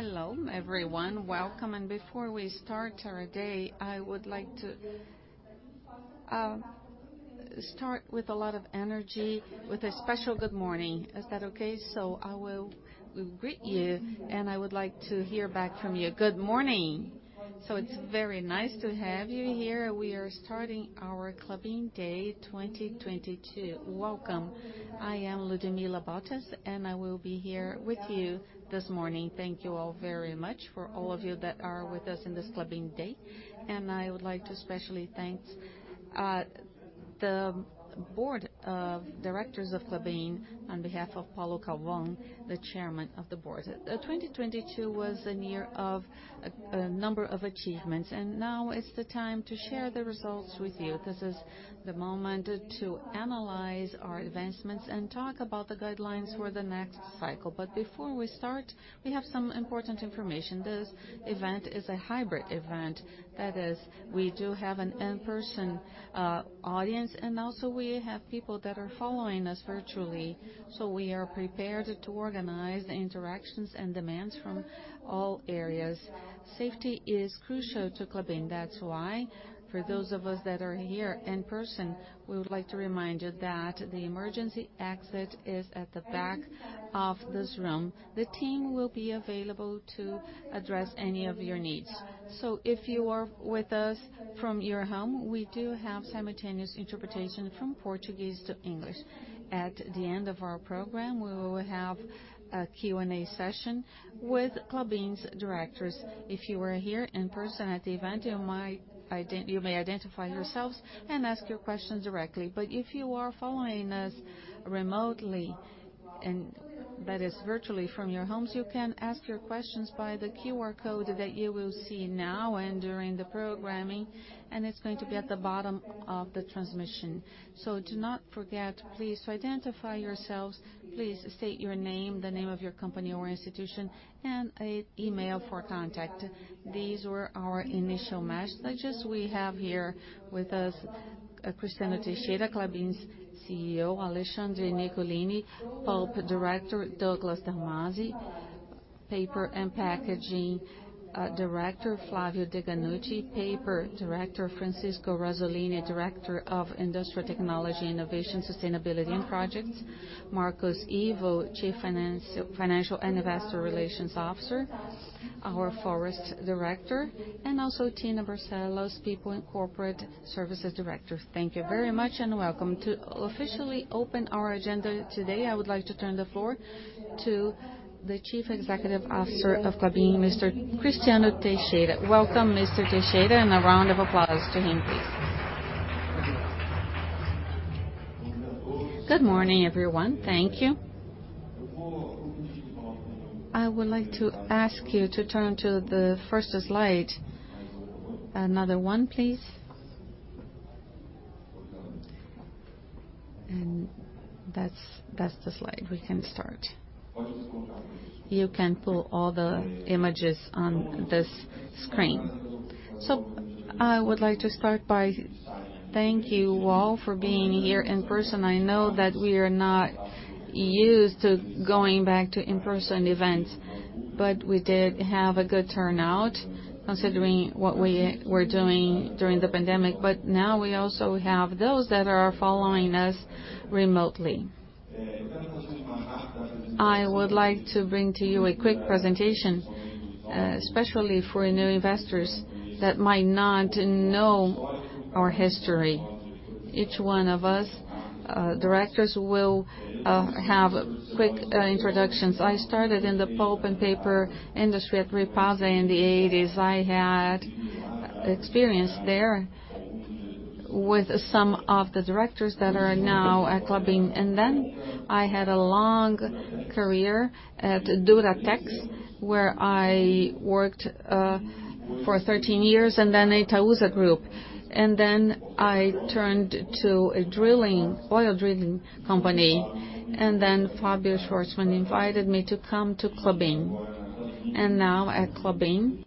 Hello, everyone. Welcome. Before we start our day, I would like to start with a lot of energy, with a special good morning. Is that okay? I will greet you and I would like to hear back from you. Good morning. It's very nice to have you here. We are starting our Klabin Day 2022. Welcome. I am Ludmila Dutra and I will be here with you this morning. Thank you all very much for all of you that are with us in this Klabin day. I would like to specially thank the board of directors of Klabin on behalf of Paulo Galvão, the Chairman of the Board. 2022 was the year of a number of achievements, and now is the time to share the results with you. This is the moment to analyze our advancements and talk about the guidelines for the next cycle. Before we start, we have some important information. This event is a hybrid event. That is, we do have an in-person audience, we have people that are following us virtually. We are prepared to organize interactions and demands from all areas. Safety is crucial to Klabin. That's why for those of us that are here in person, we would like to remind you that the emergency exit is at the back of this room. The team will be available to address any of your needs. If you are with us from your home, we do have simultaneous interpretation from Portuguese to English. At the end of our program, we will have a Q&A session with Klabin's directors. If you are here in person at the event, you may identify yourselves and ask your questions directly. If you are following us remotely, and that is virtually from your homes, you can ask your questions by the QR code that you will see now and during the programming, and it's going to be at the bottom of the transmission. Do not forget, please identify yourselves. Please state your name, the name of your company or institution, and a email for contact. These were our initial messages. We have here with us, Cristiano Teixeira, Klabin's CEO. Alexandre Nicolini, pulp director. Douglas Dalmasi, paper and packaging director. Flávio Deganutti, paper director. Francisco Razzolini, Director of Industrial Technology, Innovation, Sustainability and Projects. Marcos Ivo, Financial and Investor Relations Officer. Our forest director. Also Tina Barcelos, People and Corporate Services Director. Thank you very much and welcome. To officially open our agenda today, I would like to turn the floor to the Chief Executive Officer of Klabin, Mr. Cristiano Teixeira. Welcome, Mr. Teixeira, a round of applause to him, please. Good morning, everyone. Thank you. I would like to ask you to turn to the first slide. Another one, please. That's the slide. We can start. You can put all the images on this screen. I would like to start by thank you all for being here in person. I know that we are not used to going back to in-person events, we did have a good turnout considering what we were doing during the pandemic. Now we also have those that are following us remotely. I would like to bring to you a quick presentation, especially for new investors that might not know our history. Each one of us, directors will have quick introductions. I started in the pulp and paper industry at Ripasa in the 1980s. I had experience there with some of the directors that are now at Klabin. I had a long career at Duratex, where I worked for 13 years, and then Itaúsa Group. I turned to a drilling, oil drilling company. Fabio Schvartsman invited me to come to Klabin. At Klabin,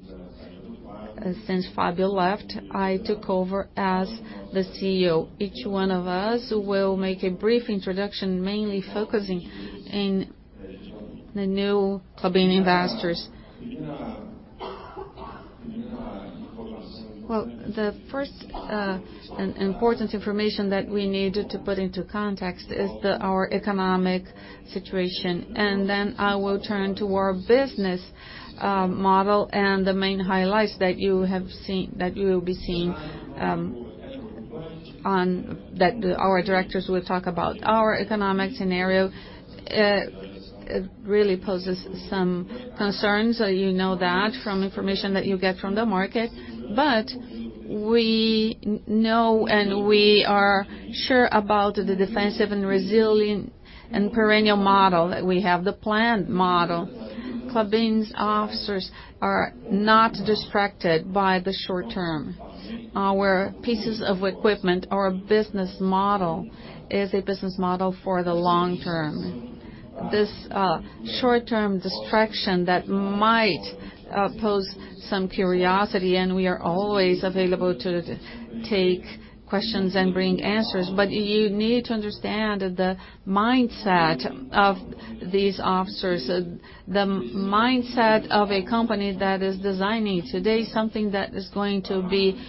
since Fabio left, I took over as the CEO. Each one of us will make a brief introduction, mainly focusing in the new Klabin investors. The first importance information that we need to put into context is our economic situation. Then I will turn to our business model and the main highlights that you have seen that you will be seeing that our directors will talk about. Our economic scenario, it really poses some concerns, you know that from information that you get from the market. We know and we are sure about the defensive and resilient and perennial model that we have, the planned model. Klabin's officers are not distracted by the short term. Our pieces of equipment, our business model is a business model for the long term. This short-term distraction that might pose some curiosity, and we are always available to take questions and bring answers. You need to understand the mindset of these officers. The mindset of a company that is designing today something that is going to be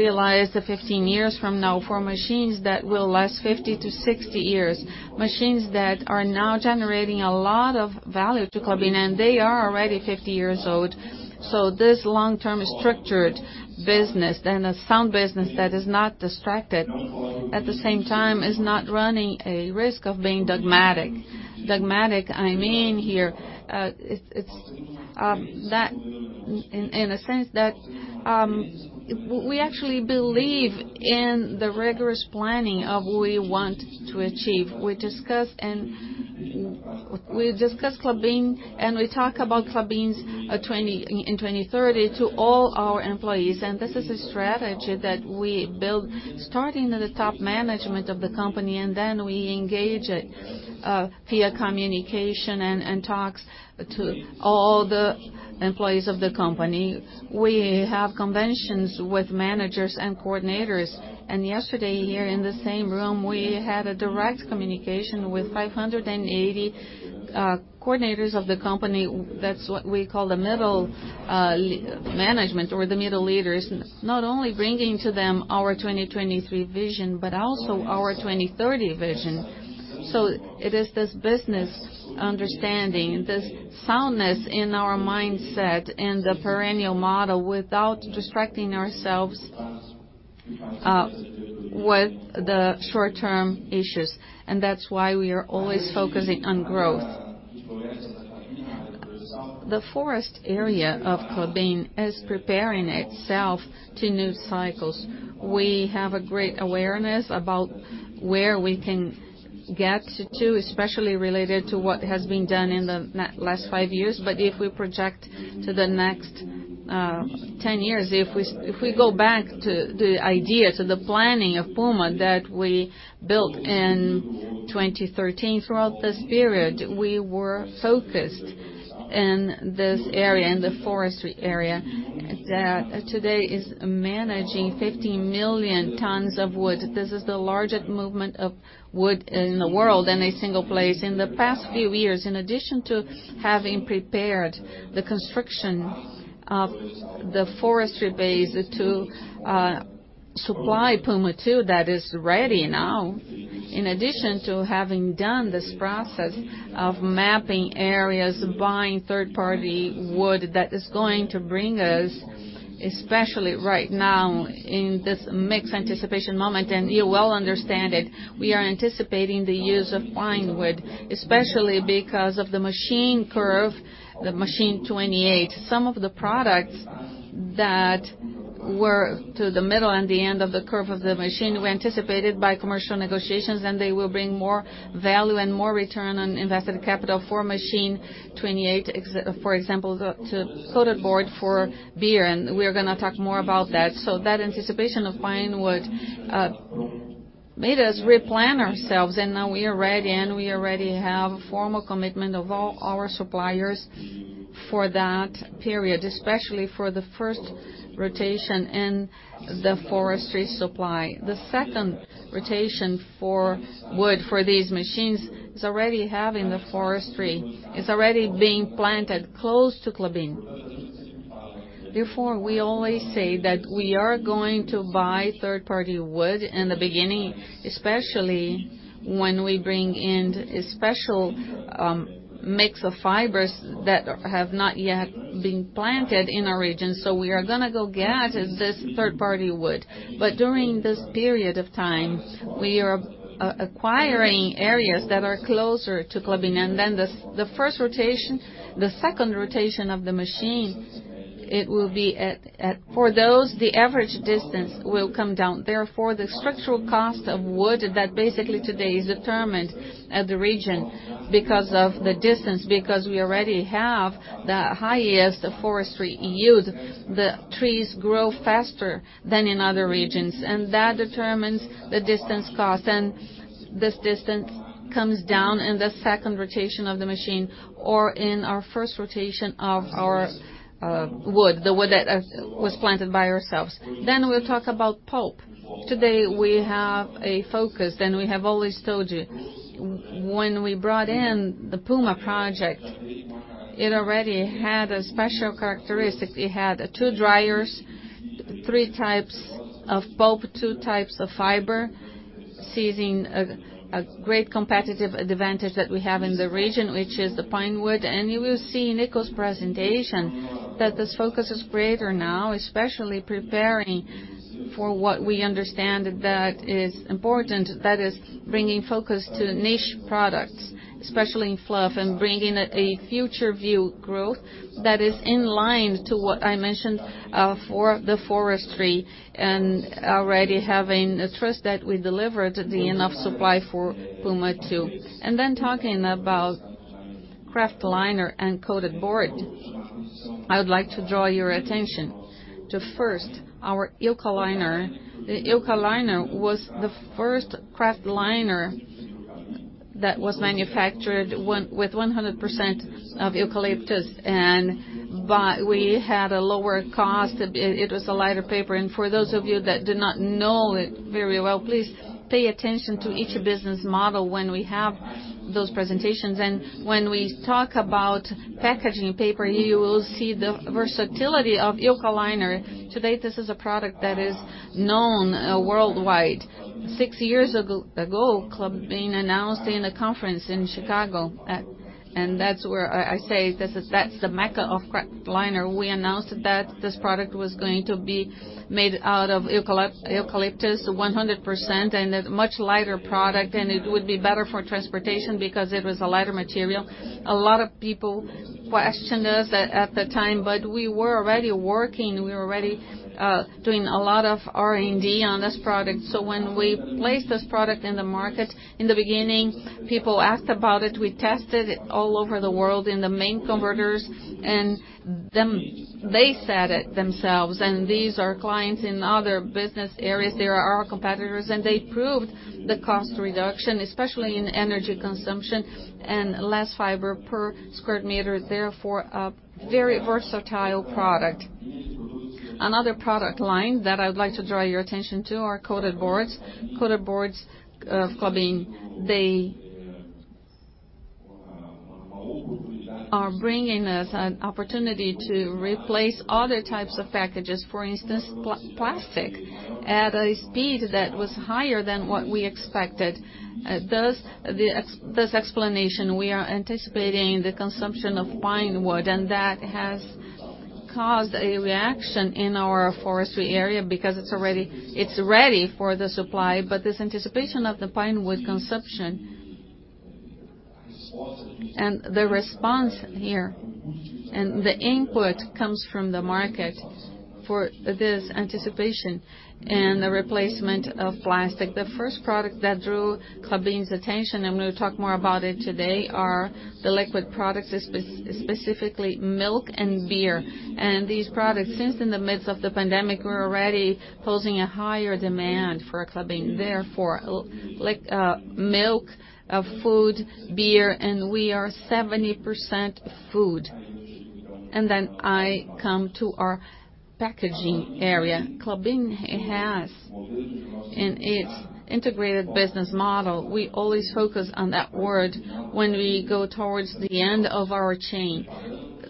realized 15 years from now for machines that will last 50 years -60 years, machines that are now generating a lot of value to Klabin, and they are already 50 years old. This long-term structured business and a sound business that is not distracted, at the same time is not running a risk of being dogmatic. Dogmatic, I mean, here, it's, that in a sense that, we actually believe in the rigorous planning of we want to achieve. We discuss and we discuss Klabin and we talk about Klabin's in 2030 to all our employees. This is a strategy that we build starting at the top management of the company, and then we engage it via communication and talks to all the employees of the company. We have conventions with managers and coordinators. Yesterday, here in the same room, we had a direct communication with 580 coordinators of the company. That's what we call the middle management or the middle leaders. Not only bringing to them our 2023 vision, but also our 2030 vision. It is this business understanding, this soundness in our mindset and the perennial model without distracting ourselves with the short-term issues, and that's why we are always focusing on growth. The forest area of Klabin is preparing itself to new cycles. We have a great awareness about where we can get to, especially related to what has been done in the last five years. If we project to the next, 10 years, if we go back to the idea, to the planning of Puma that we built in 2013, throughout this period, we were focused in this area, in the forestry area, that today is managing 50 million tons of wood. This is the largest movement of wood in the world in a single place. In the past few years, in addition to having prepared the construction of the forestry base to supply Puma II that is ready now. In addition to having done this process of mapping areas, buying third-party wood that is going to bring us, especially right now in this mixed anticipation moment, and you well understand it, we are anticipating the use of pine wood, especially because of the machine curve, the Machine 28. Some of the products that were to the middle and the end of the curve of the machine were anticipated by commercial negotiations, and they will bring more value and more return on invested capital for Machine 28 for example, to coated board for beer, and we're gonna talk more about that. That anticipation of pine wood made us replan ourselves, and now we are ready, and we already have formal commitment of all our suppliers for that period, especially for the first rotation in the forestry supply. The second rotation for wood for these machines is already having the forestry. It's already being planted close to Klabin. We always say that we are going to buy third-party wood in the beginning, especially when we bring in a special mix of fibers that have not yet been planted in our region. We are gonna go get this third-party wood. During this period of time, we are acquiring areas that are closer to Klabin. This, the first rotation, the second rotation of the machine, it will be at for those, the average distance will come down. The structural cost of wood that basically today is determined at the region because of the distance, because we already have the highest forestry yield. The trees grow faster than in other regions, and that determines the distance cost. This distance comes down in the second rotation of the machine or in our first rotation of our wood, the wood that was planted by ourselves. We'll talk about pulp. Today, we have a focus, and we have always told you when we brought in the Puma Project, it already had a special characteristic. It had two dryers, three types of pulp, two types of fiber, seizing a great competitive advantage that we have in the region, which is the pine wood. You will see in Nico's presentation that this focus is greater now, especially preparing for what we understand that is important, that is bringing focus to niche products, especially in fluff, and bringing a future view growth that is in line to what I mentioned, for the forestry and already having a trust that we delivered the enough supply for Puma II. Then talking about Kraftliner and Coated board. I would like to draw your attention to first, our Eukaliner. The Eukaliner was the first kraftliner that was manufactured with 100% of eucalyptus, but we had a lower cost, it was a lighter paper. For those of you that do not know it very well, please pay attention to each business model when we have those presentations. When we talk about packaging paper, you will see the versatility of Eukaliner. To date, this is a product that is known worldwide. Six years ago, Klabin announced in a conference in Chicago, and that's where I say this is the Mecca of kraftliner. We announced that this product was going to be made out of eucalyptus, 100%, and a much lighter product, and it would be better for transportation because it was a lighter material. A lot of people questioned us at the time, but we were already working, we were already doing a lot of R&D on this product. When we placed this product in the market, in the beginning, people asked about it. We tested it all over the world in the main converters, they said it themselves. These are clients in other business areas, they are our competitors. They proved the cost reduction, especially in energy consumption and less fiber per square meter, therefore a very versatile product. Another product line that I would like to draw your attention to are coated boards. Coated boards, Klabin, they are bringing us an opportunity to replace other types of packages, for instance, plastic, at a speed that was higher than what we expected. Thus explanation, we are anticipating the consumption of pinewood, and that has caused a reaction in our forestry area because it's ready for the supply, but this anticipation of the pinewood consumption and the response here, and the input comes from the market for this anticipation and the replacement of plastic. The first product that drew Klabin's attention, we'll talk more about it today, are the liquid products, specifically milk and beer. These products, since in the midst of the pandemic, were already posing a higher demand for Klabin. Like milk, food, beer, we are 70% food. I come to our packaging area. Klabin has, in its integrated business model, we always focus on that word when we go towards the end of our chain.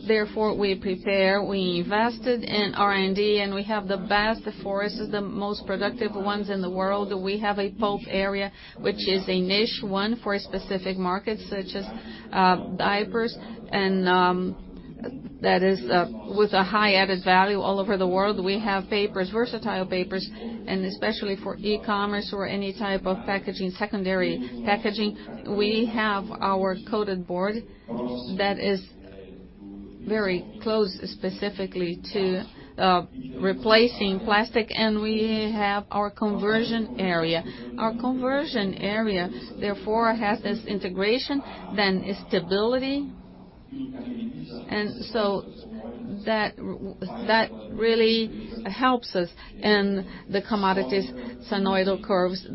We prepare, we invested in R&D, we have the best forests, the most productive ones in the world. We have a pulp area, which is a niche one for specific markets such as diapers and that is with a high added value all over the world. We have papers, versatile papers, especially for e-commerce or any type of packaging, secondary packaging. We have our Coated board that is very close specifically to replacing plastic, and we have our conversion area. Our conversion area, therefore, has this integration, then stability. That really helps us in the commodities' sinusoidal curves,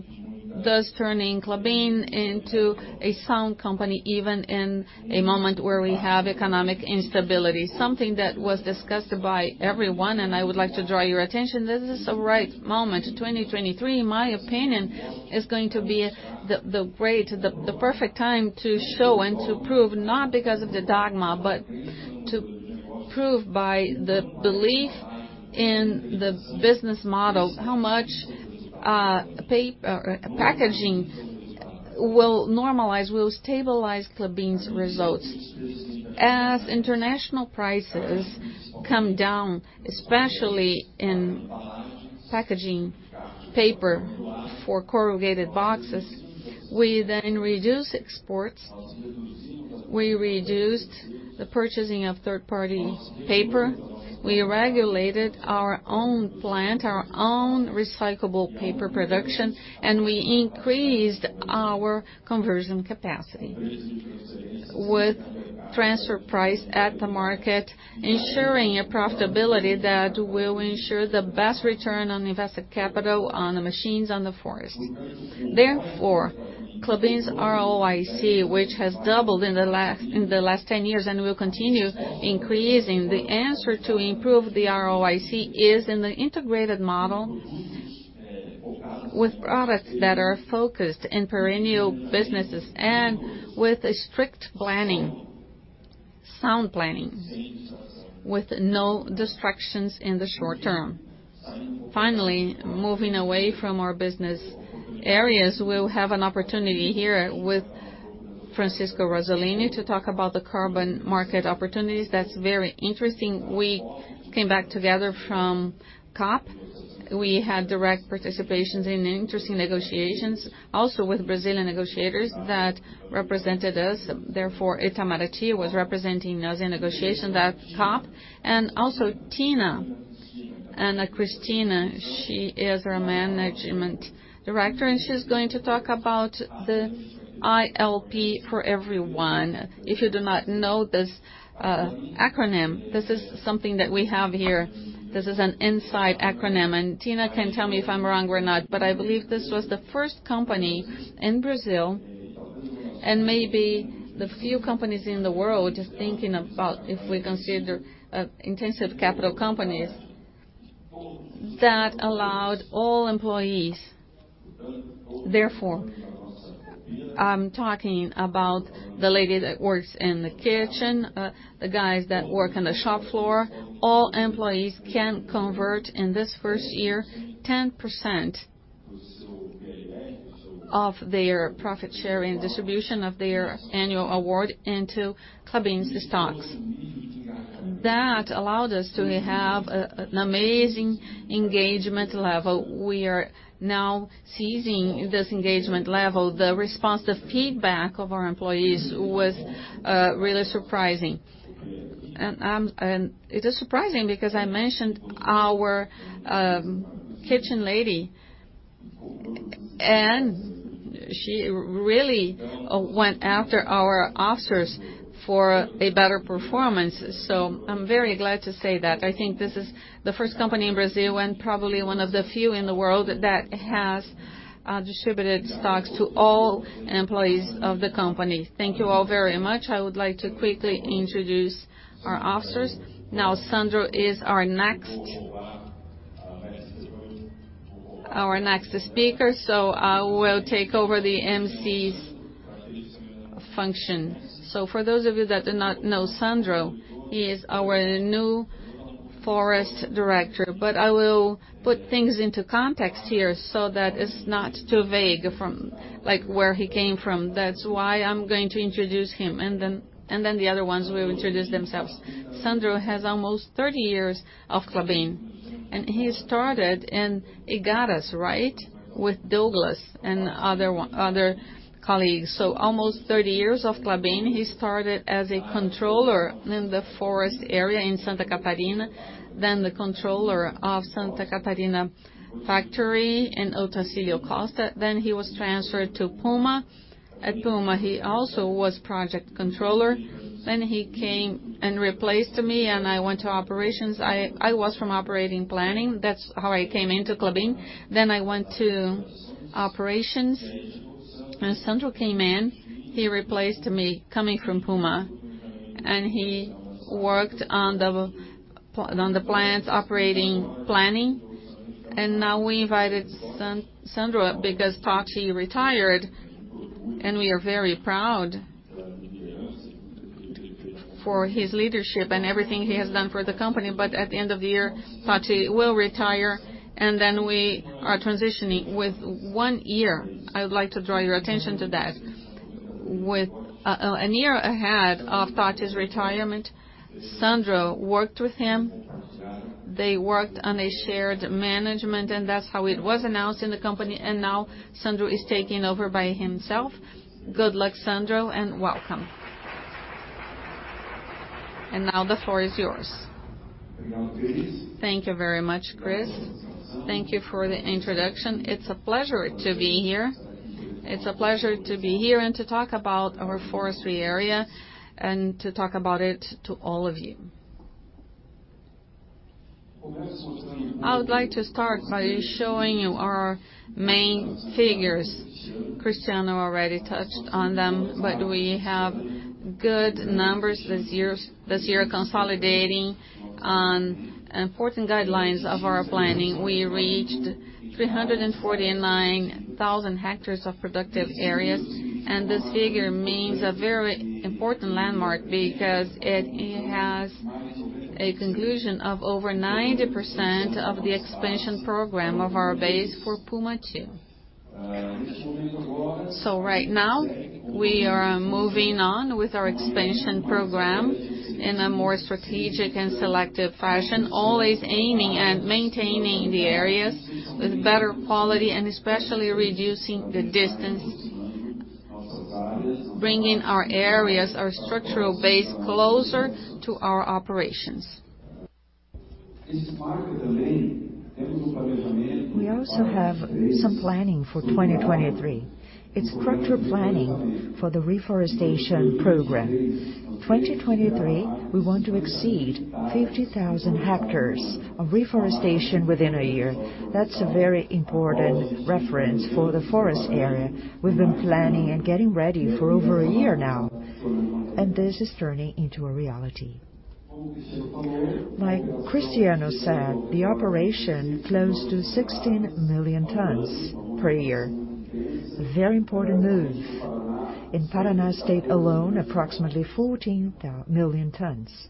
thus turning Klabin into a sound company, even in a moment where we have economic instability. Something that was discussed by everyone, and I would like to draw your attention, this is the right moment. 2023, in my opinion, is going to be the perfect time to show and to prove, not because of the dogma, but to prove by the belief in the business model how much packaging will normalize, will stabilize Klabin's results. As international prices come down, especially in packaging paper for corrugated boxes, we then reduce exports. We reduced the purchasing of third-party paper. We regulated our own plant, our own recyclable paper production, and we increased our conversion capacity. With transfer price at the market, ensuring a profitability that will ensure the best return on invested capital on the machines on the forest. Therefore, Klabin's ROIC, which has doubled in the last, in the last 10 years and will continue increasing, the answer to improve the ROIC is in the integrated model with products that are focused in perennial businesses and with a strict planning, sound planning, with no distractions in the short term. Finally, moving away from our business areas, we'll have an opportunity here with Francisco Razzolini to talk about the carbon market opportunities. That's very interesting. We came back together from COP. We had direct participations in interesting negotiations, also with Brazilian negotiators that represented us. Therefore, Itamaraty was representing us in negotiation that COP. Also Ana Cristina, she is our Management Director, and she's going to talk about the ILP for everyone. If you do not know this acronym, this is something that we have here. This is an inside acronym, Tina can tell me if I'm wrong or not, but I believe this was the first company in Brazil, maybe the few companies in the world just thinking about if we consider intensive capital companies that allowed all employees. I'm talking about the lady that works in the kitchen, the guys that work on the shop floor. All employees can convert, in this first year, 10% of their profit sharing distribution of their Annual award into Klabin stocks. That allowed us to have an amazing engagement level. We are now seizing this engagement level. The response, the feedback of our employees was really surprising. It is surprising because I mentioned our kitchen lady, and she really went after our officers for a better performance. I'm very glad to say that. I think this is the first company in Brazil and probably one of the few in the world that has distributed stocks to all employees of the company. Thank you all very much. I would like to quickly introduce our officers. Sandro is our next speaker, so I will take over the emcee's function. For those of you that do not know Sandro, he is our new Forest Director. I will put things into context here so that it's not too vague from, like, where he came from. That's why I'm going to introduce him, then the other ones will introduce themselves. Sandro has almost 30 years of Klabin. He started in Igara, right? With Douglas and other colleagues. Almost 30 years of Klabin. He started as a controller in the forest area in Santa Catarina, the controller of Santa Catarina factory in Otacílio Costa. He was transferred to Puma. At Puma, he also was project controller. He came and replaced me. I went to operations. I was from operating planning. That's how I came into Klabin. I went to operations. Sandro came in. He replaced me coming from Puma. He worked on the plant's operating planning. Now we invited Sandro because Tati retired, and we are very proud for his leadership and everything he has done for the company. At the end of the year, Tati will retire, and then we are transitioning. With one year, I would like to draw your attention to that, with a year ahead of Tati's retirement, Sandro worked with him. They worked on a shared management, and that's how it was announced in the company. Now Sandro is taking over by himself. Good luck, Sandro, and welcome. Now the floor is yours. Thank you very much, Cris. Thank you for the introduction. It's a pleasure to be here. It's a pleasure to be here and to talk about our forestry area and to talk about it to all of you. I would like to start by showing you our main figures. Cristiano already touched on them, we have good numbers this year consolidating on important guidelines of our planning. We reached 349,000 ha of productive areas, this figure means a very important landmark because it has a conclusion of over 90% of the expansion program of our base for Puma II. Right now, we are moving on with our expansion program in a more strategic and selective fashion, always aiming at maintaining the areas with better quality and especially reducing the distance, bringing our areas, our structural base, closer to our operations. We also have some planning for 2023. It's structure planning for the reforestation program. 2023, we want to exceed 50,000 ha of reforestation within a year. That's a very important reference for the forest area. We've been planning and getting ready for over a year now. This is turning into a reality. Like Cristiano said, the operation close to 16 million tons per year. Very important move. In Paraná State alone, approximately 14 million tons.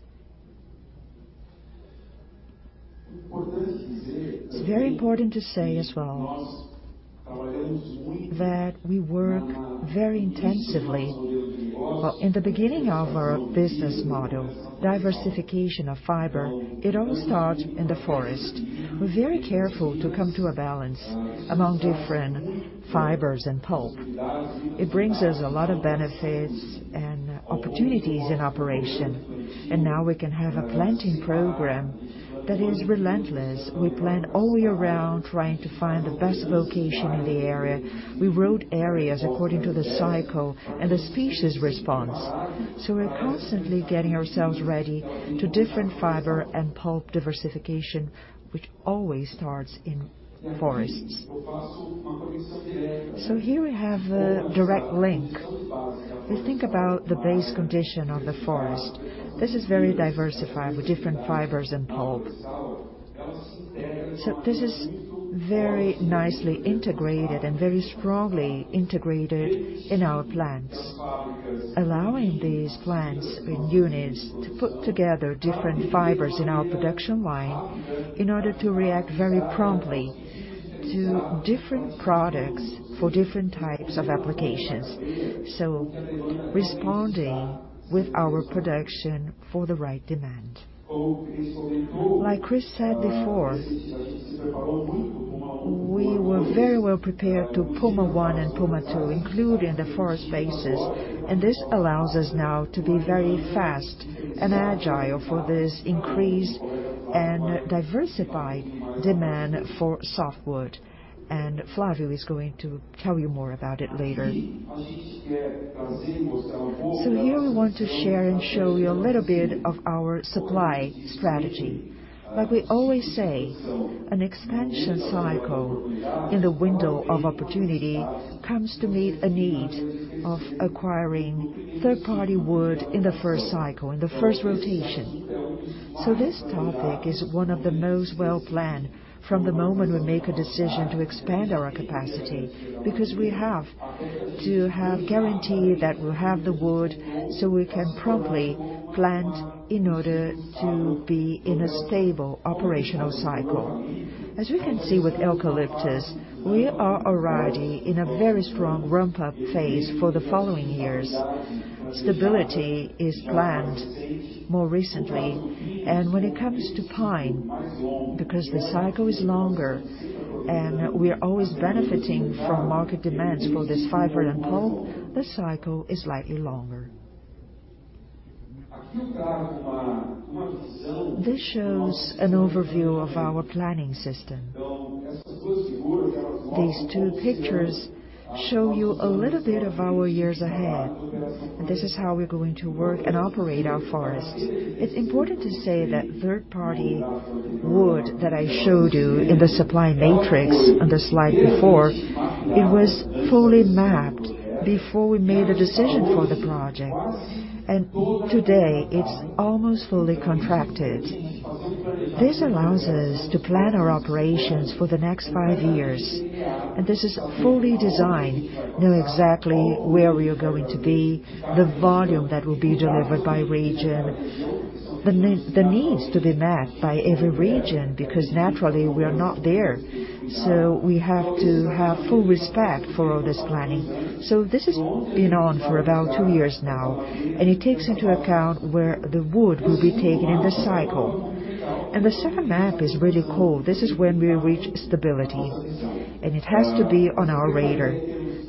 It's very important to say as well that we work very intensively. Well, in the beginning of our business model, diversification of fiber, it all starts in the forest. We're very careful to come to a balance among different fibers and pulp. It brings us a lot of benefits and opportunities in operation. Now we can have a planting program that is relentless. We plant all year round trying to find the best location in the area. We rotate areas according to the cycle and the species response. We're constantly getting ourselves ready to different fiber and pulp diversification, which always starts in forests. Here we have a direct link. We think about the base condition of the forest. This is very diversified with different fibers and pulp. This is very nicely integrated and very strongly integrated in our plants. Allowing these plants in units to put together different fibers in our production line in order to react very promptly to different products for different types of applications, responding with our production for the right demand. Like Cris said before, we were very well prepared to Puma I and Puma II, including the forest bases. This allows us now to be very fast and agile for this increased and diversified demand for softwood. Flávio is going to tell you more about it later. Here we want to share and show you a little bit of our supply strategy. Like we always say, an expansion cycle in the window of opportunity comes to meet a need of acquiring third-party wood in the first cycle, in the first rotation. This topic is one of the most well-planned from the moment we make a decision to expand our capacity, because we have to have guarantee that we'll have the wood so we can promptly plant in order to be in a stable operational cycle. As we can see with eucalyptus, we are already in a very strong ramp-up phase for the following years. Stability is planned more recently. When it comes to pine, because the cycle is longer and we are always benefiting from market demands for this fiber and pulp, the cycle is slightly longer. This shows an overview of our planning system. These two pictures show you a little bit of our years ahead, and this is how we're going to work and operate our forests. It's important to say that third-party wood that I showed you in the supply matrix on the slide before, it was fully mapped before we made a decision for the project. Today, it's almost fully contracted. This allows us to plan our operations for the next five years, this is fully designed, know exactly where we are going to be, the volume that will be delivered by region, the needs to be met by every region, because naturally, we are not there. We have to have full respect for all this planning. This has been on for about two years now, and it takes into account where the wood will be taken in the cycle. The second map is really cool. This is when we reach stability, and it has to be on our radar.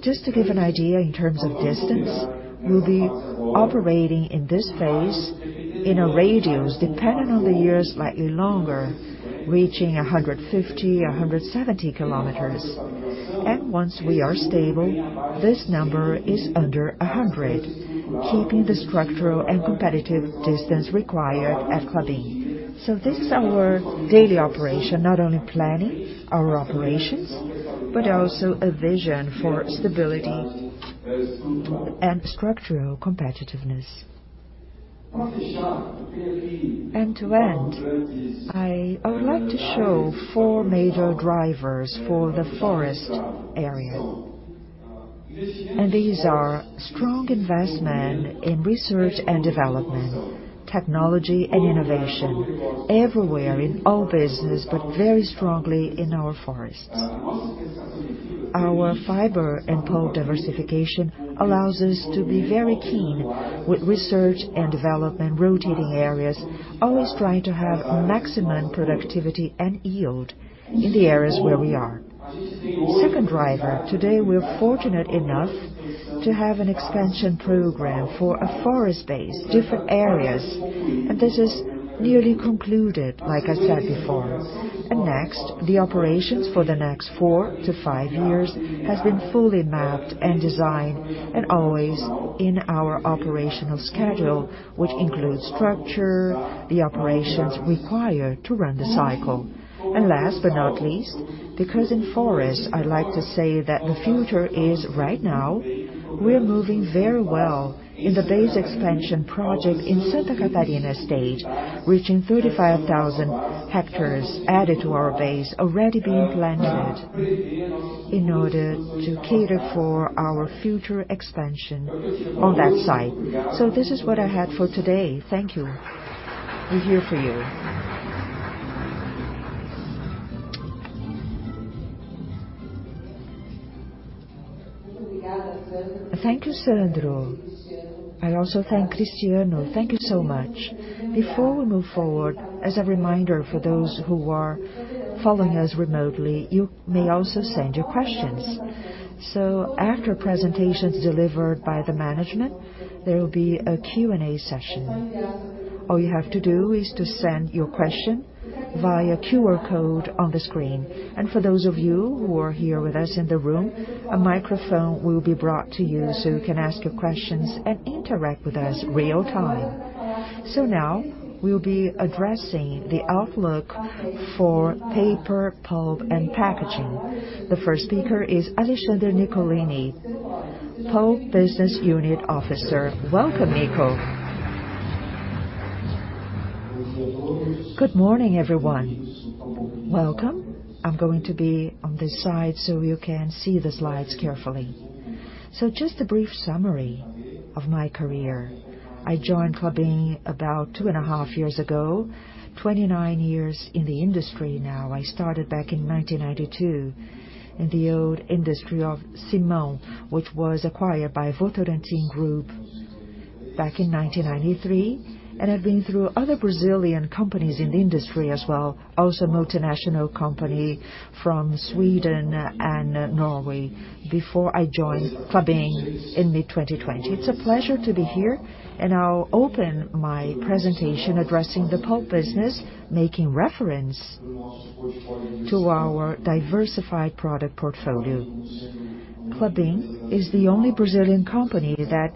Just to give an idea in terms of distance, we'll be operating in this phase in a radius, depending on the year, slightly longer, reaching 150 km- 170 km. Once we are stable, this number is under 100 km, keeping the structural and competitive distance required at Klabin. This is our daily operation, not only planning our operations, but also a vision for stability and structural competitiveness. To end, I would like to show four major drivers for the forest area. These are strong investment in R&D, technology and innovation everywhere in all business, but very strongly in our forests. Our fiber and pulp diversification allows us to be very keen with R&D, rotating areas, always trying to have maximum productivity and yield in the areas where we are. Second driver, today we're fortunate enough to have an expansion program for a forest base, different areas, this is nearly concluded, like I said before. Next, the operations for the next four to five years has been fully mapped and designed and always in our operational schedule, which includes structure, the operations required to run the cycle. Last but not least, because in forests, I'd like to say that the future is right now, we're moving very well in the base expansion project in Santa Catarina State, reaching 35,000 ha added to our base already being planted in order to cater for our future expansion on that site. This is what I had for today. Thank you. We're here for you. Thank you, Sandro. I also thank Cristiano. Thank you so much. Before we move forward, as a reminder for those who are following us remotely, you may also send your questions. After presentations delivered by the management, there will be a Q&A session. All you have to do is to send your question via QR code on the screen. For those of you who are here with us in the room, a microphone will be brought to you so you can ask your questions and interact with us real time. Now we'll be addressing the outlook for paper, pulp, and packaging. The first speaker is Alexandre Nicolini, pulp business unit officer. Welcome, Nico. Good morning, everyone. Welcome. I'm going to be on this side so you can see the slides carefully. Just a brief summary of my career. I joined Klabin about two and a half years ago. 29 years in the industry now. I started back in 1992 in the old industry of Simão, which was acquired by Votorantim Group back in 1993. I've been through other Brazilian companies in the industry as well, also multinational company from Sweden and Norway, before I joined Klabin in mid-2020. It's a pleasure to be here, and I'll open my presentation addressing the pulp business, making reference to our diversified product portfolio. Klabin is the only Brazilian company that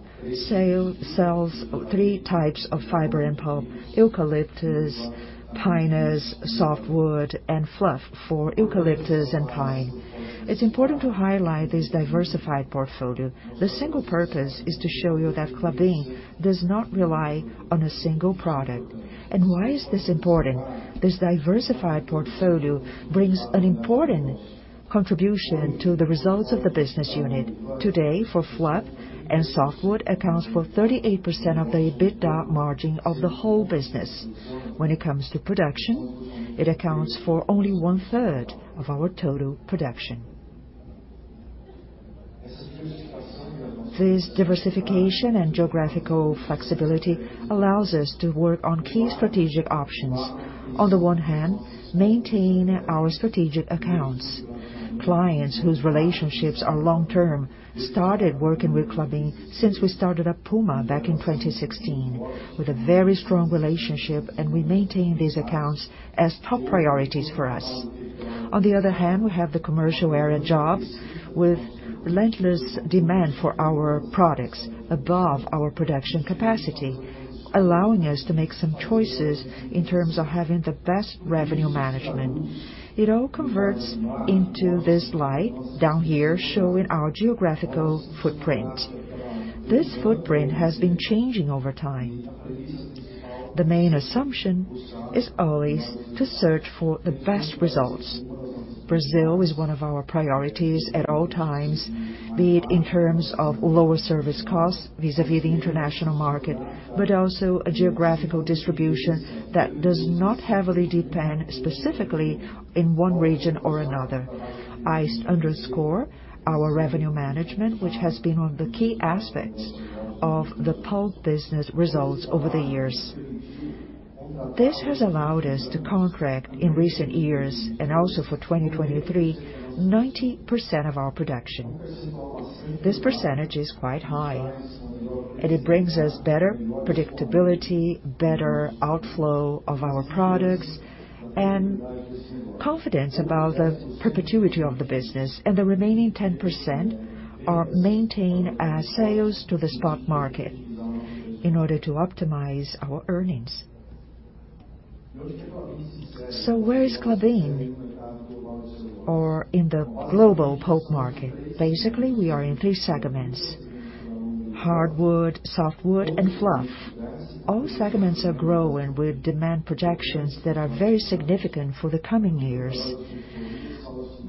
sells three types of fiber and pulp: eucalyptus, pinus, softwood, and fluff for eucalyptus and pine. It's important to highlight this diversified portfolio. The single purpose is to show you that Klabin does not rely on a single product. Why is this important? This diversified portfolio brings an important contribution to the results of the business unit. Today, for fluff and softwood accounts for 38% of the EBITDA margin of the whole business. When it comes to production, it accounts for only 1/3 of our total production. This diversification and geographical flexibility allows us to work on key strategic options. On the one hand, maintain our strategic accounts. Clients whose relationships are long-term started working with Klabin since we started Puma back in 2016, with a very strong relationship, and we maintain these accounts as top priorities for us. On the other hand, we have the commercial area jobs with relentless demand for our products above our production capacity, allowing us to make some choices in terms of having the best revenue management. It all converts into this slide down here showing our geographical footprint. This footprint has been changing over time. The main assumption is always to search for the best results. Brazil is one of our priorities at all times, be it in terms of lower service costs vis-à-vis the international market, but also a geographical distribution that does not heavily depend specifically in one region or another. I underscore our revenue management, which has been one of the key aspects of the pulp business results over the years. This has allowed us to contract in recent years, and also for 2023, 90% of our production. This percentage is quite high, and it brings us better predictability, better outflow of our products, and confidence about the perpetuity of the business. The remaining 10% are maintained as sales to the stock market in order to optimize our earnings. Where is Klabin, or in the global pulp market? Basically, we are in three segments: hardwood, softwood, and fluff. All segments are growing with demand projections that are very significant for the coming years.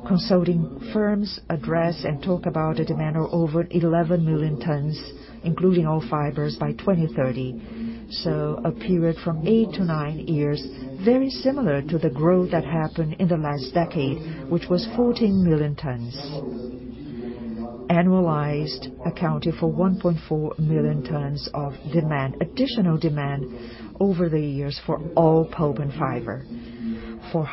Consulting firms address and talk about a demand of over 11 million tons, including all fibers by 2030. A period from eight to nine years, very similar to the growth that happened in the last decade, which was 14 million tons. Annualized accounted for 1.4 million tons of demand, additional demand over the years for all pulp and fiber. For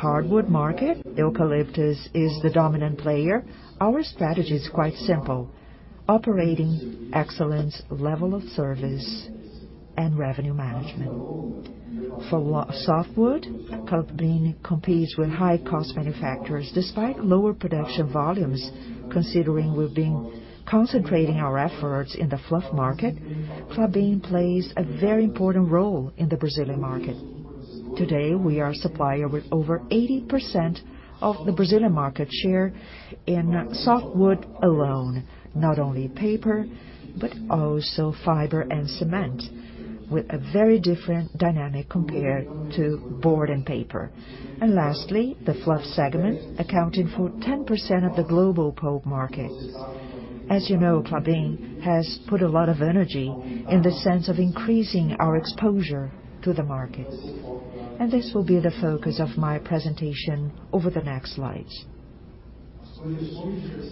softwood, Klabin competes with high cost manufacturers. Despite lower production volumes, considering we've been concentrating our efforts in the fluff market, Klabin plays a very important role in the Brazilian market. Today, we are a supplier with over 80% of the Brazilian market share in softwood alone, not only paper, but also fiber and cement, with a very different dynamic compared to board and paper. Lastly, the fluff segment, accounting for 10% of the global pulp market. You know, Klabin has put a lot of energy in the sense of increasing our exposure to the markets, this will be the focus of my presentation over the next slides.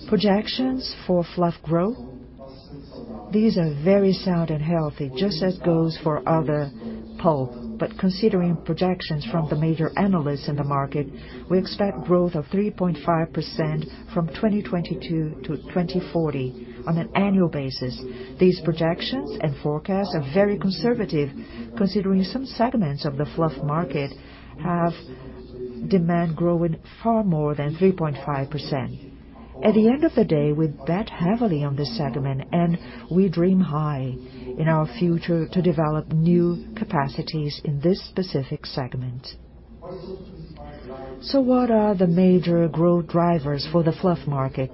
Projections for fluff growth. These are very sound and healthy, just as goes for other pulp. Considering projections from the major analysts in the market, we expect growth of 3.5% from 2022 to 2040 on an annual basis. These projections and forecasts are very conservative, considering some segments of the fluff market have demand growing far more than 3.5%. At the end of the day, we bet heavily on this segment, and we dream high in our future to develop new capacities in this specific segment. What are the major growth drivers for the fluff market?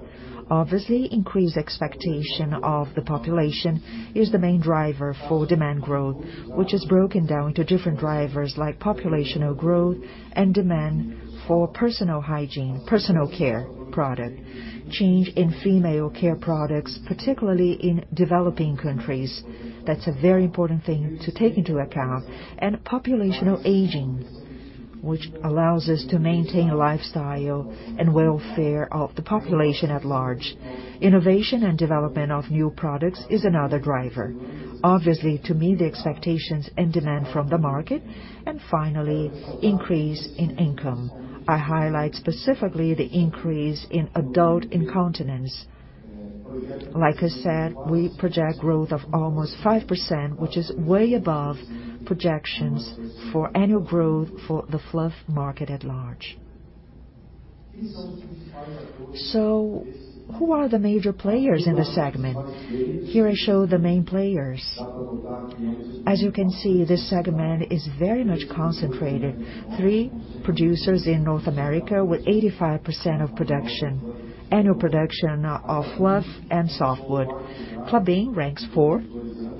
Obviously, increased expectation of the population is the main driver for demand growth, which is broken down to different drivers like populational growth and demand for personal hygiene, personal care product, change in female care products, particularly in developing countries. That's a very important thing to take into account. Populational aging, which allows us to maintain lifestyle and welfare of the population at large. Innovation and development of new products is another driver, obviously, to meet the expectations and demand from the market. Finally, increase in income. I highlight specifically the increase in adult incontinence. Like I said, we project growth of almost 5%, which is way above projections for annual growth for the fluff market at large. Who are the major players in the segment? Here I show the main players. As you can see, this segment is very much concentrated. three producers in North America with 85% of production, annual production of fluff and softwood. Klabin ranks four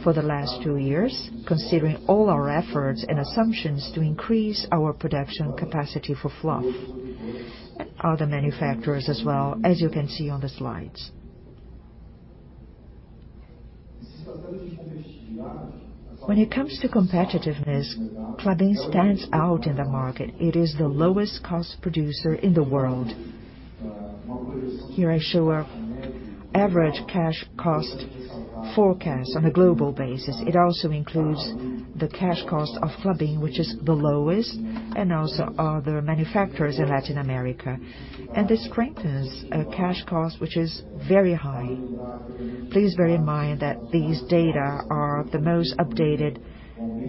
for the last two years, considering all our efforts and assumptions to increase our production capacity for fluff. Other manufacturers as well, as you can see on the slides. When it comes to competitiveness, Klabin stands out in the market. It is the lowest cost producer in the world. Here I show our average cash cost forecast on a global basis. It also includes the cash cost of Klabin, which is the lowest, and also other manufacturers in Latin America. This strengthens our cash cost, which is very high. Please bear in mind that these data are the most updated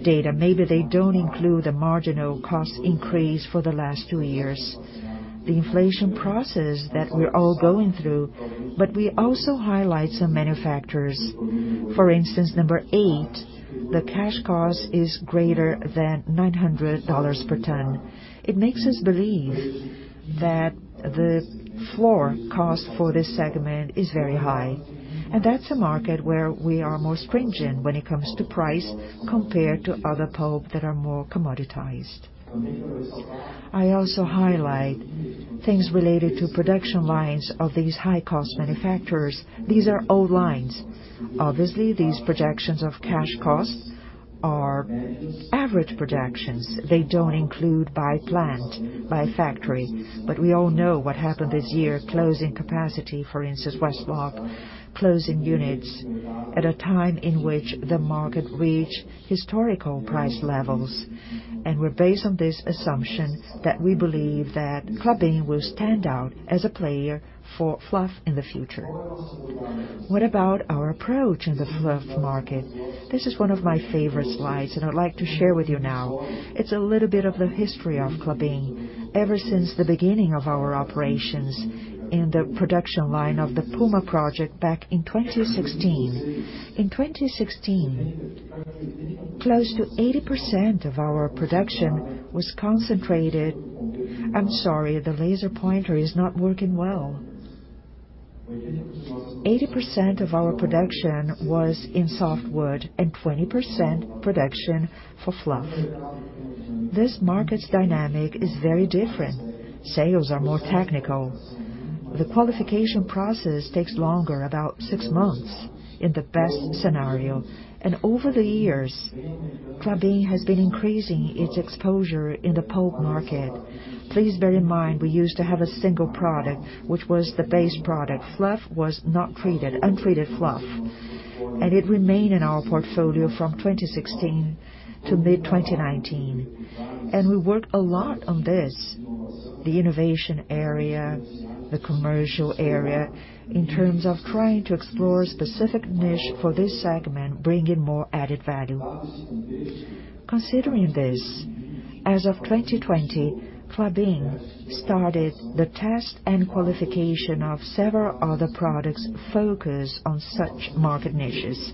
data. Maybe they don't include the marginal cost increase for the last two years, the inflation process that we're all going through. We also highlight some manufacturers. For instance, number eight, the cash cost is greater than $900 per ton. It makes us believe that the floor cost for this segment is very high, and that's a market where we are more stringent when it comes to price compared to other pulp that are more commoditized. I also highlight things related to production lines of these high cost manufacturers. These are old lines. Obviously, these projections of cash costs are average projections. They don't include by plant, by factory. We all know what happened this year, closing capacity, for instance, WestRock closing units at a time in which the market reached historical price levels. We're based on this assumption that we believe that Klabin will stand out as a player for fluff in the future. What about our approach in the fluff market? This is one of my favorite slides and I'd like to share with you now. It's a little bit of the history of Klabin. Ever since the beginning of our operations in the production line of the Puma Project back in 2016. In 2016, close to 80% of our production was concentrated... I'm sorry, the laser pointer is not working well. 80% of our production was in softwood and 20% production for fluff. This market's dynamic is very different. Sales are more technical. Over the years, Klabin has been increasing its exposure in the pulp market. Please bear in mind we used to have a single product, which was the base product. Fluff was not treated, untreated fluff, and it remained in our portfolio from 2016 to mid-2019. We worked a lot on this, the innovation area, the commercial area, in terms of trying to explore a specific niche for this segment, bringing more added value. Considering this, as of 2020, Klabin started the test and qualification of several other products focused on such market niches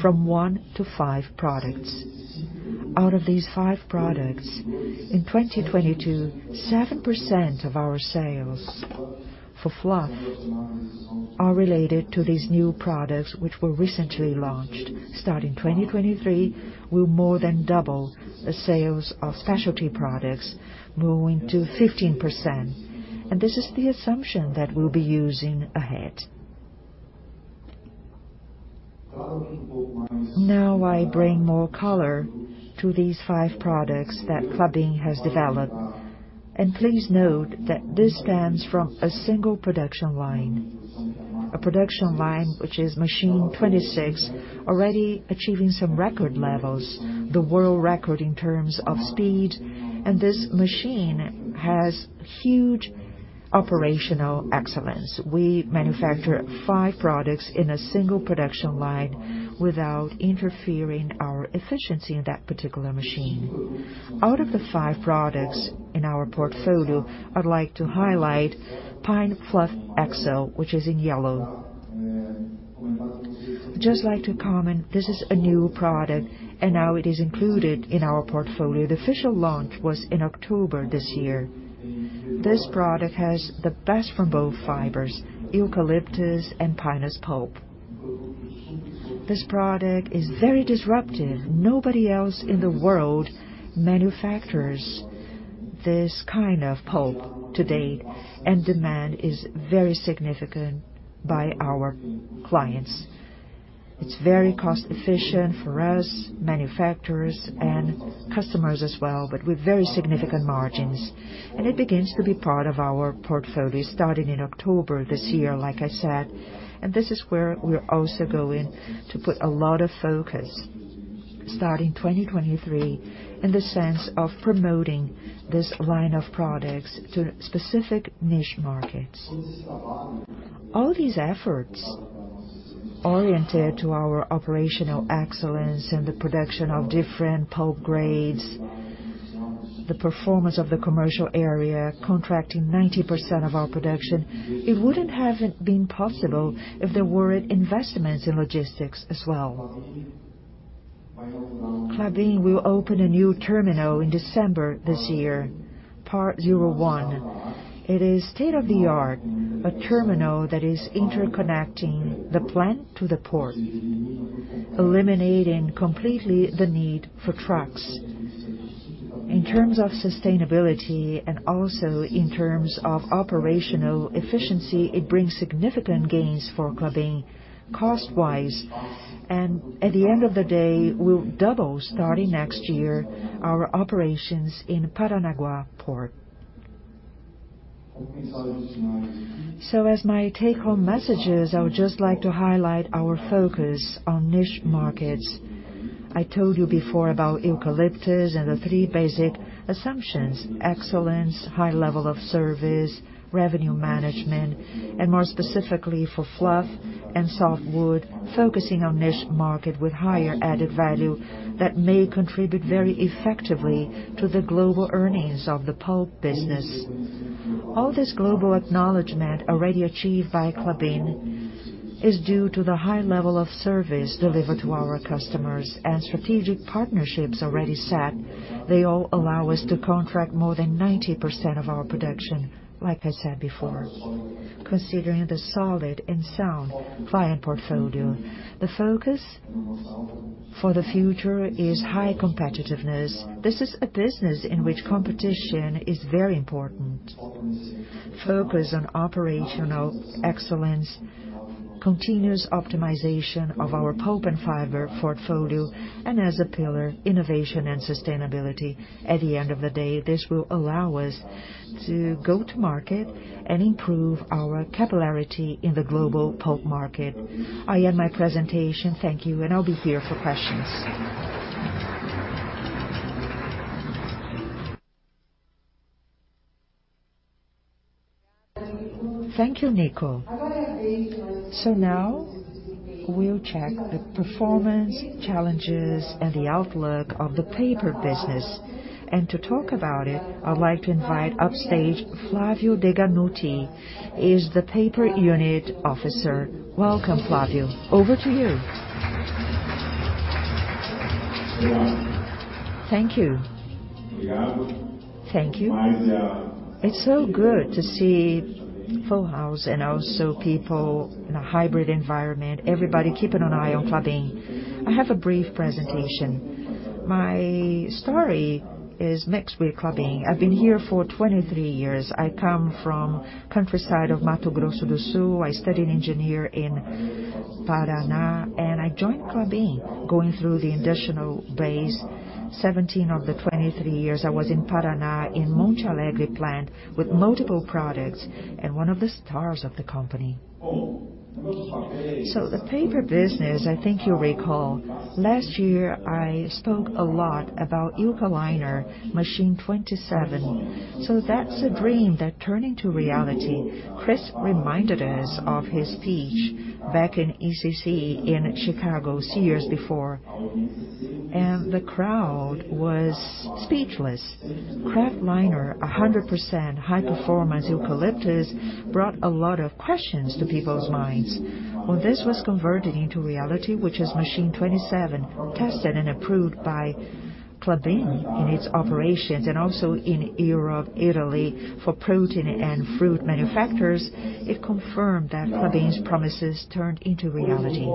from one to five products. Out of these five products, in 2022, 7% of our sales for fluff are related to these new products which were recently launched. Starting 2023, we'll more than double the sales of specialty products, growing to 15%. This is the assumption that we'll be using ahead. Now I bring more color to these five products that Klabin has developed. Please note that this stems from a single production line. A production line which is Machine 26 already achieving some record levels, the world record in terms of speed. This machine has huge operational excellence. We manufacture five products in a single production line without interfering our efficiency in that particular machine. Out of the five products in our portfolio, I'd like to highlight Pine Fluff Excel, which is in yellow. Just like to comment, this is a new product and now it is included in our portfolio. The official launch was in October this year. This product has the best from both fibers, eucalyptus and pinus pulp. This product is very disruptive. Nobody else in the world manufactures this kind of pulp to date, and demand is very significant by our clients. It's very cost efficient for us manufacturers and customers as well, but with very significant margins. It begins to be part of our portfolio starting in October this year, like I said. This is where we're also going to put a lot of focus starting 2023, in the sense of promoting this line of products to specific niche markets. All these efforts oriented to our operational excellence and the production of different pulp grades, the performance of the commercial area contracting 90% of our production. It wouldn't have been possible if there weren't investments in logistics as well. Klabin will open a new terminal in December this year, part 01. It is state-of-the-art, a terminal that is interconnecting the plant to the port, eliminating completely the need for trucks. In terms of sustainability and also in terms of operational efficiency, it brings significant gains for Klabin cost-wise. At the end of the day, we'll double starting next year our operations in Paranaguá port. As my take-home messages, I would just like to highlight our focus on niche markets. I told you before about eucalyptus and the three basic assumptions: excellence, high level of service, revenue management. More specifically for fluff and softwood, focusing on niche market with higher added value that may contribute very effectively to the global earnings of the pulp business. All this global acknowledgment already achieved by Klabin is due to the high level of service delivered to our customers and strategic partnerships already set. They all allow us to contract more than 90% of our production, like I said before, considering the solid and sound client portfolio. The focus for the future is high competitiveness. This is a business in which competition is very important. Focus on operational excellence, continuous optimization of our pulp and fiber portfolio. As a pillar, innovation and sustainability. At the end of the day, this will allow us to go to market and improve our capillarity in the global pulp market. I end my presentation. Thank you, and I'll be here for questions. Thank you, Nico. Now we'll check the performance, challenges, and the outlook of the paper business. To talk about it, I'd like to invite upstage Flávio Deganutti, he's the paper unit officer. Welcome, Flávio. Over to you. Thank you. Thank you. It's so good to see full house and also people in a hybrid environment, everybody keeping an eye on Klabin. I have a brief presentation. My story is mixed with Klabin. I've been here for 23 years. I come from countryside of Mato Grosso do Sul. I studied engineer in Paraná, and I joined Klabin going through the industrial base. 17 of the 23 years I was in Paraná in Monte Alegre plant with multiple products and one of the stars of the company. The paper business, I think you'll recall, last year I spoke a lot about Eukaliner Machine 27. That's a dream that turned into reality. Cris reminded us of his speech back in ECC in Chicago six years before. The crowd was speechless. Kraftliner, 100% high-performance eucalyptus, brought a lot of questions to people's minds. When this was converted into reality, which is Machine 27, tested and approved by Klabin in its operations and also in Europe, Italy, for protein and fruit manufacturers, it confirmed that Klabin's promises turned into reality.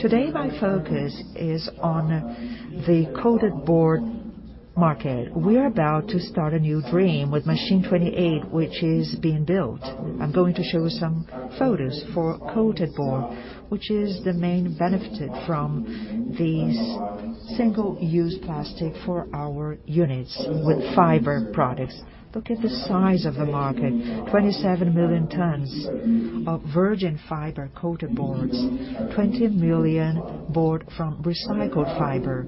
Today, my focus is on the coated board market. We are about to start a new dream with Machine 28, which is being built. I'm going to show some photos for coated board, which is the main benefit from these single-use plastic for our units with fiber products. Look at the size of the market. 27 million tons of virgin fiber coated boards. 20 million board from recycled fiber.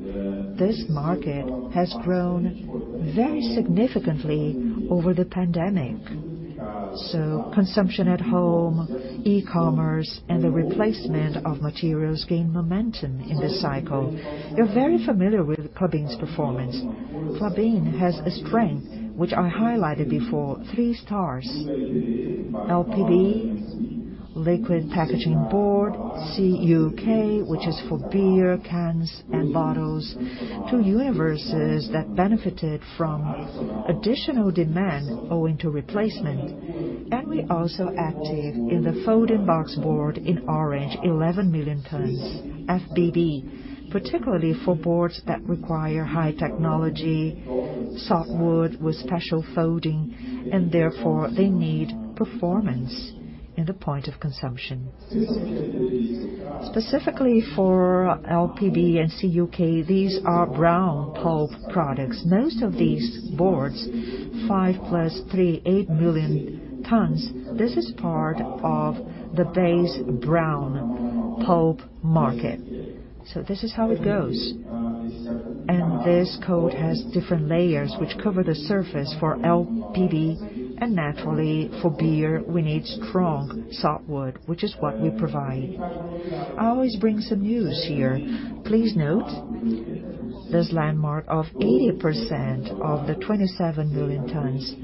This market has grown very significantly over the pandemic. Consumption at home, e-commerce, and the replacement of materials gained momentum in this cycle. You're very familiar with Klabin's performance. Klabin has a strength, which I highlighted before, three stars. LPB, liquid packaging board. CUK, which is for beer cans and bottles. Two universes that benefited from additional demand owing to replacement. We're also active in the folding box board in orange, 11 million tons. FBB, particularly for boards that require high technology, soft wood with special folding, and therefore, they need performance in the point of consumption. Specifically for LPB and CUK, these are brown pulp products. Most of these boards, 5 plus 3, 8 million tons, this is part of the base brown pulp market. This is how it goes. This coat has different layers which cover the surface for LPB and naturally for beer, we need strong soft wood, which is what we provide. I always bring some news here. Please note this landmark of 80% of the 27 million tons.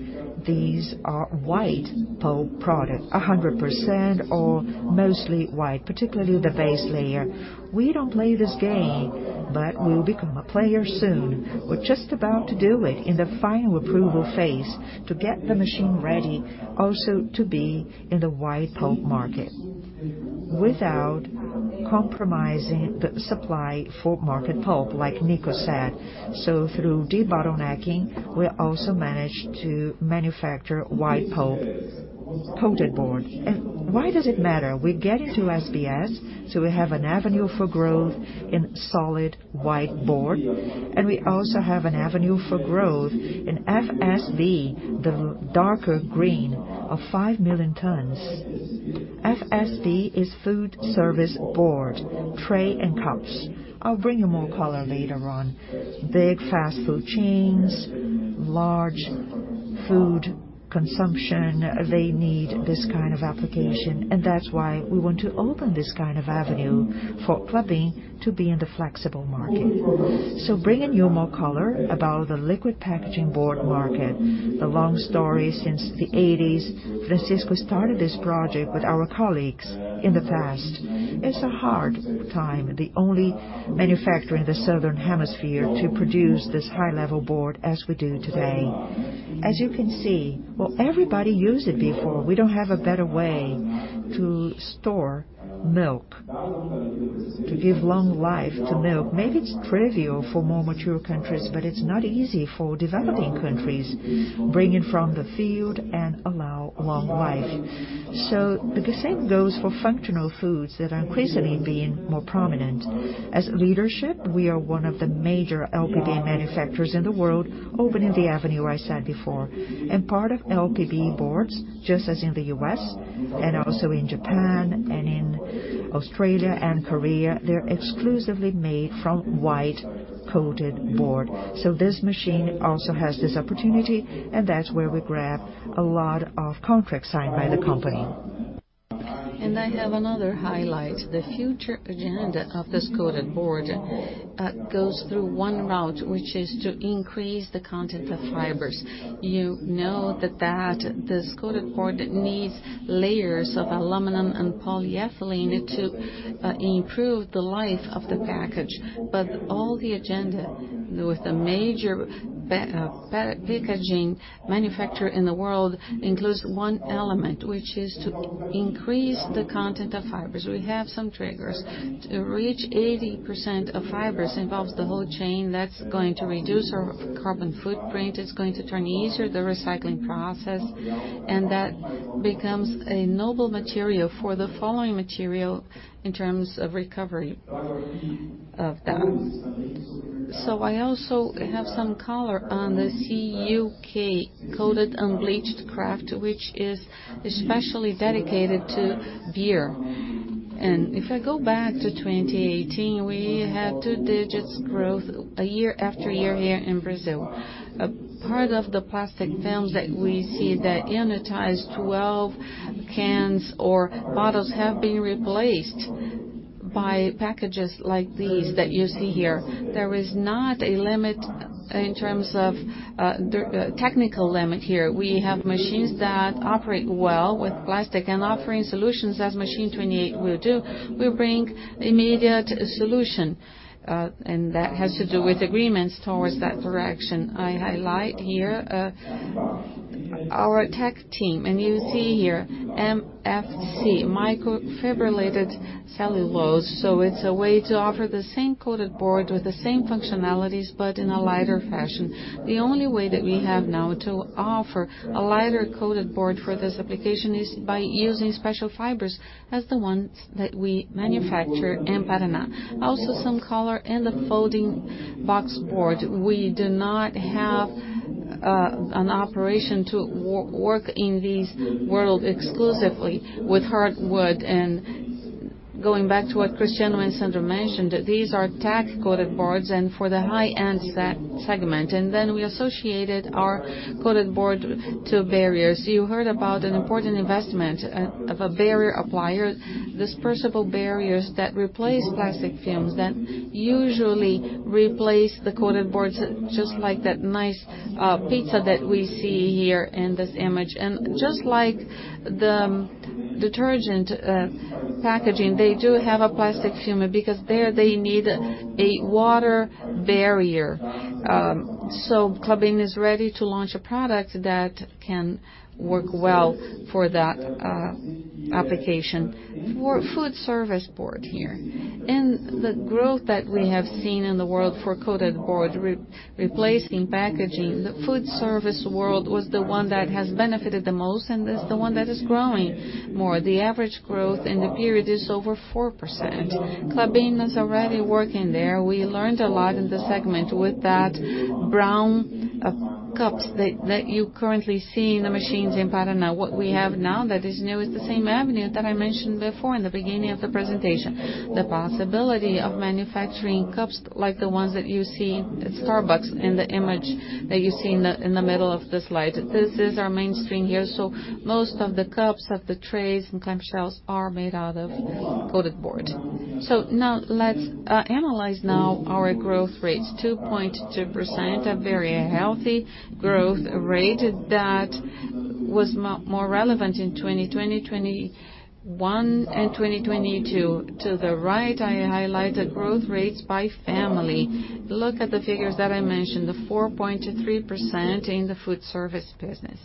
These are white pulp product, 100% or mostly white, particularly the base layer. We don't play this game, we'll become a player soon. We're just about to do it in the final approval phase to get the machine ready also to be in the white pulp market. Without compromising the supply for market pulp, like Nico said. Through debottlenecking, we also managed to manufacture white pulp Coated board. Why does it matter? We're getting to SBS, we have an avenue for growth in solid white board, we also have an avenue for growth in FSB, the darker green of 5 million tons. FSB is Food Service Board, tray and cups. I'll bring you more color later on. Big fast food chains, large food consumption, they need this kind of application. That's why we want to open this kind of avenue for Klabin to be in the flexible market. Bringing you more color about the liquid packaging board market. The long story since the 1980s, Francisco started this project with our colleagues in the past. It's a hard time. The only manufacturer in the Southern Hemisphere to produce this high-level board as we do today. As you can see, well, everybody used it before. We don't have a better way to store milk, to give long life to milk. Maybe it's trivial for more mature countries, but it's not easy for developing countries, bring it from the field and allow long life. The same goes for functional foods that are increasingly being more prominent. As leadership, we are one of the major LPB manufacturers in the world, opening the avenue I said before. Part of LPB boards, just as in the U.S. and also in Japan and in Australia and Korea, they're exclusively made from white Coated board. This machine also has this opportunity, and that's where we grab a lot of contracts signed by the company. I have another highlight. The future agenda of this Coated board goes through one route, which is to increase the content of fibers. You know that this Coated board needs layers of aluminum and polyethylene to improve the life of the package. All the agenda with a major packaging manufacturer in the world includes one element, which is to increase the content of fibers. We have some triggers. To reach 80% of fibers involves the whole chain. That's going to reduce our carbon footprint. It's going to turn easier the recycling process. That becomes a noble material for the following material in terms of recovery of that. I also have some color on the CUK, coated unbleached kraft, which is especially dedicated to beer. If I go back to 2018, we had two digits growth year-after-year here in Brazil. A part of the plastic films that we see that unitize 12 cans or bottles have been replaced by packages like these that you see here. There is not a limit in terms of the technical limit here. We have machines that operate well with plastic and offering solutions as Machine 28 will do. We bring immediate solution, and that has to do with agreements towards that direction. I highlight here our tech team. You see here MFC, microfibrillated cellulose. It's a way to offer the same Coated Board with the same functionalities, but in a lighter fashion. The only way that we have now to offer a lighter Coated Board for this application is by using special fibers as the ones that we manufacture in Paraná. Also some color in the Folding Box Board. We do not have an operation to work in this world exclusively with hardwood and Going back to what Cristiano and Sandro mentioned, these are TAC coated boards for the high-end segment. We associated our coated board to barriers. You heard about an important investment of a barrier applier. Dispersible barriers that replace plastic films, that usually replace the coated boards just like that nice pizza that we see here in this image. Just like the detergent packaging, they do have a plastic film, because there they need a water barrier. Klabin is ready to launch a product that can work well for that application. For food service board here. In the growth that we have seen in the world for coated board replacing packaging, the food service world was the one that has benefited the most, and is the one that is growing more. The average growth in the period is over 4%. Klabin is already working there. We learned a lot in this segment with that brown cups that you currently see in the machines in Paraná. What we have now that is new is the same avenue that I mentioned before in the beginning of the presentation. The possibility of manufacturing cups like the ones that you see at Starbucks in the image that you see in the middle of the slide. This is our mainstream here. Most of the cups, of the trays and clam shells are made out of coated board. Now let's analyze now our growth rates. 2.2%, a very healthy growth rate that was more relevant in 2020, 2021 and 2022. To the right, I highlighted growth rates by family. Look at the figures that I mentioned, the 4.3% in the food service business.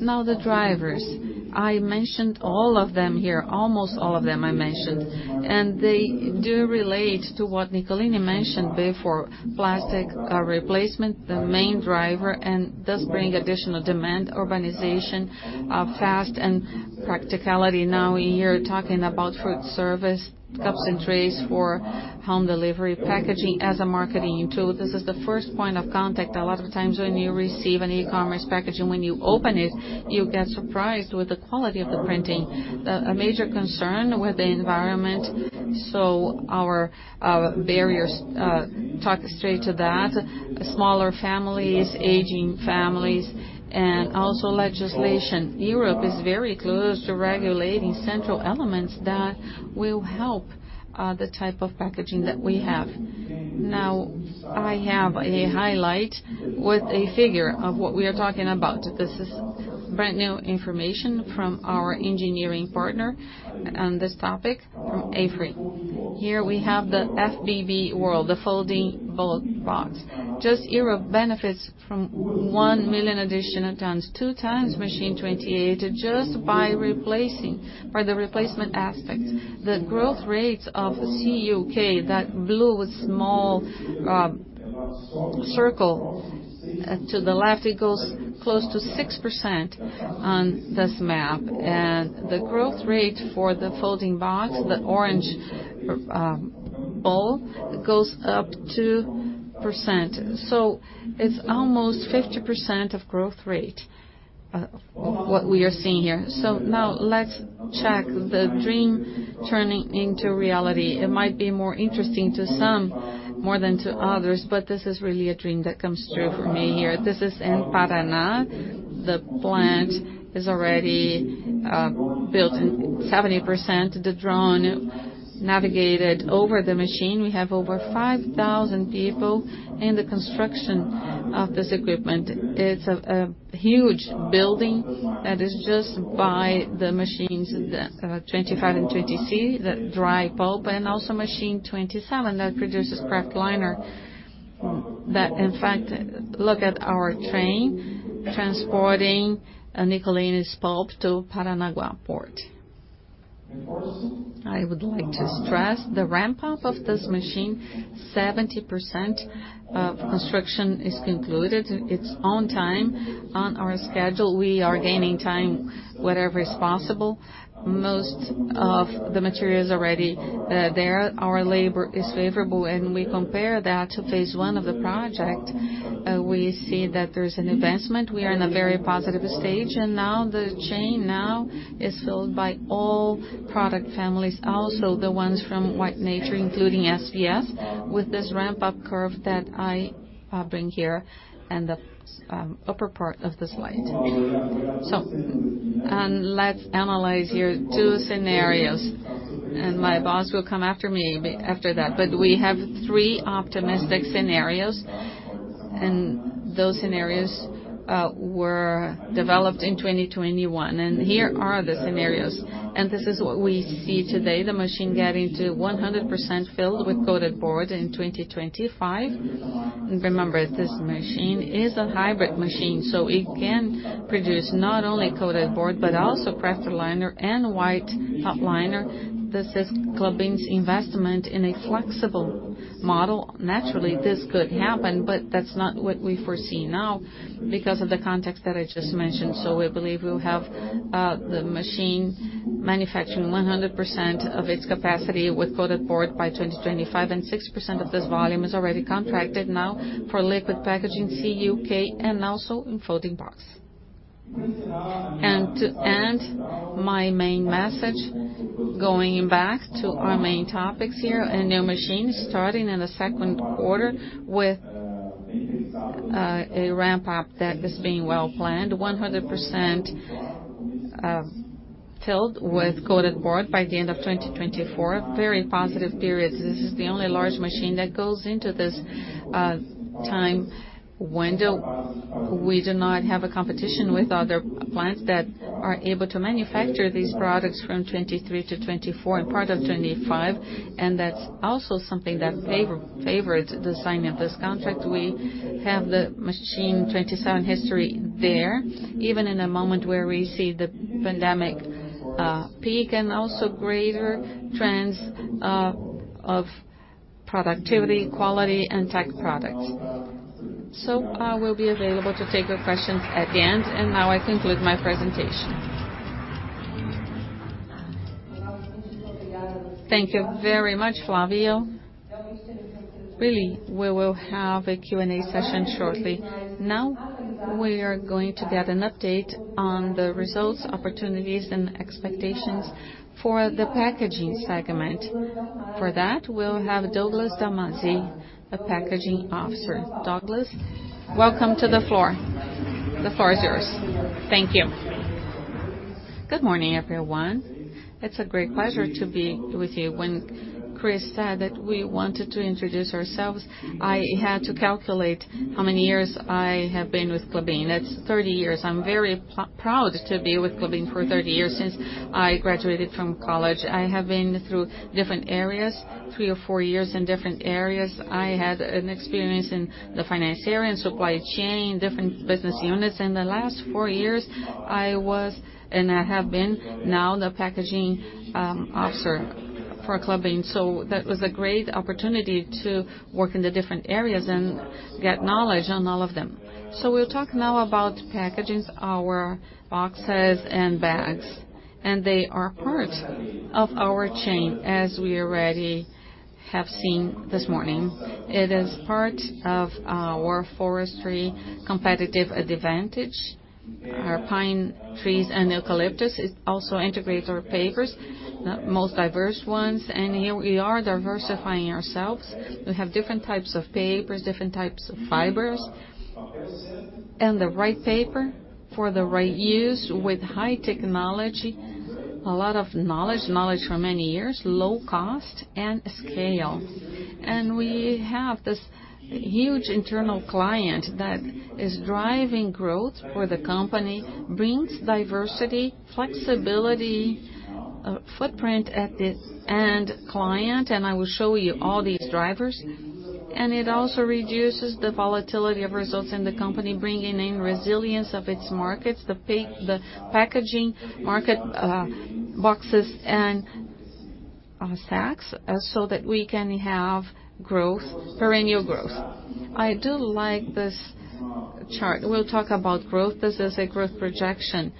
Now the drivers. I mentioned all of them here. Almost all of them I mentioned. They do relate to what Nicolini mentioned before. Plastic replacement, the main driver, and does bring additional demand. Urbanization, fast and practicality now here talking about food service, cups and trays for home delivery. Packaging as a marketing tool. This is the first point of contact. A lot of times when you receive an e-commerce packaging, when you open it, you get surprised with the quality of the printing. A major concern with the environment, so our barriers talk straight to that. Smaller families, aging families, and also legislation. Europe is very close to regulating central elements that will help the type of packaging that we have. I have a highlight with a figure of what we are talking about. This is brand-new information from our engineering partner on this topic from AFRY. Here we have the FBB world, the folding bolt box. Just Europe benefits from 1 million additional tons. 2x Machine 28 just for the replacement aspect. The growth rates of CUK, that blue small circle to the left, it goes close to 6% on this map. The growth rate for the folding box, the orange ball, goes up 2%. It's almost 50% of growth rate of what we are seeing here. Now let's check the dream turning into reality. It might be more interesting to some more than to others, but this is really a dream that comes true for me here. This is in Paraná. The plant is already built in 70%. The drone navigated over the machine. We have over 5,000 people in the construction of this equipment. It's a huge building that is just by the machines, the Machine 25 and Machine 26, the dry pulp and also Paper Machine 27 that produces Kraftliner. That in fact, look at our train transporting Nicolini's pulp to Paranagua Port. I would like to stress the ramp up of this machine, 70% of construction is concluded. It's on time, on our schedule. We are gaining time wherever is possible. Most of the material is already there. Our labor is favorable. When we compare that to phase one of the project, we see that there's an advancement. We are in a very positive stage. Now the chain now is filled by all product families, also the ones from White Nature, including SBS, with this ramp-up curve that I bring here in the upper part of the slide. Let's analyze here two scenarios. My boss will come after me, after that. We have three optimistic scenarios, and those scenarios were developed in 2021. Here are the scenarios. This is what we see today, the machine getting to 100% filled with Coated board in 2025. Remember, this machine is a hybrid machine, so it can produce not only Coated board but also Kraftliner and White Top Liner. This is Klabin's investment in a flexible model. Naturally, this could happen, but that's not what we foresee now because of the context that I just mentioned. We believe we'll have the machine manufacturing 100% of its capacity with coated board by 2025, and 6% of this volume is already contracted now for liquid packaging CUK and also in folding box. To end my main message, going back to our main topics here, a new machine starting in the 2Q with a ramp up that is being well-planned. 100% filled with coated board by the end of 2024. Very positive periods. This is the only large machine that goes into this time window. We do not have a competition with other plants that are able to manufacture these products from 2023 to 2024 and part of 2025, and that's also something that favors the signing of this contract. We have the Machine 27 history there, even in a moment where we see the pandemic peak and also greater trends of productivity, quality and tech products. I will be available to take your questions at the end, and now I conclude my presentation. Thank you very much, Flávio. Really, we will have a Q&A session shortly. We are going to get an update on the results, opportunities and expectations for the packaging segment. For that, we'll have Douglas Dalmasi, Packaging Director. Douglas, welcome to the floor. The floor is yours. Thank you. Good morning, everyone. It's a great pleasure to be with you. When Cris said that we wanted to introduce ourselves, I had to calculate how many years I have been with Klabin. That's 30 years. I'm very proud to be with Klabin for 30 years, since I graduated from college. I have been through different areas, three or four years in different areas. I had an experience in the finance area and supply chain, different business units. In the last four years, I was and I have been now the packaging officer for Klabin. That was a great opportunity to work in the different areas and get knowledge on all of them. We'll talk now about packaging, our boxes and bags, and they are part of our chain, as we already have seen this morning. It is part of our forestry competitive advantage, our pine trees and eucalyptus. It also integrates our papers, the most diverse ones. Here we are diversifying ourselves. We have different types of papers, different types of fibers, and the right paper for the right use with high technology, a lot of knowledge for many years, low cost and scale. We have this huge internal client that is driving growth for the company, brings diversity, flexibility, footprint at the end client, and I will show you all these drivers. It also reduces the volatility of results in the company, bringing in resilience of its markets, the packaging market, boxes and sacks, so that we can have growth, perennial growth. I do like this chart. We'll talk about growth. This is a growth projection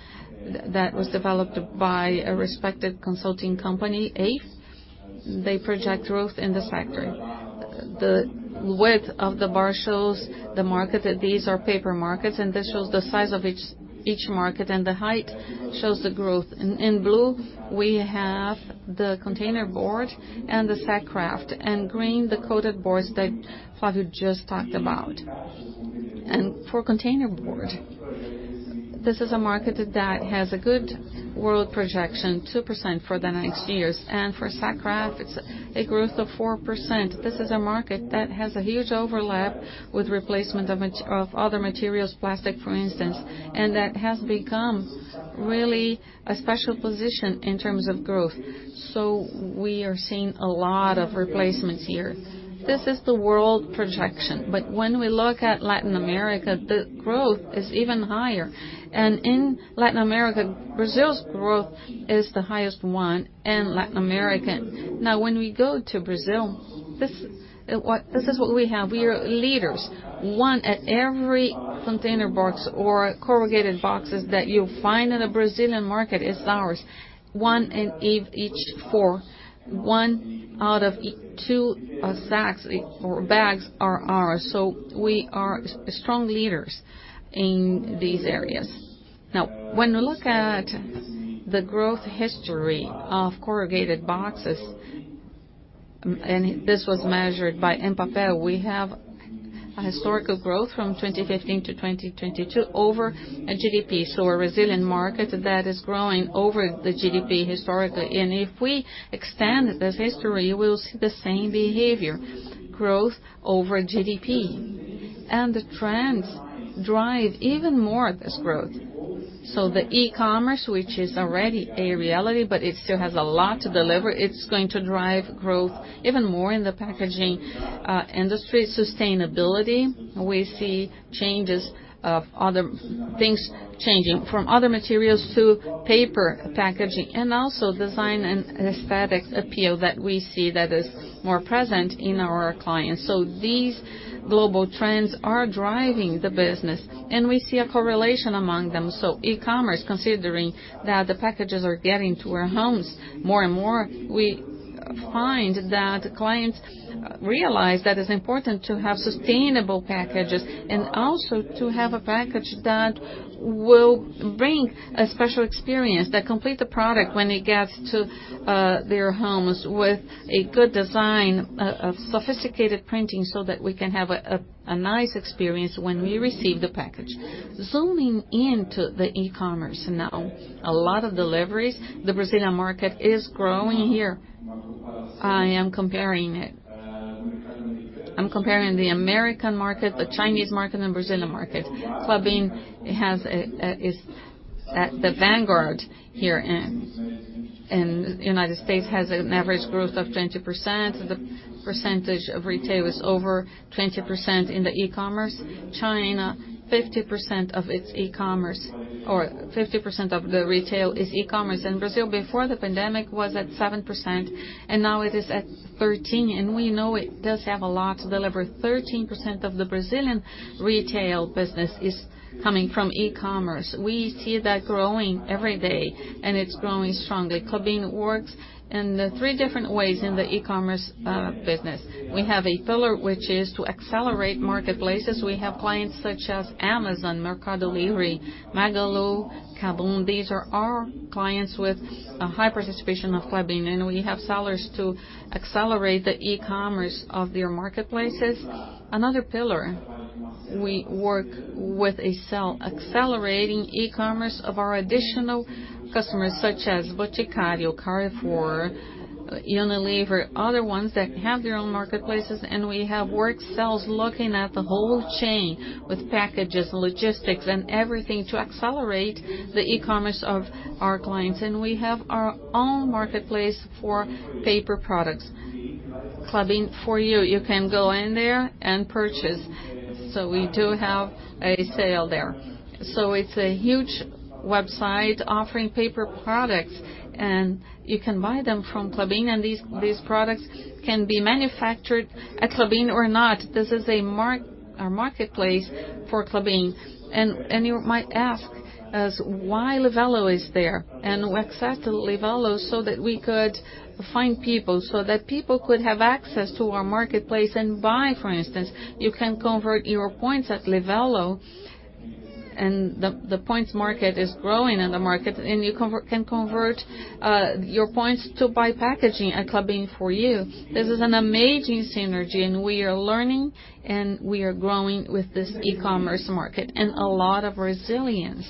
that was developed by a respected consulting company, A. They project growth in the sector. The width of the bar shows the market. These are paper markets, and this shows the size of each market, and the height shows the growth. In blue, we have the Containerboard and the Sack Kraft. In green, the Coated boards that Flávio just talked about. For containerboard, this is a market that has a good world projection, 2% for the next years. For Sack Kraft, a growth of 4%. This is a market that has a huge overlap with replacement of other materials, plastic for instance, and that has become really a special position in terms of growth. We are seeing a lot of replacements here. This is the world projection. When we look at Latin America, the growth is even higher. In Latin America, Brazil's growth is the highest one in Latin America. When we go to Brazil, this is what we have. We are leaders. One at every container box or corrugated boxes that you find in a Brazilian market is ours. One in each four. One out of two sacks or bags are ours. We are strong leaders in these areas. When we look at the growth history of corrugated boxes, and this was measured by Empapel, we have a historical growth from 2015 to 2022 over a GDP. A resilient market that is growing over the GDP historically. If we extend this history, we will see the same behavior, growth over GDP. The trends drive even more this growth. The e-commerce, which is already a reality, but it still has a lot to deliver, it's going to drive growth even more in the packaging industry. Sustainability, we see changes of other things changing from other materials to paper packaging. Also design and aesthetic appeal that we see that is more present in our clients. These global trends are driving the business, and we see a correlation among them. E-commerce, considering that the packages are getting to our homes more and more, we find that clients realize that it's important to have sustainable packages and also to have a package that will bring a special experience, that complete the product when it gets to their homes with a good design, a sophisticated printing, so that we can have a nice experience when we receive the package. Zooming into the e-commerce now. A lot of deliveries. The Brazilian market is growing here. I'm comparing the American market, the Chinese market, and Brazilian market. Klabin is at the vanguard here in United States, has an average growth of 20%. The percentage of retail is over 20% in the e-commerce. China, 50% of its e-commerce or 50% of the retail is e-commerce. In Brazil, before the pandemic was at 7%, and now it is at 13%. We know it does have a lot to deliver. 13% of the Brazilian retail business is coming from e-commerce. We see that growing every day, and it's growing strongly. Klabin works in the three different ways in the e-commerce business. We have a pillar which is to accelerate marketplaces. We have clients such as Amazon, Mercado Libre, Magalu, KaBuM!. These are our clients with a high participation of Klabin, and we have sellers to accelerate the e-commerce of their marketplaces. Another pillar, we work with accelerating e-commerce of our additional customers such as O Boticário, Carrefour, Unilever, other ones that have their own marketplaces, and we have work cells looking at the whole chain with packages, logistics, and everything to accelerate the e-commerce of our clients. We have our own marketplace for paper products. Klabin For You you can go in there and purchase. We do have a sale there. It's a huge website offering paper products, and you can buy them from Klabin, and these products can be manufactured at Klabin or not. This is a marketplace for Klabin. You might ask us why Livelo is there. We accepted Livelo so that we could find people, so that people could have access to our marketplace and buy. For instance, you can convert your points at Livelo, and the points market is growing in the market, and you can convert your points to buy packaging at Klabin For You. This is an amazing synergy, and we are learning, and we are growing with this e-commerce market. A lot of resilience.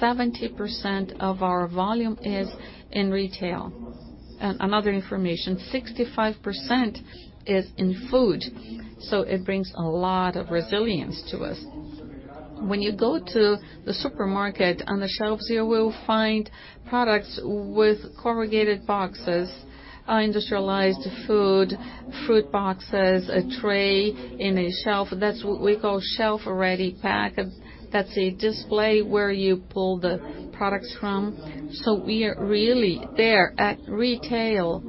70% of our volume is in retail. Another information, 65% is in food, so it brings a lot of resilience to us. When you go to the supermarket, on the shelves, you will find products with corrugated boxes, our industrialized food, fruit boxes, a tray in a shelf. That's what we call shelf-ready pack. That's a display where you pull the products from. We are really there at retail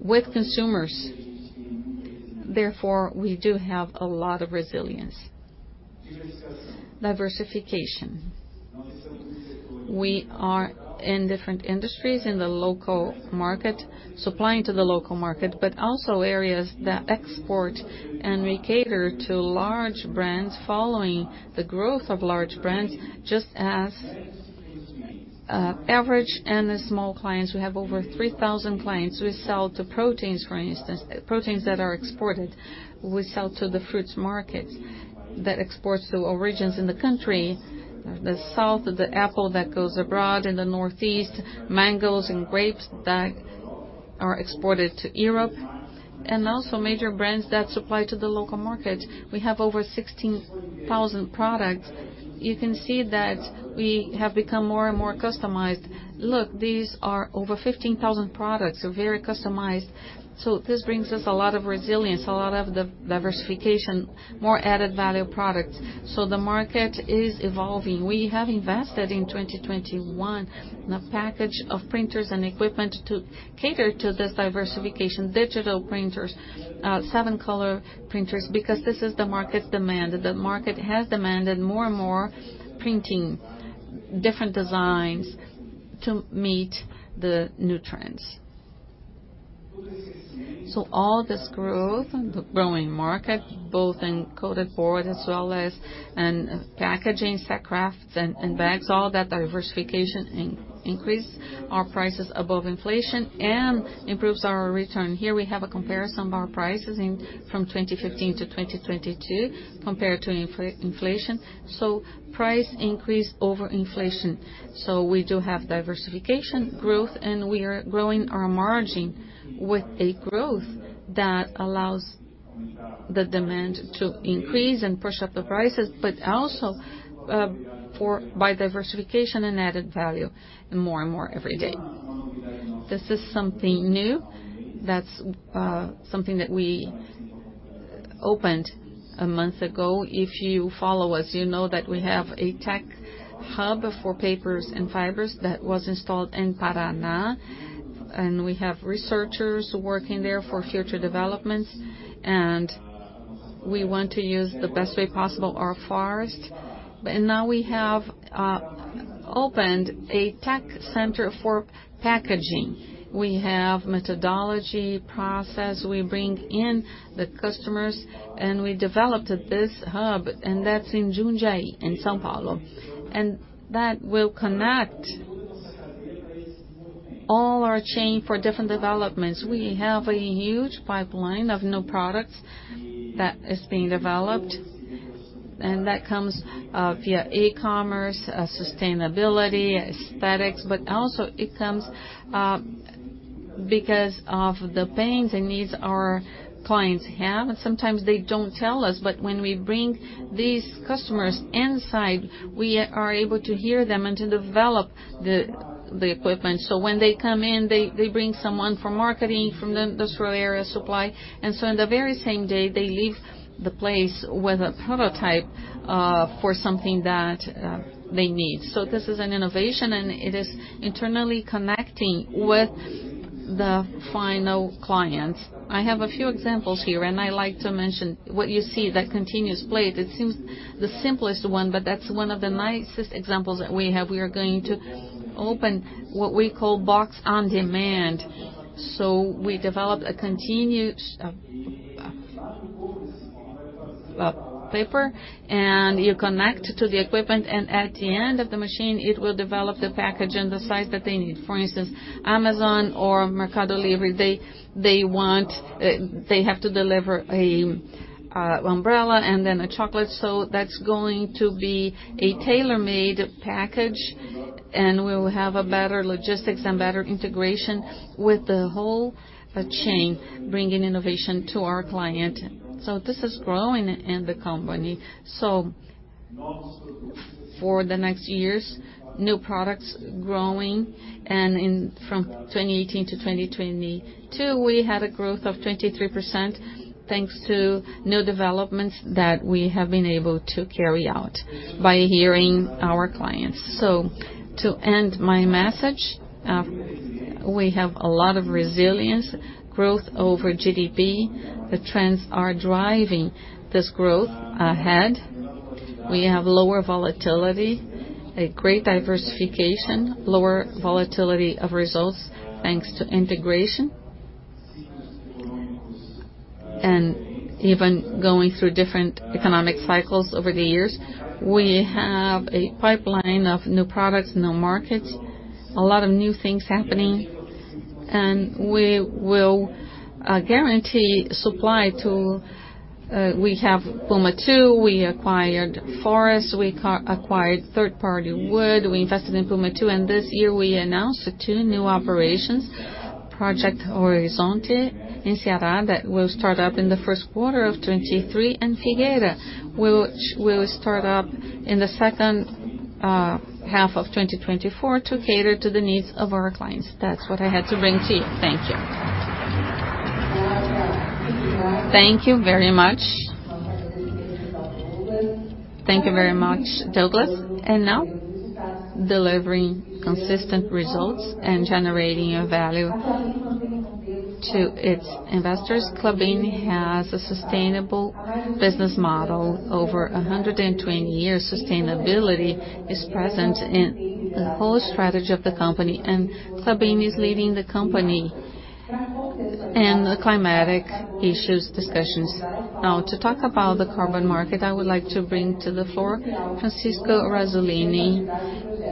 with consumers. Therefore, we do have a lot of resilience. Diversification. We are in different industries in the local market, supplying to the local market, but also areas that export, and we cater to large brands following the growth of large brands, just as average and the small clients. We have over 3,000 clients. We sell to proteins, for instance, proteins that are exported. We sell to the fruits markets that exports to origins in the country. The south, the apple that goes abroad. In the northeast, mangoes and grapes that are exported to Europe. Also major brands that supply to the local market. We have over 16,000 products. You can see that we have become more and more customized. Look, these are over 15,000 products, so very customized. This brings us a lot of resilience, a lot of the diversification, more added value products. The market is evolving. We have invested in 2021 in a package of printers and equipment to cater to this diversification. Digital printers, seven-color printers, because this is the market demand. The market has demanded more and more printing different designs to meet the new trends. All this growth, the growing market, both in coated board as well as in packaging, Sack Krafts and bags, all that diversification increase our prices above inflation and improves our return. Here we have a comparison of our prices in from 2015 to 2022 compared to inflation. Price increase over inflation. We do have diversification growth, and we are growing our margin with a growth that allows the demand to increase and push up the prices, but also for by diversification and added value more and more every day. This is something new. That's something that we opened a month ago. If you follow us, you know that we have a tech hub for papers and fibers that was installed in Paraná, and we have researchers working there for future developments, and we want to use the best way possible our forest. Now we have opened a tech center for packaging. We have methodology, process. We bring in the customers, we developed this hub, and that's in Jundiaí, in São Paulo. That will connect all our chain for different developments. We have a huge pipeline of new products that is being developed. That comes via e-commerce, sustainability, aesthetics, but also it comes because of the pains and needs our clients have. Sometimes they don't tell us, but when we bring these customers inside, we are able to hear them and to develop the equipment. When they come in, they bring someone from marketing from the industrial area, supply. In the very same day, they leave the place with a prototype for something that they need. This is an innovation, and it is internally connecting with the final clients. I have a few examples here, and I like to mention what you see, that continuous plate. It seems the simplest one, but that's one of the nicest examples that we have. We are going to open what we call Box on demand. We developed a continuous paper, and you connect to the equipment, and at the end of the machine, it will develop the package in the size that they need. For instance, Amazon or Mercado Libre, they have to deliver an umbrella and then a chocolate. That's going to be a tailor-made package, and we'll have a better logistics and better integration with the whole chain, bringing innovation to our client. This is growing in the company. For the next years, new products growing, from 2018 to 2022, we had a growth of 23%, thanks to new developments that we have been able to carry out by hearing our clients. To end my message, we have a lot of resilience, growth over GDP. The trends are driving this growth ahead. We have lower volatility, a great diversification, lower volatility of results thanks to integration. Even going through different economic cycles over the years, we have a pipeline of new products, new markets, a lot of new things happening. We will guarantee supply to... We have Puma II, we acquired forest, we acquired third-party wood, we invested in Puma II, and this year we announced two new operations, Project Horizonte in Ceará, that will start up in the first quarter of 2023, and Figueira, which will start up in the second half of 2024 to cater to the needs of our clients. That's what I had to bring to you. Thank you. Thank you very much. Thank you very much, Douglas. Now delivering consistent results and generating a value to its investors. Klabin has a sustainable business model. Over 120 years, sustainability is present in the whole strategy of the company, and Klabin is leading the company in the climatic issues discussions. To talk about the carbon market, I would like to bring to the floor Francisco Razzolini,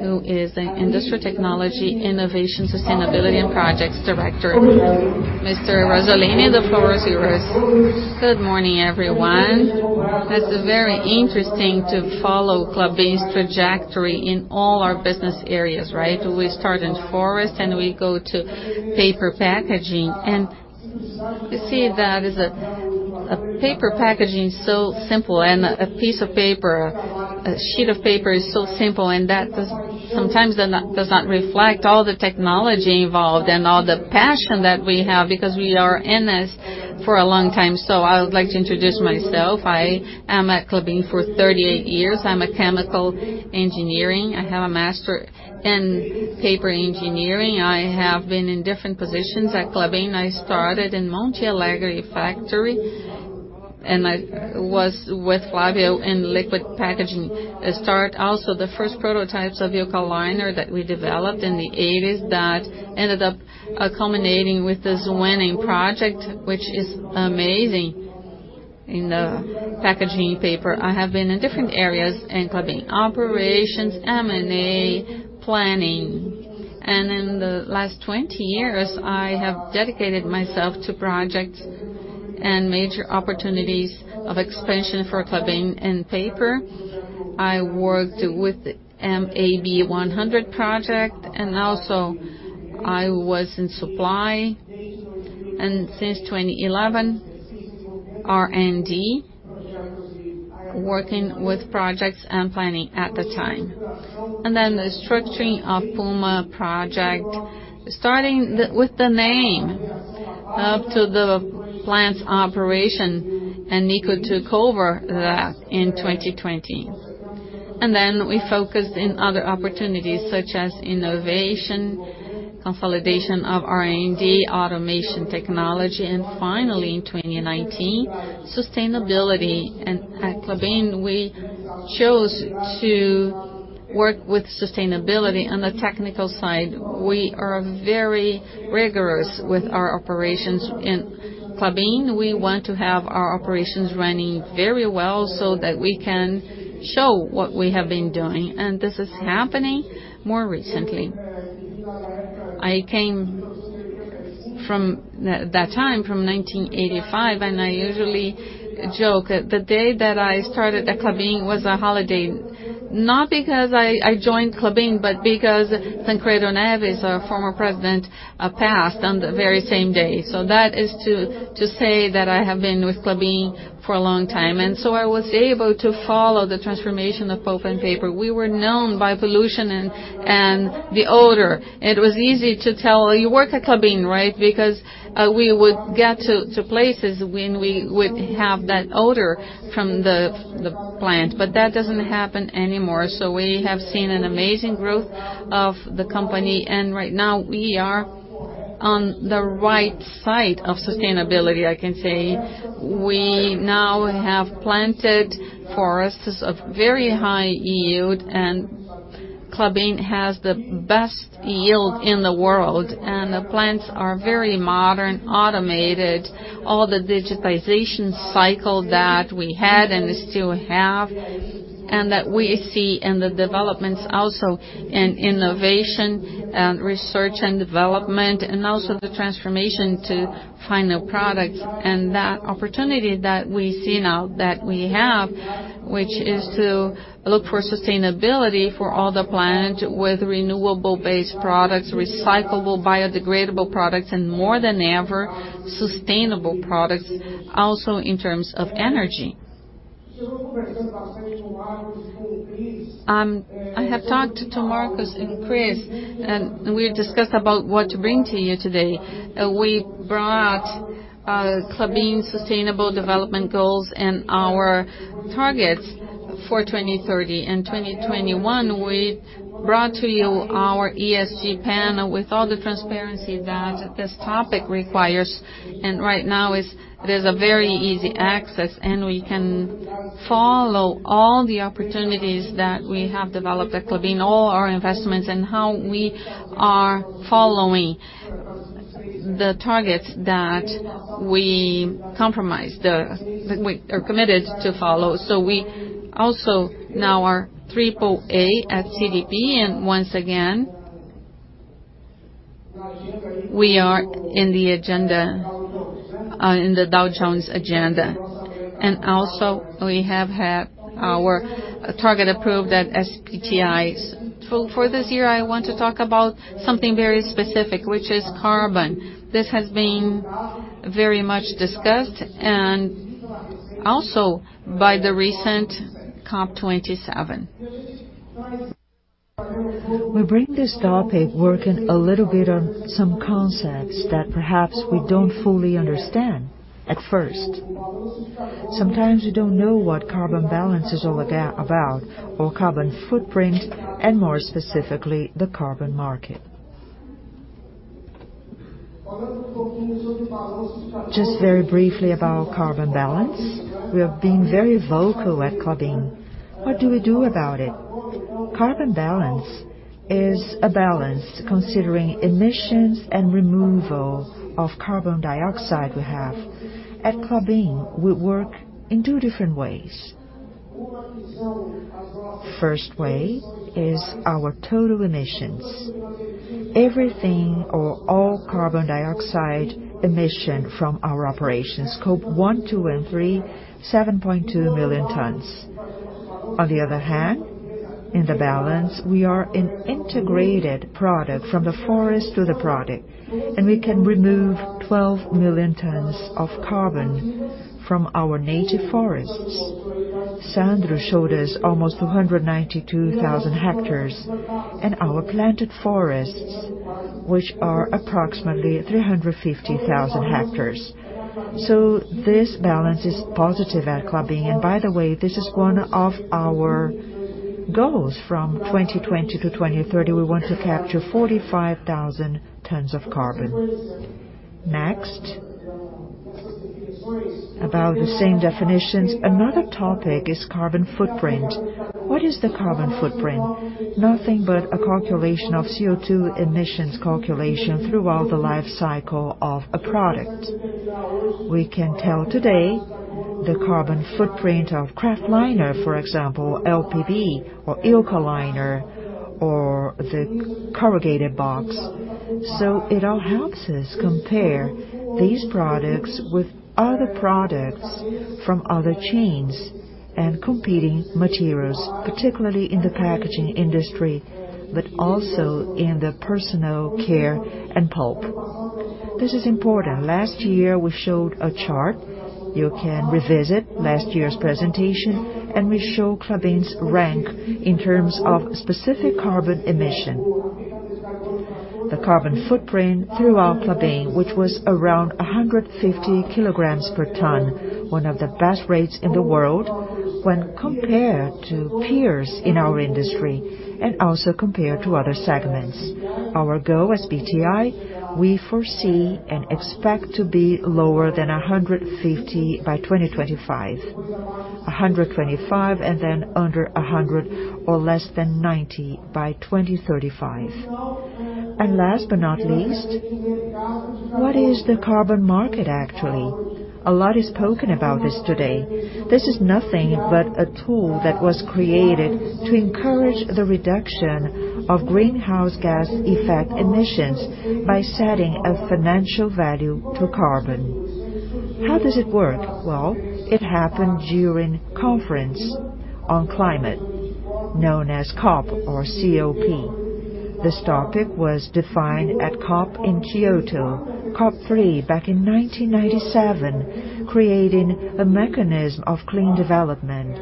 who is an Industry Technology Innovation, Sustainability and Projects Director. Mr. Razzolini, the floor is yours. Good morning, everyone. It's very interesting to follow Klabin's trajectory in all our business areas, right? We start in forest, we go to paper packaging. You see that a paper packaging is so simple, and a piece of paper, a sheet of paper is so simple, and sometimes that does not reflect all the technology involved and all the passion that we have because we are in this for a long time. I would like to introduce myself. I am at Klabin for 38 years. I'm a chemical engineering. I have a master in paper engineering. I have been in different positions at Klabin. I started in Monte Alegre factory, and I was with Flavio in liquid packaging start. Also, the first prototypes of Eucaliner that we developed in the 80s that ended up culminating with the [Zuening] Project, which is amazing in the packaging paper. I have been in different areas in Klabin: operations, M&A, planning. In the last 20 years, I have dedicated myself to projects and major opportunities of expansion for Klabin in paper. I worked with [MAB one hundred project], and also I was in supply. Since 2011, R&D, working with projects and planning at the time. The structuring of Puma Project, starting with the name up to the plant's operation, and Nico took over that in 2020. We focused in other opportunities such as innovation, consolidation of R&D, automation technology, and finally, in 2019, sustainability. At Klabin, we chose to work with sustainability on the technical side. We are very rigorous with our operations. In Klabin, we want to have our operations running very well so that we can show what we have been doing. This is happening more recently. I came. From that time, from 1985, I usually joke, the day that I started at Klabin was a holiday, not because I joined Klabin, but because Tancredo Neves, our former president, passed on the very same day. That is to say that I have been with Klabin for a long time. I was able to follow the transformation of pulp and paper. We were known by pollution and the odor. It was easy to tell, "You work at Klabin, right?" Because we would get to places when we would have that odor from the plant. That doesn't happen anymore. We have seen an amazing growth of the company. Right now we are on the right side of sustainability, I can say. We now have planted forests of very high yield. Klabin has the best yield in the world. The plants are very modern, automated, all the digitization cycle that we had and still have, and that we see in the developments also in innovation, research and development, and also the transformation to final products. That opportunity that we see now that we have, which is to look for sustainability for all the plant with renewable-based products, recyclable, biodegradable products, and more than ever, sustainable products, also in terms of energy. I have talked to Marcos and Cris, and we discussed about what to bring to you today. We brought Klabin sustainable development goals and our targets for 2030. In 2021, we brought to you our ESG panel with all the transparency that this topic requires. Right now, it is a very easy access, and we can follow all the opportunities that we have developed at Klabin, all our investments and how we are following the targets that we compromised, we are committed to follow. We also now are triple A at CDP. Once again, we are in the agenda, in the Dow Jones agenda. Also, we have had our target approved at SBTi. For this year, I want to talk about something very specific, which is carbon. This has been very much discussed and also by the recent COP27. We bring this topic working a little bit on some concepts that perhaps we don't fully understand at first. Sometimes we don't know what carbon balance is all about, or carbon footprint, and more specifically, the carbon market. Just very briefly about carbon balance. We have been very vocal at Klabin. What do we do about it? Carbon balance is a balance considering emissions and removal of carbon dioxide we have. At Klabin, we work in two different ways. First way is our total emissions. Everything or all carbon dioxide emission from our operations, Scope 1, 2, and 3, 7.2 million tons. On the other hand, in the balance, we are an integrated product from the forest to the product, and we can remove 12 million tons of carbon from our native forests. Sandro showed us almost 292,000 ha in our planted forests, which are approximately 350,000 ha. This balance is positive at Klabin. By the way, this is one of our goals from 2020 to 2030. We want to capture 45,000 tons of carbon. Next, about the same definitions. Another topic is carbon footprint. What is the carbon footprint? Nothing but a calculation of CO₂ emissions calculation throughout the life cycle of a product. We can tell today the carbon footprint of Kraftliner, for example, LPB or Eukaliner or the corrugated box. It all helps us compare these products with other products from other chains and competing materials, particularly in the packaging industry, but also in the personal care and pulp. This is important. Last year, we showed a chart. You can revisit last year's presentation, and we show Klabin's rank in terms of specific carbon emission. The carbon footprint throughout Klabin, which was around 150 kilograms per ton, one of the best rates in the world when compared to peers in our industry and also compared to other segments. Our goal as PTI, we foresee and expect to be lower than 150 by 2025, 125, and then under 100 or less than 90 by 2035. Last but not least, what is the carbon market actually? A lot is spoken about this today. This is nothing but a tool that was created to encourage the reduction of greenhouse gas effect emissions by setting a financial value to carbon. How does it work? Well, it happened during Conference on Climate known as COP or C-O-P. This topic was defined at COP in Kyoto, COP 3 back in 1997, creating a mechanism of clean development.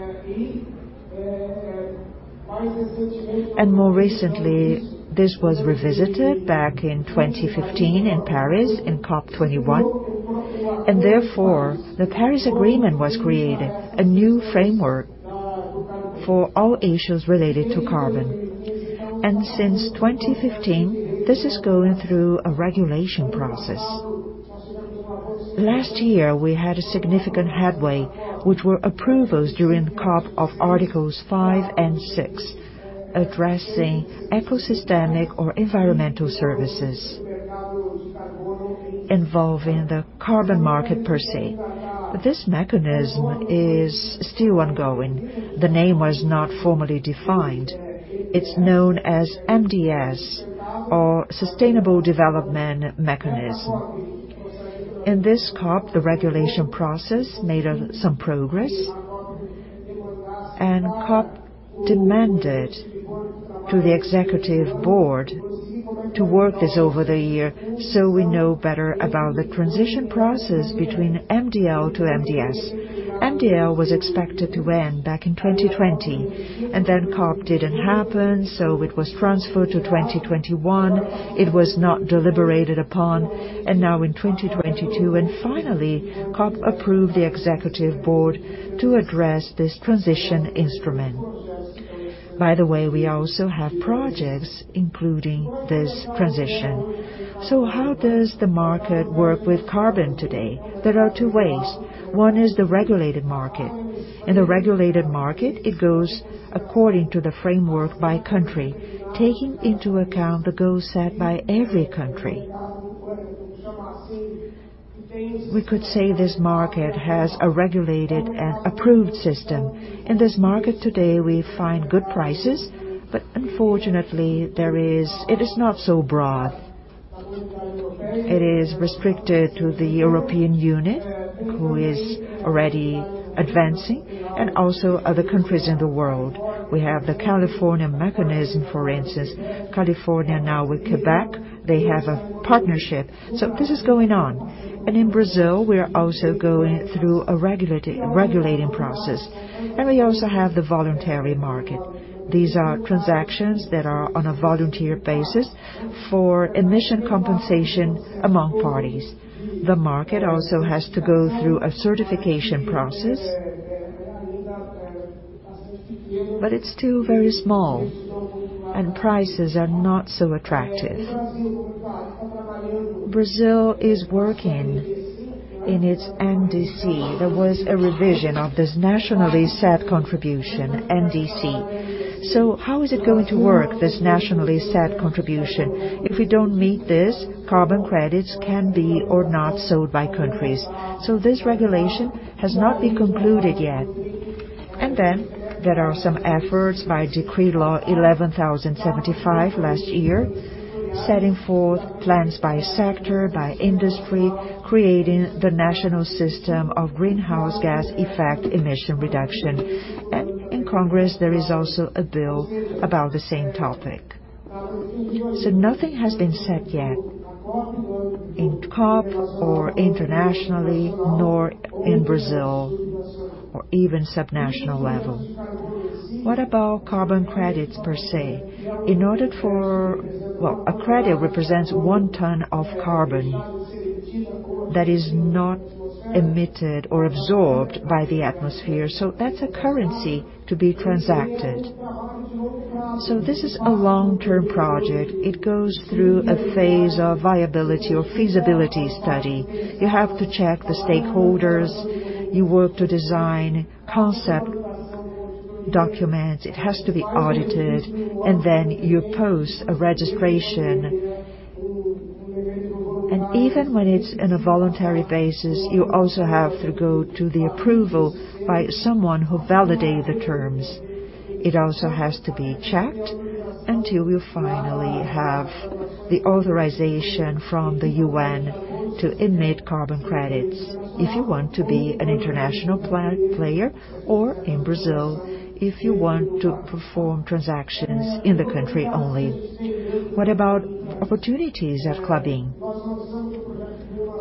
More recently, this was revisited back in 2015 in Paris in COP 21, therefore the Paris Agreement was created, a new framework for all issues related to carbon. Since 2015, this is going through a regulation process. Last year we had a significant headway, which were approvals during COP of articles 5 and 6, addressing ecosystemic or environmental services involving the carbon market per se. This mechanism is still ongoing. The name was not formally defined. It's known as MDS or Sustainable Development Mechanism. In this COP, the regulation process made some progress and COP demanded to the executive board to work this over the year so we know better about the transition process between MDL to MDS. MDL was expected to end back in 2020 and then COP didn't happen, so it was transferred to 2021. It was not deliberated upon and now in 2022, finally, COP approved the executive board to address this transition instrument. By the way, we also have projects including this transition. How does the market work with carbon today? There are two ways. One is the regulated market. In the regulated market, it goes according to the framework by country, taking into account the goals set by every country. We could say this market has a regulated and approved system. In this market today we find good prices, unfortunately, it is not so broad. It is restricted to the European unit who is already advancing and also other countries in the world. We have the California mechanism, for instance. California now with Quebec, they have a partnership, so this is going on. In Brazil we are also going through a regulating process. We also have the voluntary market. These are transactions that are on a volunteer basis for emission compensation among parties. The market also has to go through a certification process, but it's still very small and prices are not so attractive. Brazil is working in its NDC. There was a revision of this nationally set contribution, NDC. How is it going to work, this nationally set contribution? If we don't meet this, carbon credits can be or not sold by countries. This regulation has not been concluded yet. There are some efforts by Decree No. 11,075/2022 last year, setting forth plans by sector, by industry, creating the national system of greenhouse gas effect emission reduction. In Congress there is also a bill about the same topic. Nothing has been set yet in COP or internationally, nor in Brazil or even subnational level. What about carbon credits per se? A credit represents 1 ton of carbon that is not emitted or absorbed by the atmosphere, that's a currency to be transacted. This is a long-term project. It goes through a phase of viability or feasibility study. You have to check the stakeholders, you work to design concept documents. It has to be audited and then you post a registration. Even when it's on a voluntary basis, you also have to go to the approval by someone who validate the terms. It also has to be checked until you finally have the authorization from the UN to emit carbon credits, if you want to be an international player or in Brazil, if you want to perform transactions in the country only. What about opportunities at Klabin?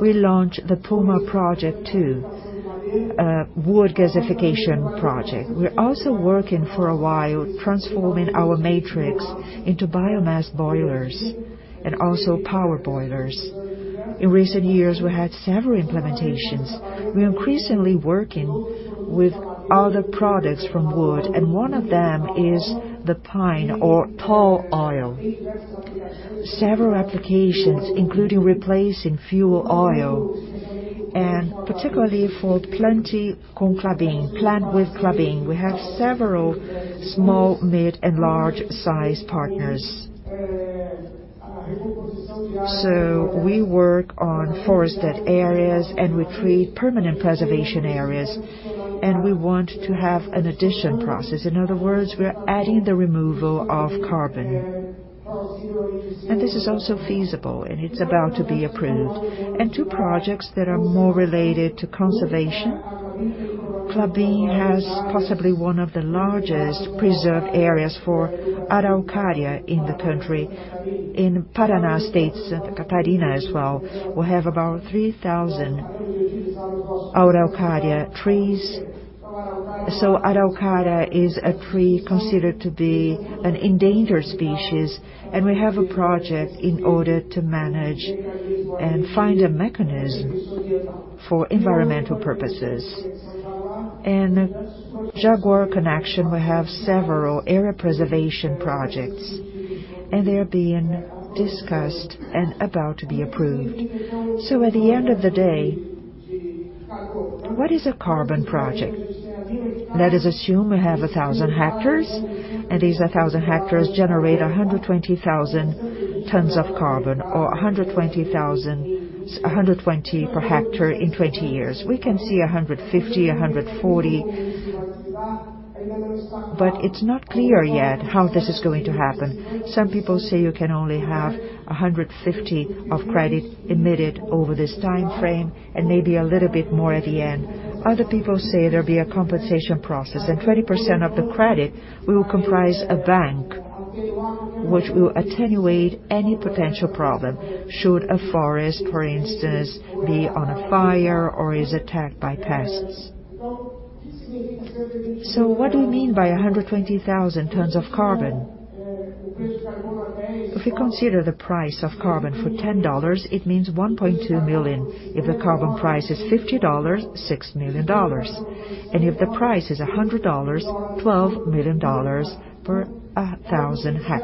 We launched the Puma project too, wood gasification project. We're also working for a while transforming our matrix into biomass boilers and also power boilers. In recent years, we had several implementations. We're increasingly working with other products from wood, and one of them is the pine or Tall Oil. Several applications, including replacing fuel oil and particularly for plante com Klabin, plant with Klabin. We have several small, mid, and large size partners. We work on forested areas and we create permanent preservation areas, and we want to have an addition process. In other words, we are adding the removal of carbon. This is also feasible and it's about to be approved. Two projects that are more related to conservation. Klabin has possibly one of the largest preserved areas for Araucaria in the country. In Paraná States, Catarina as well, we have about 3,000 Araucaria trees. Araucaria is a tree considered to be an endangered species, and we have a project in order to manage and find a mechanism for environmental purposes. Jaguar Connection, we have several area preservation projects, and they're being discussed and about to be approved. At the end of the day, what is a carbon project? Let us assume we have 1,000 ha, and these 1,000 ha generate 120,000 tons of carbon or 120 per ha in 20 years. We can see 150, 140, but it's not clear yet how this is going to happen. Some people say you can only have 150 of credit emitted over this time frame and maybe a little bit more at the end. Other people say there'll be a compensation process, 20% of the credit will comprise a bank, which will attenuate any potential problem should a forest, for instance, be on a fire or is attacked by pests. What do we mean by 120,000 tons of carbon? If we consider the price of carbon for $10, it means $1.2 million. If the carbon price is $50, $6 million. If the price is $100, $12 million per 1,000 ha.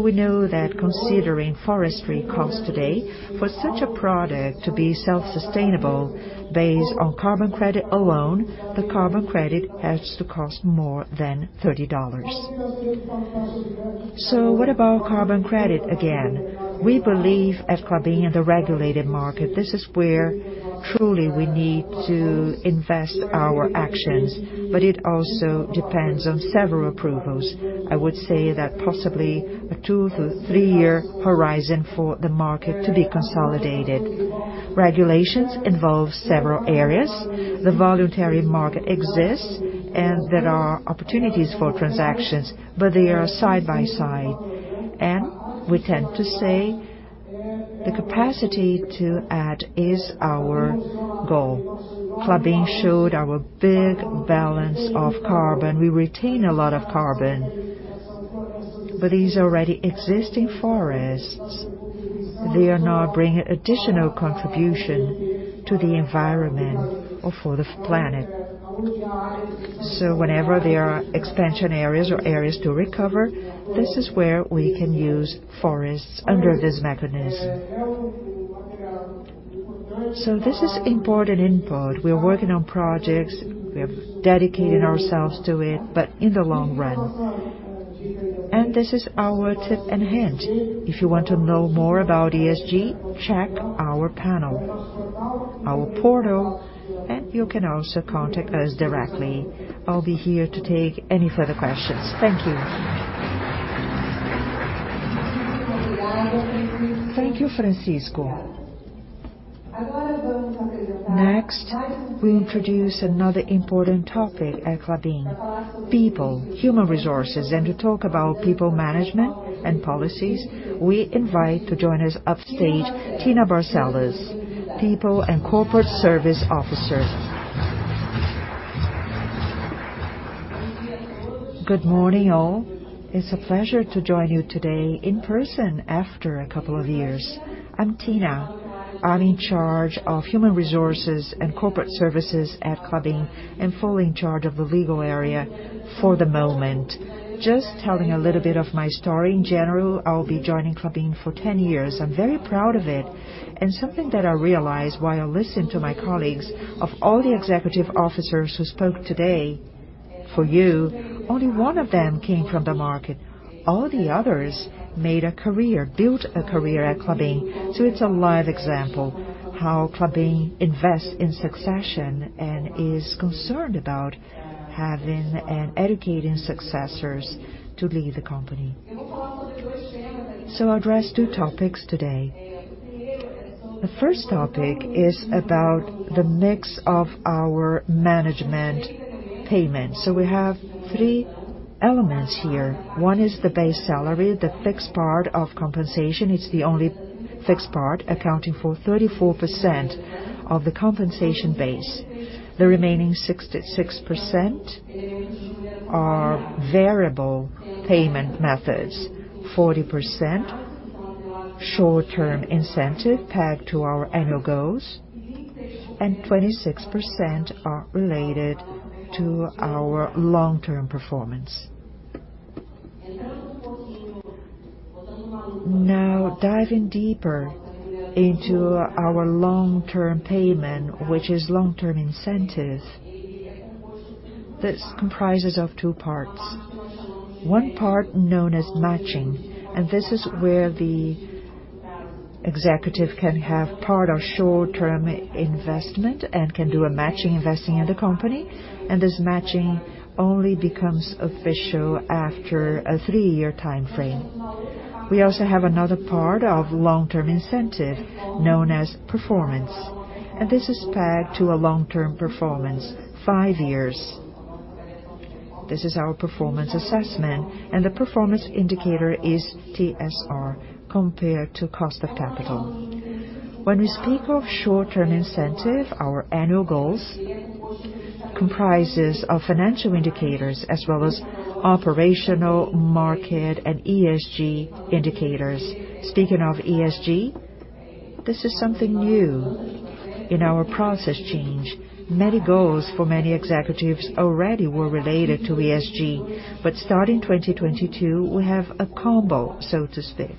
We know that considering forestry cost today for such a product to be self-sustainable based on carbon credit alone, the carbon credit has to cost more than $30. What about carbon credit again? We believe at Klabin in the regulated market. This is where truly we need to invest our actions. It also depends on several approvals. I would say that possibly a two to three-year horizon for the market to be consolidated. Regulations involve several areas. The voluntary market exists, and there are opportunities for transactions, but they are side by side. We tend to say the capacity to add is our goal. Klabin showed our big balance of carbon. We retain a lot of carbon. These already existing forests, they are now bringing additional contribution to the environment or for the planet. Whenever there are expansion areas or areas to recover, this is where we can use forests under this mechanism. This is important input. We are working on projects. We are dedicating ourselves to it, but in the long run. This is our tip and hint. If you want to know more about ESG, check our panel, our portal. You can also contact us directly. I'll be here to take any further questions. Thank you. Thank you, Francisco. Next, we introduce another important topic at Klabin, people, human resources. To talk about people management and policies, we invite to join us upstage Cristina Barcellar, People and Corporate Service Officer. Good morning, all. It's a pleasure to join you today in person after a couple of years. I'm Tina. I'm in charge of human resources and corporate services at Klabin and fully in charge of the legal area for the moment. Just telling a little bit of my story. In general, I'll be joining Klabin for 10 years. I'm very proud of it. Something that I realized while I listened to my colleagues, of all the executive officers who spoke today for you, only one of them came from the market. All the others made a career, built a career at Klabin. It's a live example how Klabin invests in succession and is concerned about having and educating successors to lead the company. I'll address two topics today. The first topic is about the mix of our management payment. We have three elements here. One is the base salary, the fixed part of compensation. It's the only fixed part, accounting for 34% of the compensation base. The remaining 66% are variable payment methods. 40% short-term incentive pegged to our annual goals, and 26% are related to our long-term performance. Now, diving deeper into our long-term payment, which is long-term incentives. This comprises of two parts. One part known as matching. This is where the executive can have part of short-term investment and can do a matching investing in the company, and this matching only becomes official after a three-year timeframe. We also have another part of long-term incentive known as performance. This is pegged to a long-term performance, five years. This is our performance assessment, and the performance indicator is TSR compared to cost of capital. When we speak of short-term incentive, our annual goals comprises of financial indicators as well as operational, market, and ESG indicators. Speaking of ESG, this is something new in our process change. Many goals for many executives already were related to ESG. Starting 2022, we have a combo, so to speak.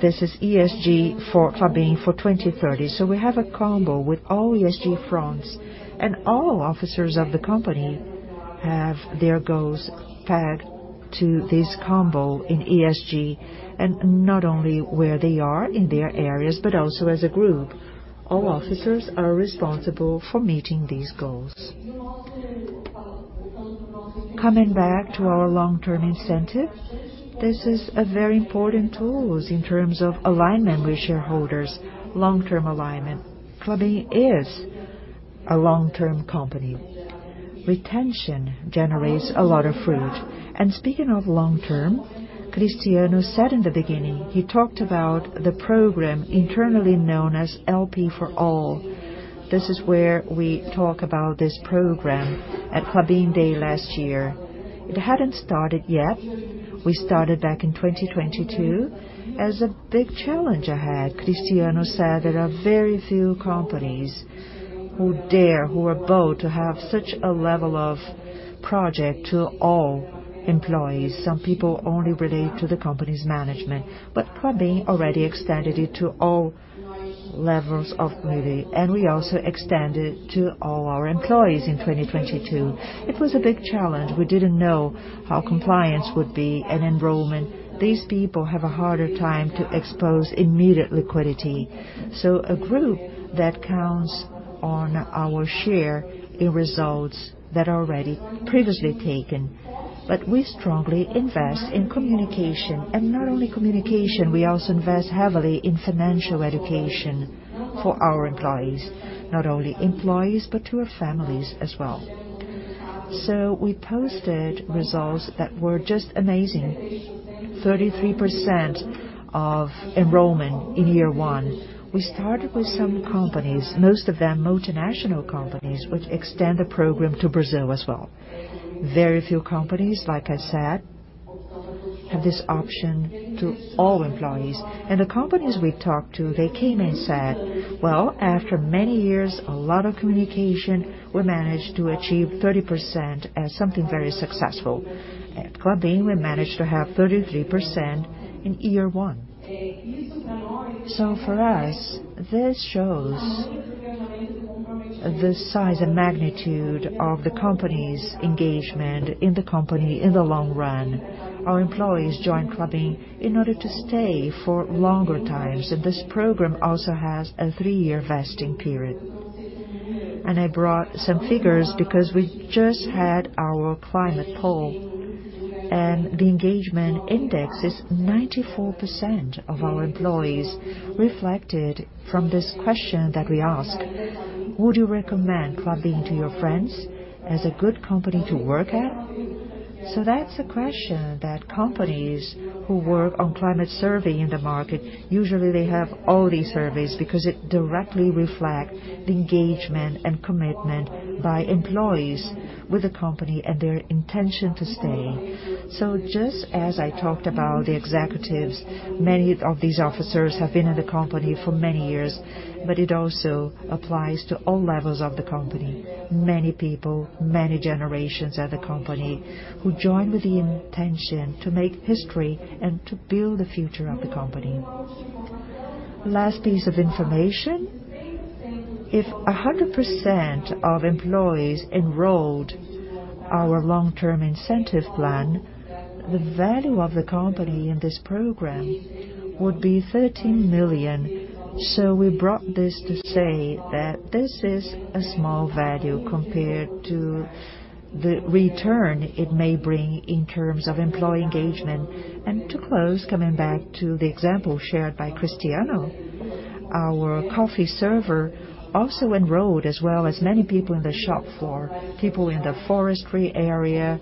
This is ESG for Klabin for 2030. We have a combo with all ESG fronts and all officers of the company have their goals pegged to this combo in ESG, and not only where they are in their areas, but also as a group. All officers are responsible for meeting these goals. Coming back to our long-term incentive, this is a very important tools in terms of alignment with shareholders, long-term alignment. Klabin is a long-term company. Retention generates a lot of fruit. Speaking of long-term, Cristiano said in the beginning, he talked about the program internally known as LP for All. This is where we talk about this program at Klabin Day last year. It hadn't started yet. We started back in 2022. As a big challenge I had, Cristiano said there are very few companies who dare, who are bold to have such a level of project to all employees. Some people only relate to the company's management. Klabin already extended it to all levels of Klabin, and we also extended to all our employees in 2022. It was a big challenge. We didn't know how compliance would be and enrollment. These people have a harder time to expose immediate liquidity. A group that counts on our share in results that are already previously taken. We strongly invest in communication, and not only communication, we also invest heavily in financial education for our employees. Not only employees, but to our families as well. We posted results that were just amazing. 33% of enrollment in year one. We started with some companies, most of them multinational companies, which extend the program to Brazil as well. Very few companies, like I said, have this option to all employees. The companies we talked to, they came and said, "Well, after many years, a lot of communication, we managed to achieve 30% as something very successful." At Klabin, we managed to have 33% in year one. For us, this shows the size and magnitude of the company's engagement in the company in the long run. Our employees join Klabin in order to stay for longer times, and this program also has a three-year vesting period. I brought some figures because we just had our climate poll, and the engagement index is 94% of our employees reflected from this question that we ask: Would you recommend Klabin to your friends as a good company to work at? That's a question that companies who work on climate survey in the market, usually they have all these surveys because it directly reflect the engagement and commitment by employees with the company and their intention to stay. Just as I talked about the executives, many of these officers have been in the company for many years, but it also applies to all levels of the company. Many people, many generations at the company who join with the intention to make history and to build the future of the company. Last piece of information, if 100% of employees enrolled our long-term incentive plan, the value of the company in this program would be $13 million. We brought this to say that this is a small value compared to the return it may bring in terms of employee engagement. To close, coming back to the example shared by Cristiano, our coffee server also enrolled, as well as many people in the shop floor, people in the forestry area.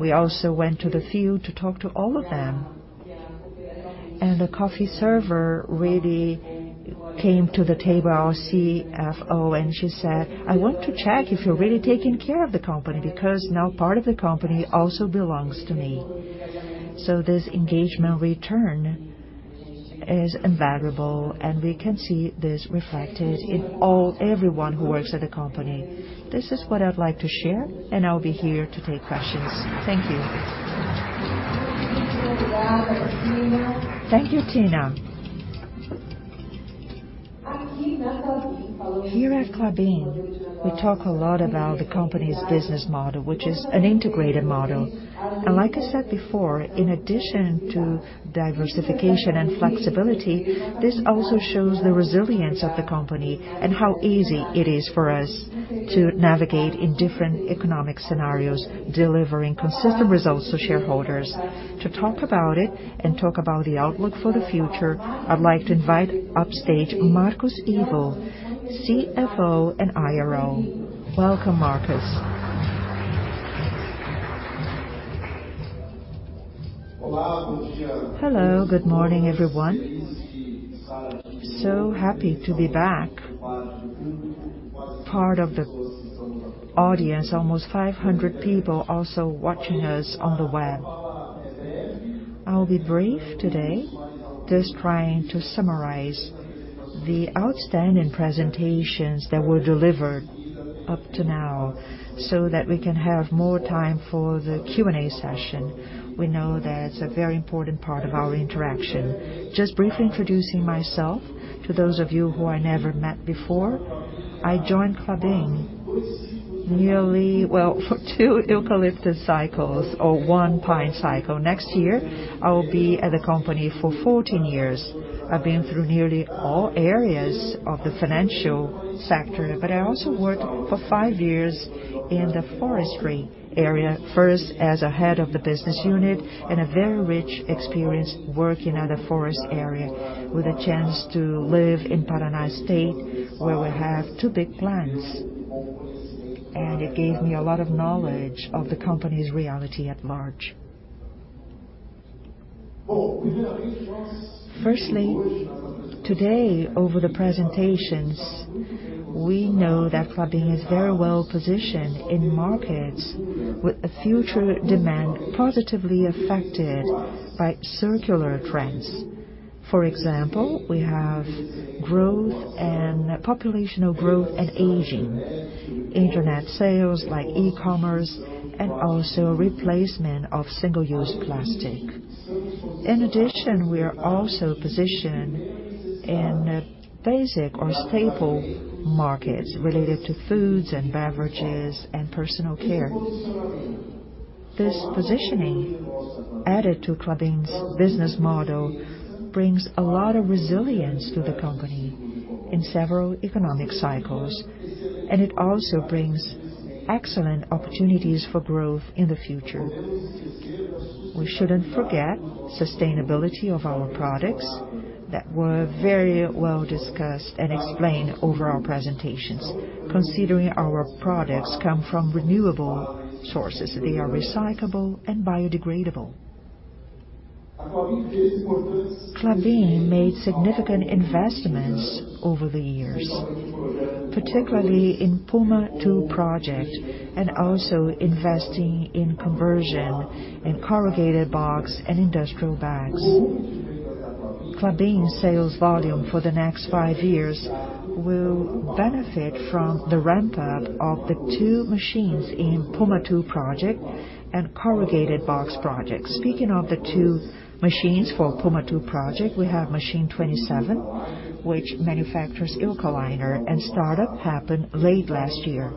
We also went to the field to talk to all of them. The coffee server really came to the table, our CFO, and she said, "I want to check if you're really taking care of the company, because now part of the company also belongs to me." This engagement return is invaluable, and we can see this reflected in all-- everyone who works at the company. This is what I'd like to share, and I'll be here to take questions. Thank you. Thank you, Tina. Here at Klabin, we talk a lot about the company's business model, which is an integrated model. Like I said before, in addition to diversification and flexibility, this also shows the resilience of the company and how easy it is for us to navigate in different economic scenarios, delivering consistent results to shareholders. To talk about it and talk about the outlook for the future, I'd like to invite upstage Marcos Ivo, CFO and IRO. Welcome, Marcos. Hello, good morning, everyone. Happy to be back. Part of the audience, almost 500 people also watching us on the web. I'll be brief today, just trying to summarize the outstanding presentations that were delivered up to now, so that we can have more time for the Q&A session. We know that it's a very important part of our interaction. Just briefly introducing myself to those of you who I never met before. I joined Klabin nearly, well, for two eucalyptus cycles or one pine cycle. Next year, I will be at the company for 14 years. I've been through nearly all areas of the financial sector, but I also worked for five years in the forestry area, first as a head of the business unit and a very rich experience working at a forest area with a chance to live in Paraná State, where we have two big plants. It gave me a lot of knowledge of the company's reality at large. Firstly, today, over the presentations, we know that Klabin is very well-positioned in markets with a future demand positively affected by circular trends. For example, we have growth and populational growth and aging, internet sales like e-commerce, and also replacement of single-use plastic. In addition, we are also positioned in basic or staple markets related to foods and beverages and personal care. This positioning, added to Klabin's business model, brings a lot of resilience to the company in several economic cycles. It also brings excellent opportunities for growth in the future. We shouldn't forget sustainability of our products that were very well discussed and explained over our presentations, considering our products come from renewable sources. They are recyclable and biodegradable. Klabin made significant investments over the years, particularly in Puma II Project, and also investing in conversion in corrugated box and industrial bags. Klabin sales volume for the next five years will benefit from the ramp-up of the two machines in Puma II Project and corrugated box projects. Speaking of the two machines for Puma II Project, we have Machine 27, which manufactures Eukaliner and startup happened late last year.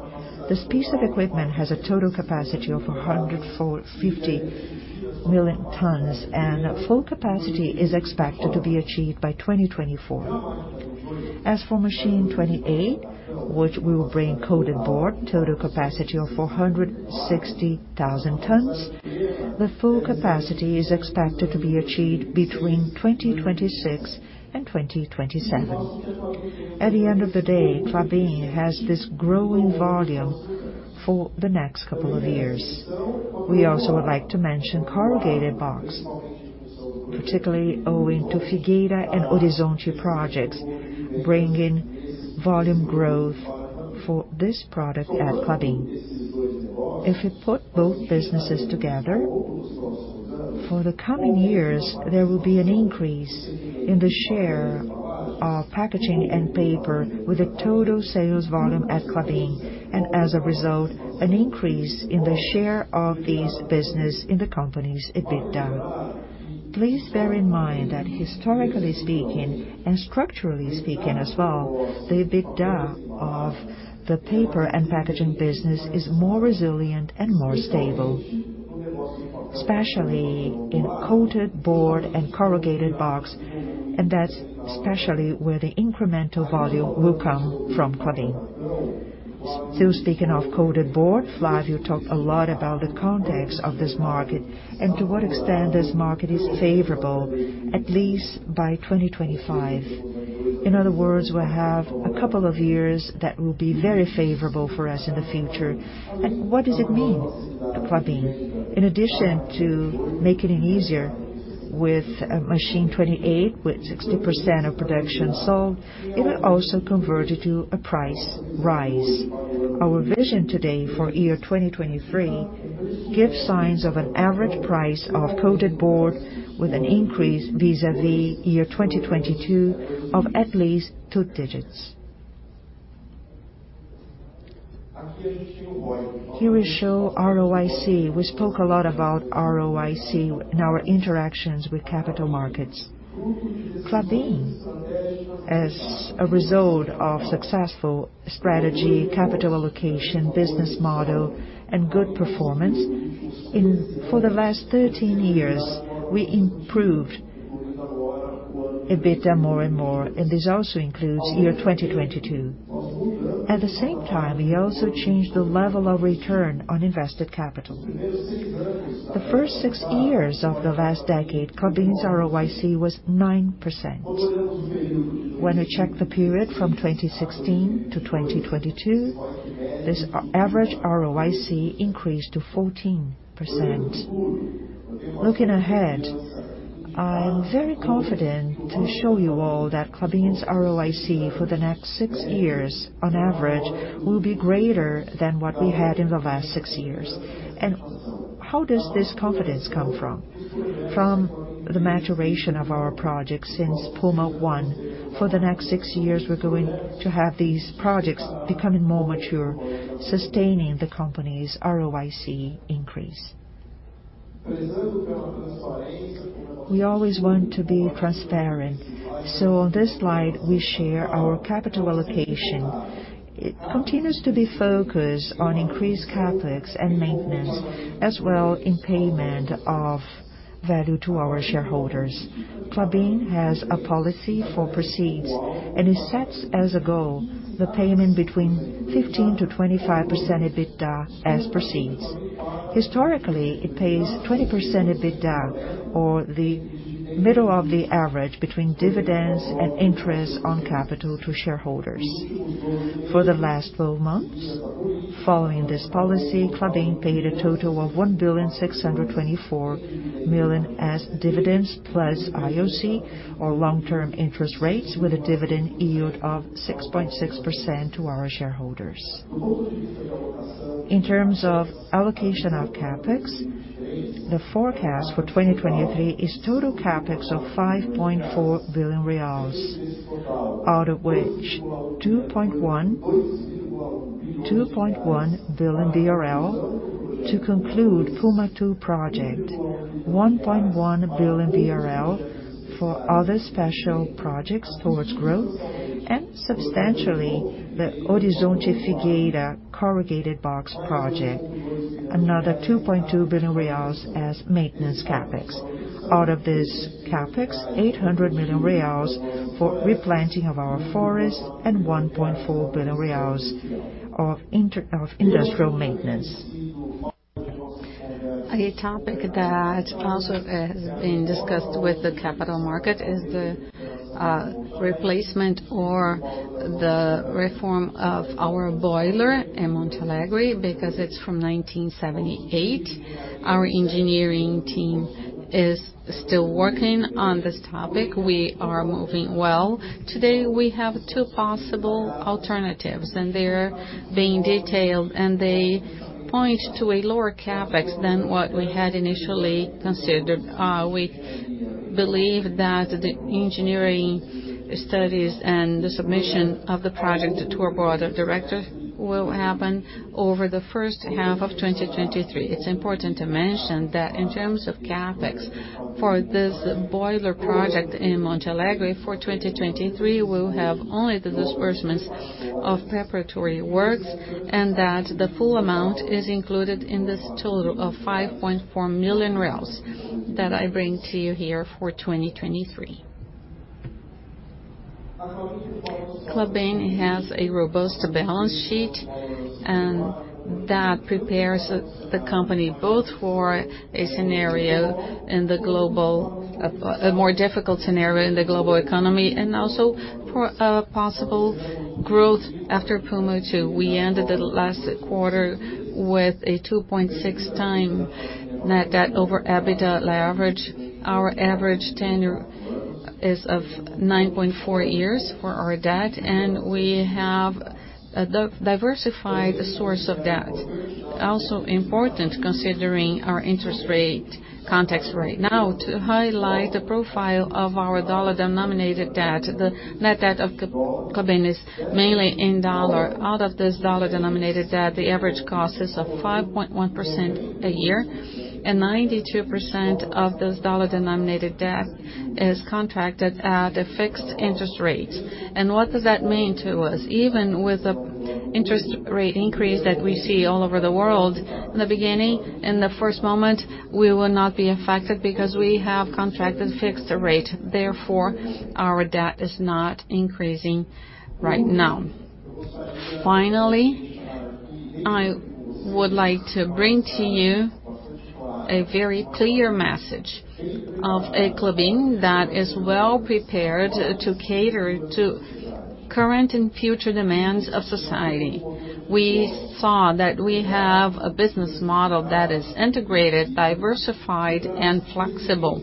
This piece of equipment has a total capacity of 150 million tons, and full capacity is expected to be achieved by 2024. As for Machine 28, which will bring coated board, total capacity of 460,000 tons, the full capacity is expected to be achieved between 2026 and 2027. At the end of the day, Klabin has this growing volume for the next couple of years. We also would like to mention corrugated box, particularly owing to Figueira and Horizonte projects, bringing volume growth for this product at Klabin. If we put both businesses together, for the coming years, there will be an increase in the share of packaging and paper with a total sales volume at Klabin, and as a result, an increase in the share of this business in the company's EBITDA. Please bear in mind that historically speaking and structurally speaking as well, the EBITDA of the paper and packaging business is more resilient and more stable, especially in Coated board and corrugated box, and that's especially where the incremental volume will come from Klabin. Still speaking of Coated board, Flávio talked a lot about the context of this market and to what extent this market is favorable, at least by 2025. In other words, we'll have a couple of years that will be very favorable for us in the future. What does it mean for Klabin? In addition to making it easier with Machine 28, with 60% of production sold, it will also convert it to a price rise. Our vision today for year 2023 give signs of an average price of coated board with an increase vis-à-vis year 2022 of at least two digits. Here we show ROIC. We spoke a lot about ROIC in our interactions with capital markets. Klabin, as a result of successful strategy, capital allocation, business model, and good performance for the last 13 years, we improved EBITDA more and more, and this also includes year 2022. At the same time, we also changed the level of return on invested capital. The first 6 years of the last decade, Klabin's ROIC was 9%. When we check the period from 2016 to 2022, this average ROIC increased to 14%. Looking ahead, I am very confident to show you all that Klabin's ROIC for the next 6 years on average will be greater than what we had in the last six years. How does this confidence come from? From the maturation of our projects since Puma I. For the next six years, we're going to have these projects becoming more mature, sustaining the company's ROIC increase. We always want to be transparent, on this slide, we share our capital allocation. It continues to be focused on increased CapEx and maintenance, as well in payment of value to our shareholders. Klabin has a policy for proceeds, it sets as a goal the payment between 15%-25% EBITDA as proceeds. Historically, it pays 20% EBITDA or the middle of the average between dividends and interest on capital to shareholders. For the last 12 months, following this policy, Klabin paid a total of 1.624 billion as dividends plus IOC or long-term interest rates with a dividend yield of 6.6% to our shareholders. In terms of allocation of CapEx, the forecast for 2023 is total CapEx of 5.4 billion reais. Out of which, 2.1 billion BRL to conclude Puma II Project, 1.1 billion BRL for other special projects towards growth, and substantially, the Horizonte Figueira corrugated box project, another 2.2 billion reais as maintenance CapEx. Out of this CapEx, 800 million reais for replanting of our forests and 1.4 billion reais of industrial maintenance. A topic that also has been discussed with the capital market is the replacement or the reform of our boiler in Monte Alegre because it's from 1978. Our engineering team is still working on this topic. We are moving well. Today, we have two possible alternatives, they're being detailed, and they point to a lower CapEx than what we had initially considered. We believe that the engineering studies and the submission of the project to our board of directors will happen over the first half of 2023. It's important to mention that in terms of CapEx for this boiler project in Monte Alegre, for 2023, we'll have only the disbursements of preparatory works that the full amount is included in this total of 5.4 million BRL that I bring to you here for 2023. Klabin has a robust balance sheet that prepares the company both for a more difficult scenario in the global economy and also for possible growth after Puma II. We ended the last quarter with a 2.6x net-debt-over EBITDA leverage. Our average tenure is of 9.4 years for our debt, we have a diversified source of debt. Also important considering our interest rate context right now to highlight the profile of our dollar-denominated debt. The net debt of Klabin is mainly in US dollar. Out of this dollar-denominated debt, the average cost is of 5.1% a year, 92% of this dollar-denominated debt is contracted at a fixed interest rate. What does that mean to us? Even with the interest rate increase that we see all over the world, in the beginning, in the first moment, we will not be affected because we have contracted fixed rate. Therefore, our debt is not increasing right now. Finally, I would like to bring to you a very clear message of a Klabin that is well-prepared to cater to current and future demands of society. We saw that we have a business model that is integrated, diversified, and flexible,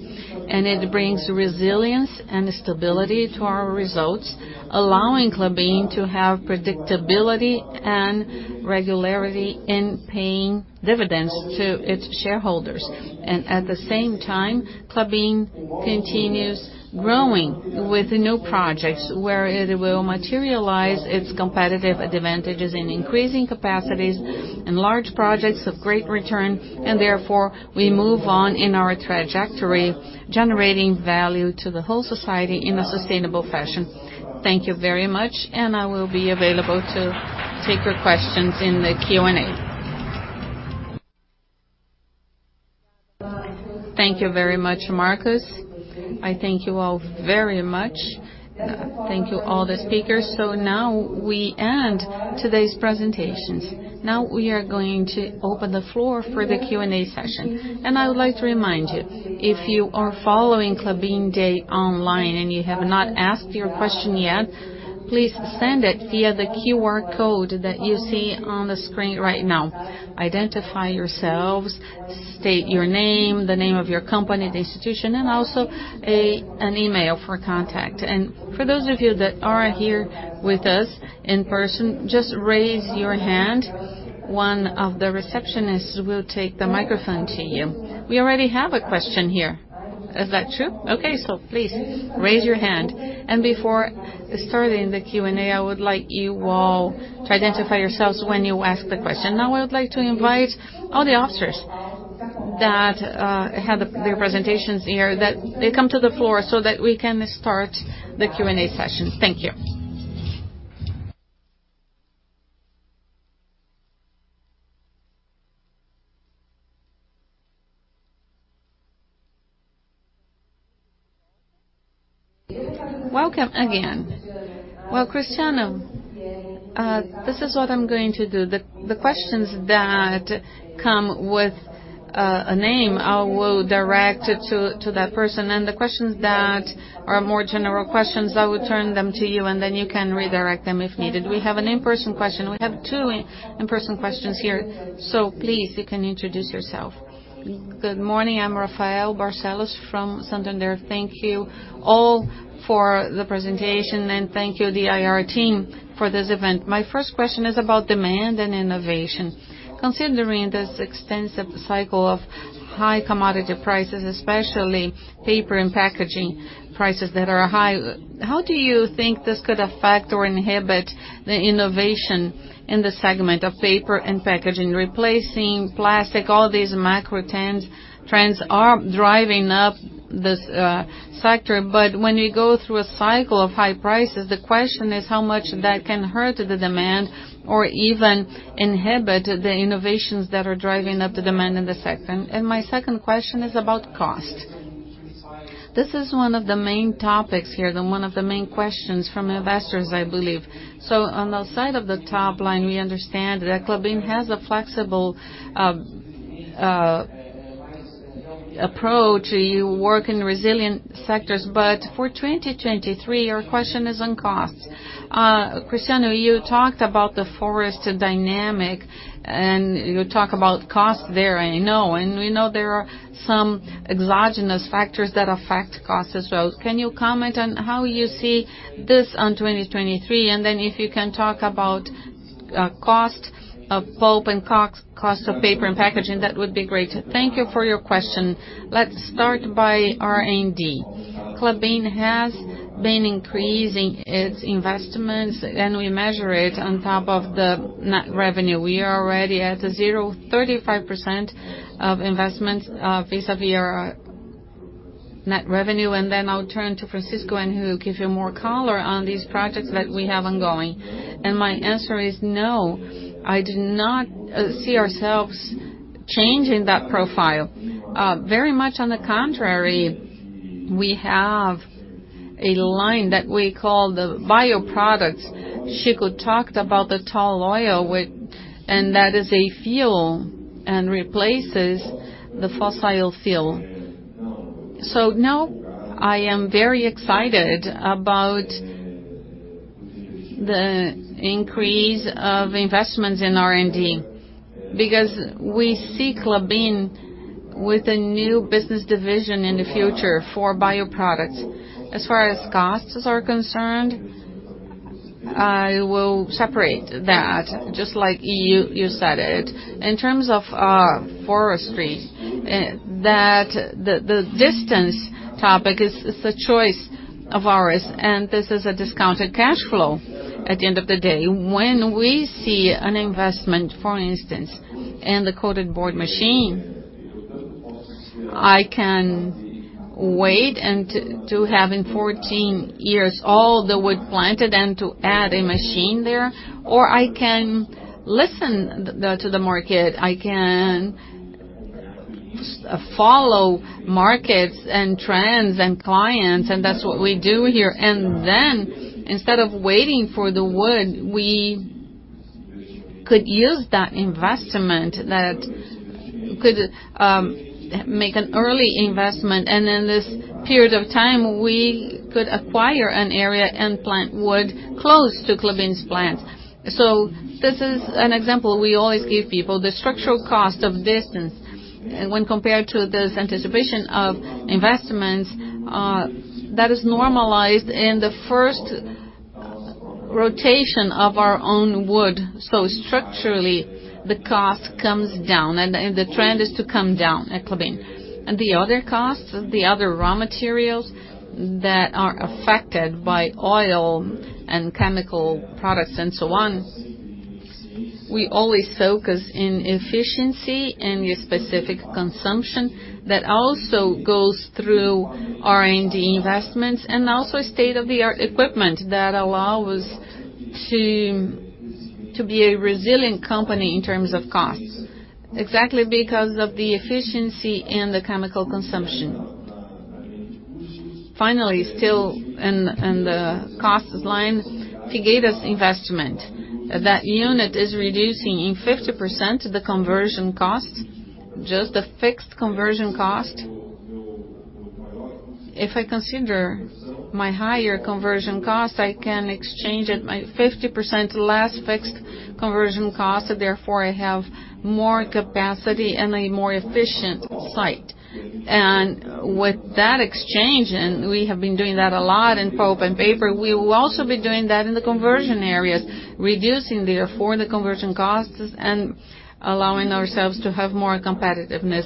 and it brings resilience and stability to our results, allowing Klabin to have predictability and regularity in paying dividends to its shareholders. At the same time, Klabin continues growing with new projects where it will materialize its competitive advantages in increasing capacities and large projects of great return. Therefore, we move on in our trajectory, generating value to the whole society in a sustainable fashion. Thank you very much. I will be available to take your questions in the Q&A. Thank you very much, Marcos. I thank you all very much. Thank you all the speakers. Now we end today's presentations. Now we are going to open the floor for the Q&A session. I would like to remind you, if you are following Klabin Day online and you have not asked your question yet, please send it via the QR code that you see on the screen right now. Identify yourselves, state your name, the name of your company, the institution, and also an email for contact. For those of you that are here with us in person, just raise your hand. One of the receptionists will take the microphone to you. We already have a question here. Is that true? Okay, please raise your hand. Before starting the Q&A, I would like you all to identify yourselves when you ask the question. Now, I would like to invite all the officers that had their presentations here that they come to the floor so that we can start the Q&A session. Thank you. Welcome again. Cristiano, this is what I'm going to do. The questions that come with a name, I will direct it to that person. The questions that are more general questions, I would turn them to you, and then you can redirect them if needed. We have an in-person question. We have two in-person questions here. Please, you can introduce yourself. Good morning. I'm Rafael Barcellos from Santander. Thank you all for the presentation, and thank you the IR team for this event. My first question is about demand and innovation. Considering this extensive cycle of high commodity prices, especially paper and packaging prices that are high, how do you think this could affect or inhibit the innovation in the segment of paper and packaging? Replacing plastic, all these macro trends are driving up this sector. When you go through a cycle of high prices, the question is how much that can hurt the demand or even inhibit the innovations that are driving up the demand in the segment. My second question is about cost. This is one of the main topics here and one of the main questions from investors, I believe. On the side of the top line, we understand that Klabin has a flexible approach. You work in resilient sectors. For 2023, our question is on costs. Cristiano, you talked about the forest dynamic, you talk about cost there, I know. We know there are some exogenous factors that affect cost as well. Can you comment on how you see this on 2023? Then if you can talk about cost of pulp and cost of paper and packaging, that would be great. Thank you for your question. Let's start by R&D. Klabin has been increasing its investments, we measure it on top of the net revenue. We are already at 0.35% of investment vis-à-vis our net revenue. Then I'll turn to Francisco, he'll give you more color on these projects that we have ongoing. My answer is no, I do not see ourselves changing that profile. Very much on the contrary, we have a line that we call the bioproduct. Chico talked about the Tall Oil, and that is a fuel and replaces the fossil fuel. No, I am very excited about the increase of investments in R&D because we see Klabin with a new business division in the future for bioproduct. As far as costs are concerned, I will separate that, just like you said it. In terms of forestry, the distance topic is a choice of ours, and this is a discounted cash flow at the end of the day. When we see an investment, for instance, in the Coated board machine, I can wait and to have in 14 years all the wood planted and to add a machine there, or I can listen to the market. I can follow markets and trends and clients, and that's what we do here. Instead of waiting for the wood, we could use that investment that could make an early investment. In this period of time, we could acquire an area and plant wood close to Klabin's plant. This is an example we always give people. The structural cost of distance when compared to this anticipation of investments that is normalized in the first rotation of our own wood. Structurally, the cost comes down and the trend is to come down at Klabin. The other costs, the other raw materials that are affected by oil and chemical products and so on, we always focus in efficiency and your specific consumption. That also goes through R&D investments and also state-of-the-art equipment that allow us to be a resilient company in terms of costs. Exactly because of the efficiency and the chemical consumption. Finally, still in the costs line, Projeto Figueira investment. That unit is reducing in 50% the conversion costs, just the fixed conversion cost. If I consider my higher conversion costs, I can exchange at my 50% less fixed conversion cost, therefore I have more capacity and a more efficient site. With that exchange, and we have been doing that a lot in pulp and paper, we will also be doing that in the conversion areas, reducing therefore the conversion costs and allowing ourselves to have more competitiveness.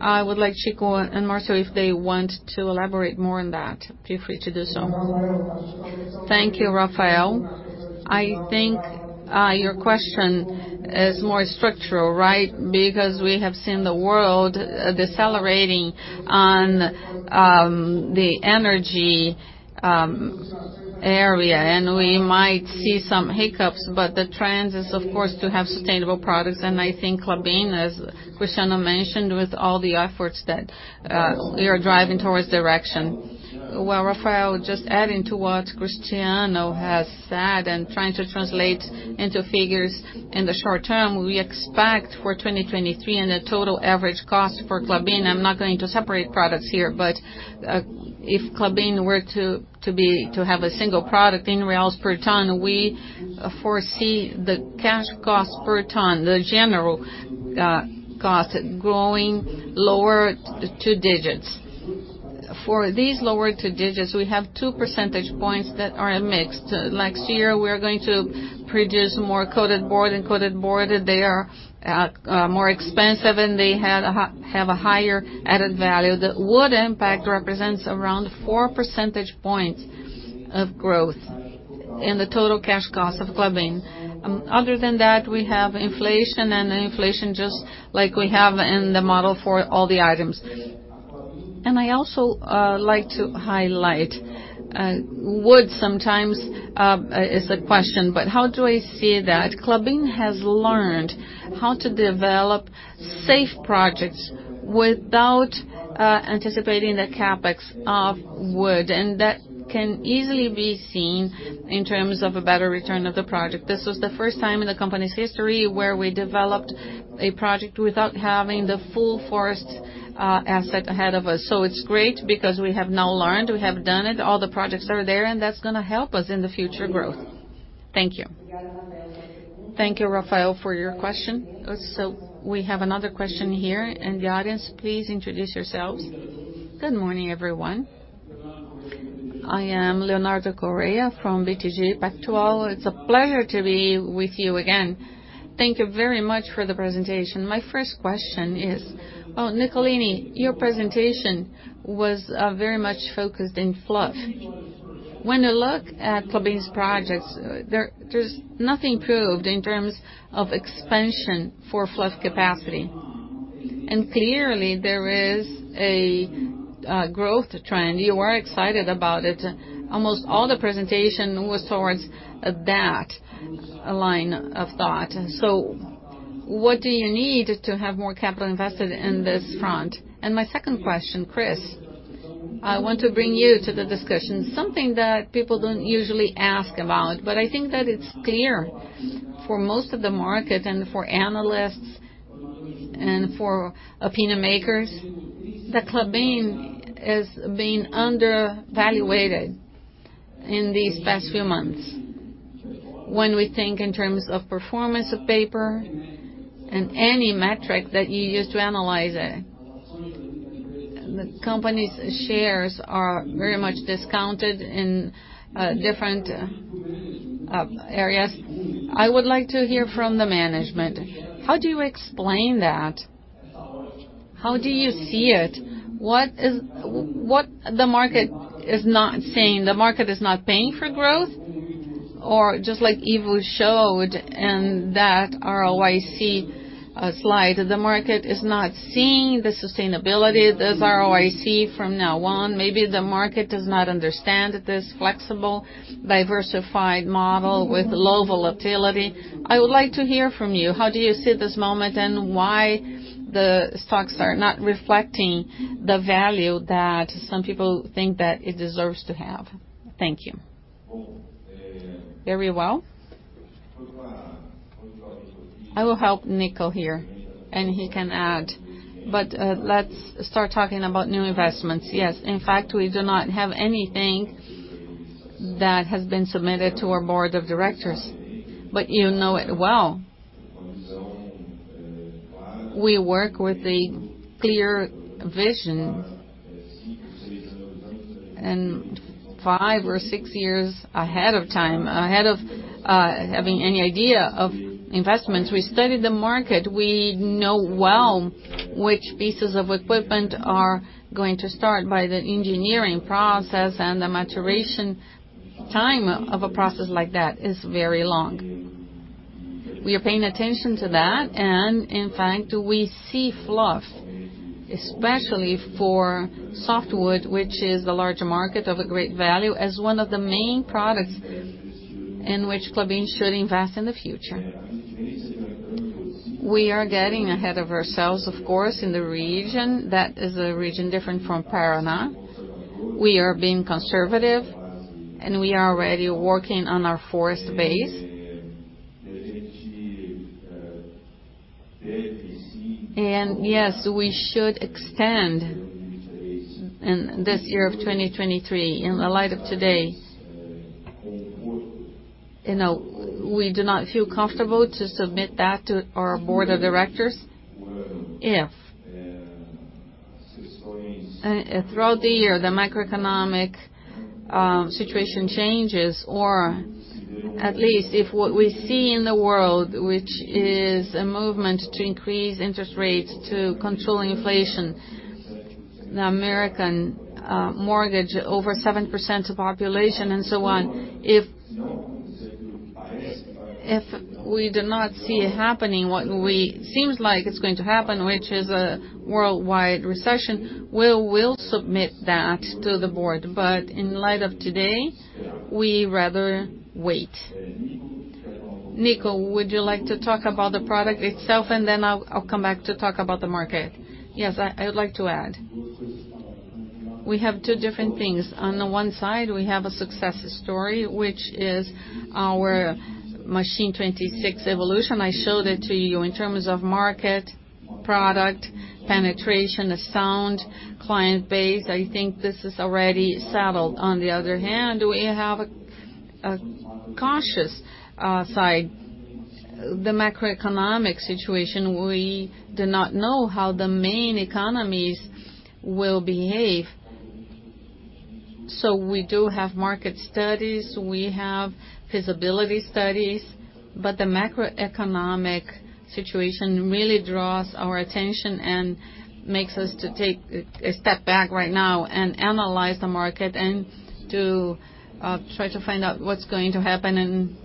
I would like Chico and Marcel, if they want to elaborate more on that, feel free to do so. Thank you, Rafael. I think your question is more structural, right? We have seen the world decelerating on the energy area, and we might see some hiccups, but the trend is of course to have sustainable products and I think Klabin, as Cristiano mentioned, with all the efforts that we are driving towards direction. Well, Rafael, just adding to what Cristiano has said, and trying to translate into figures in the short term. We expect for 2023 a total average cost for Klabin, I'm not going to separate products here. If Klabin were to have a single product in BRL per ton, we foresee the cash cost per ton, the general cost growing lower two digits. For these lower two digits, we have 2 percentage points that are a mix. Next year, we are going to produce more coated board, and coated board they are more expensive and they have a higher added value. The wood impact represents around 4 percentage points of growth in the total cash cost of Klabin. Other than that, we have inflation, and inflation just like we have in the model for all the items. I also like to highlight, wood sometimes is a question, but how do I see that? Klabin has learned how to develop safe projects without anticipating the CapEx of wood, and that can easily be seen in terms of a better return of the project. This was the first time in the company's history where we developed a project without having the full forest asset ahead of us. It's great because we have now learned, we have done it, all the projects are there, and that's gonna help us in the future growth. Thank you. Thank you, Rafael, for your question. We have another question here in the audience. Please introduce yourselves. Good morning, everyone. I am Leonardo Correa from BTG Pactual. It's a pleasure to be with you again. Thank you very much for the presentation. My first question is, well, Nicolini, your presentation was very much focused in fluff. When I look at Klabin's projects, there's nothing proved in terms of expansion for fluff capacity. Clearly, there is a growth trend. You are excited about it. Almost all the presentation was towards that line of thought. What do you need to have more capital invested in this front? My second question, Cris, I want to bring you to the discussion. Something that people don't usually ask about, but I think that it's clear for most of the market and for analysts and for opinion makers, that Klabin is being undervalued in these past few months. When we think in terms of performance of paper and any metric that you use to analyze it, the company's shares are very much discounted in different areas. I would like to hear from the management. How do you explain that? How do you see it? What the market is not seeing? The market is not paying for growth? Or just like Ivo showed in that ROIC slide, the market is not seeing the sustainability of this ROIC from now on. Maybe the market does not understand this flexible, diversified model with low volatility. I would like to hear from you, how do you see this moment, and why the stocks are not reflecting the value that some people think that it deserves to have? Thank you. Very well. I will help Nico here, and he can add. Let's start talking about new investments. Yes. In fact, we do not have anything that has been submitted to our board of directors. You know it well. We work with a clear vision. Five or six years ahead of time, ahead of having any idea of investments, we study the market. We know well which pieces of equipment are going to start by the engineering process, and the maturation time of a process like that is very long. We are paying attention to that, and in fact, we see fluff, especially for softwood, which is the larger market of a great value as one of the main products in which Klabin should invest in the future. We are getting ahead of ourselves, of course, in the region, that is a region different from Paraná. We are being conservative, we are already working on our forest base. Yes, we should extend in this year of 2023. In the light of today, you know, we do not feel comfortable to submit that to our board of directors. If throughout the year, the macroeconomic situation changes, or at least if what we see in the world, which is a movement to increase interest rates to controlling inflation, the American mortgage over 7% of population and so on. If we do not see it happening, what seems like it's going to happen, which is a worldwide recession, we will submit that to the board, but in light of today, we rather wait. Nico, would you like to talk about the product itself, and then I'll come back to talk about the market? I would like to add. We have two different things. On the one side, we have a success story, which is our Machine 26 evolution. I showed it to you in terms of market, product, penetration, a sound client base. I think this is already settled. On the other hand, we have a cautious side. The macroeconomic situation, we do not know how the main economies will behave. We do have market studies, we have feasibility studies, but the macroeconomic situation really draws our attention and makes us to take a step back right now and analyze the market and to try to find out what's going to happen and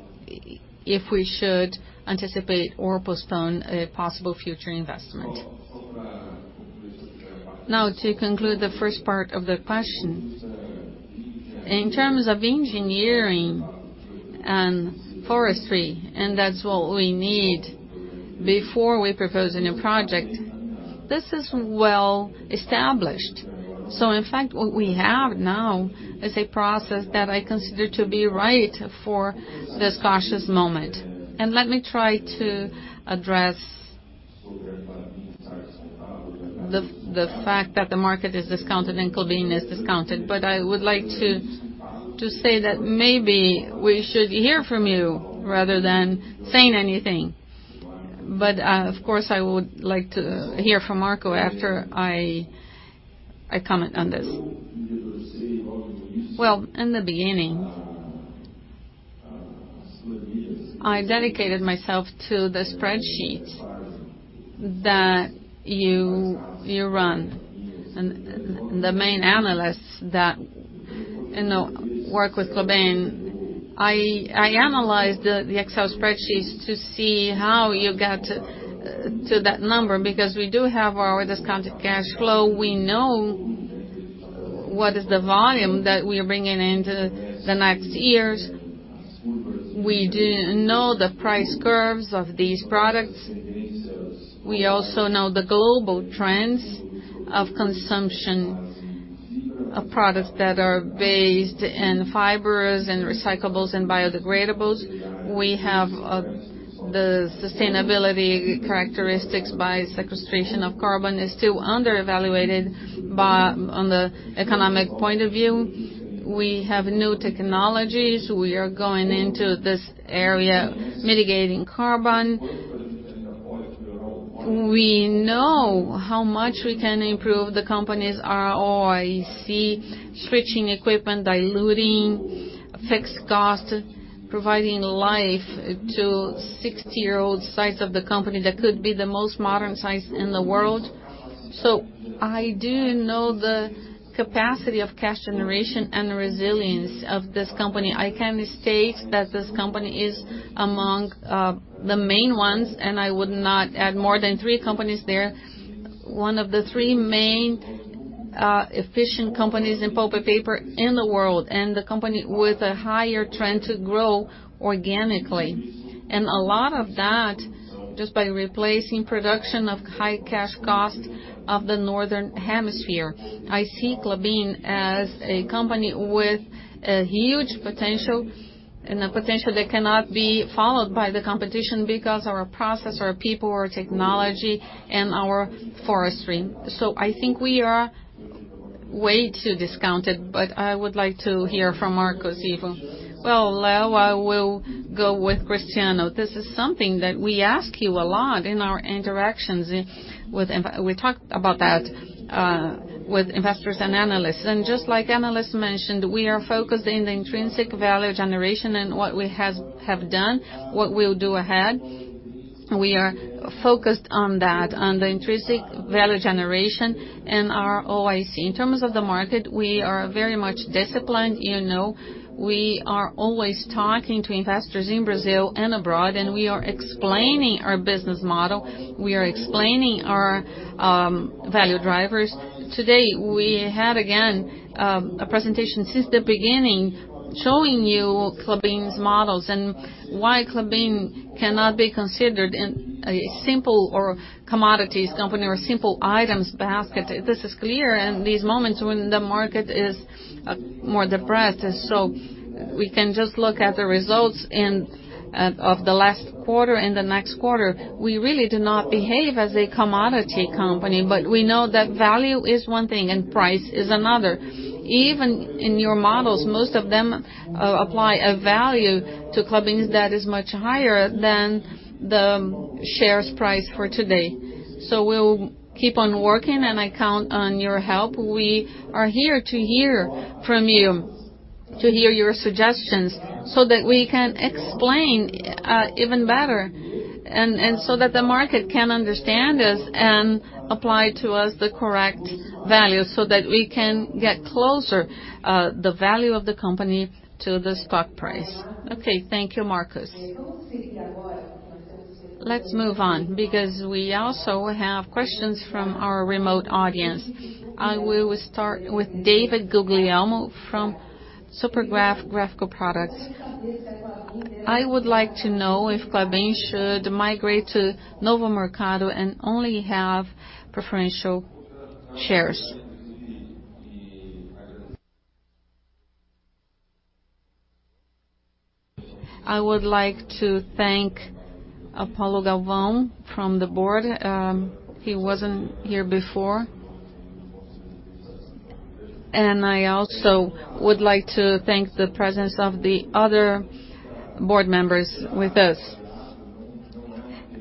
if we should anticipate or postpone a possible future investment. To conclude the first part of the question. In terms of engineering and forestry, and that's what we need before we propose a new project, this is well established. In fact, what we have now is a process that I consider to be right for this cautious moment. Let me try to address the fact that the market is discounted and Klabin is discounted. I would like to say that maybe we should hear from you rather than saying anything. Of course, I would like to hear from Marcos after I comment on this. Well, in the beginning, I dedicated myself to the spreadsheet that you run and the main analysts that, you know, work with Klabin. I analyzed the Excel spreadsheets to see how you got to that number because we do have our discounted cash flow. We know what is the volume that we are bringing in to the next years. We do know the price curves of these products. We also know the global trends of consumption of products that are based in fibers and recyclables and biodegradables. We have the sustainability characteristics by sequestration of carbon is still underevaluated on the economic point of view. We have new technologies. We are going into this area mitigating carbon. We know how much we can improve the company's ROIC, switching equipment, diluting fixed cost, providing life to 60-year-old sites of the company that could be the most modern sites in the world. I do know the capacity of cash generation and the resilience of this company. I can state that this company is among the main ones, and I would not add more than three companies there. One of the three main, efficient companies in pulp and paper in the world, and the company with a higher trend to grow organically. A lot of that just by replacing production of high cash cost of the northern hemisphere. I see Klabin as a company with a huge potential and a potential that cannot be followed by the competition because our process, our people, our technology, and our forestry. I think we are way too discounted, but I would like to hear from Marco. Well, Leo, I will go with Cristiano. This is something that we ask you a lot in our interactions with. We talked about that with investors and analysts. Just like analysts mentioned, we are focused in the intrinsic value generation and what we have done, what we'll do ahead. We are focused on that, on the intrinsic value generation and our IOC. In terms of the market, we are very much disciplined, you know. We are always talking to investors in Brazil and abroad, and we are explaining our business model, we are explaining our value drivers. Today, we had again, a presentation since the beginning showing you Klabin's models and why Klabin cannot be considered in a simple or commodities company or simple items basket. This is clear in these moments when the market is more depressed. We can just look at the results of the last quarter and the next quarter. We really do not behave as a commodity company, but we know that value is one thing and price is another. Even in your models, most of them apply a value to Klabin that is much higher than the shares price for today. We'll keep on working, and I count on your help. We are here to hear from you, to hear your suggestions so that we can explain even better, and so that the market can understand us and apply to us the correct value so that we can get closer the value of the company to the stock price. Okay. Thank you, Marcos. Let's move on because we also have questions from our remote audience. I will start with David Guglielmo from Supergraph Graphical Products. I would like to know if Klabin should migrate to Novo Mercado and only have preferential shares. I would like to thank Paulo Galvão from the board. He wasn't here before. I also would like to thank the presence of the other board members with us.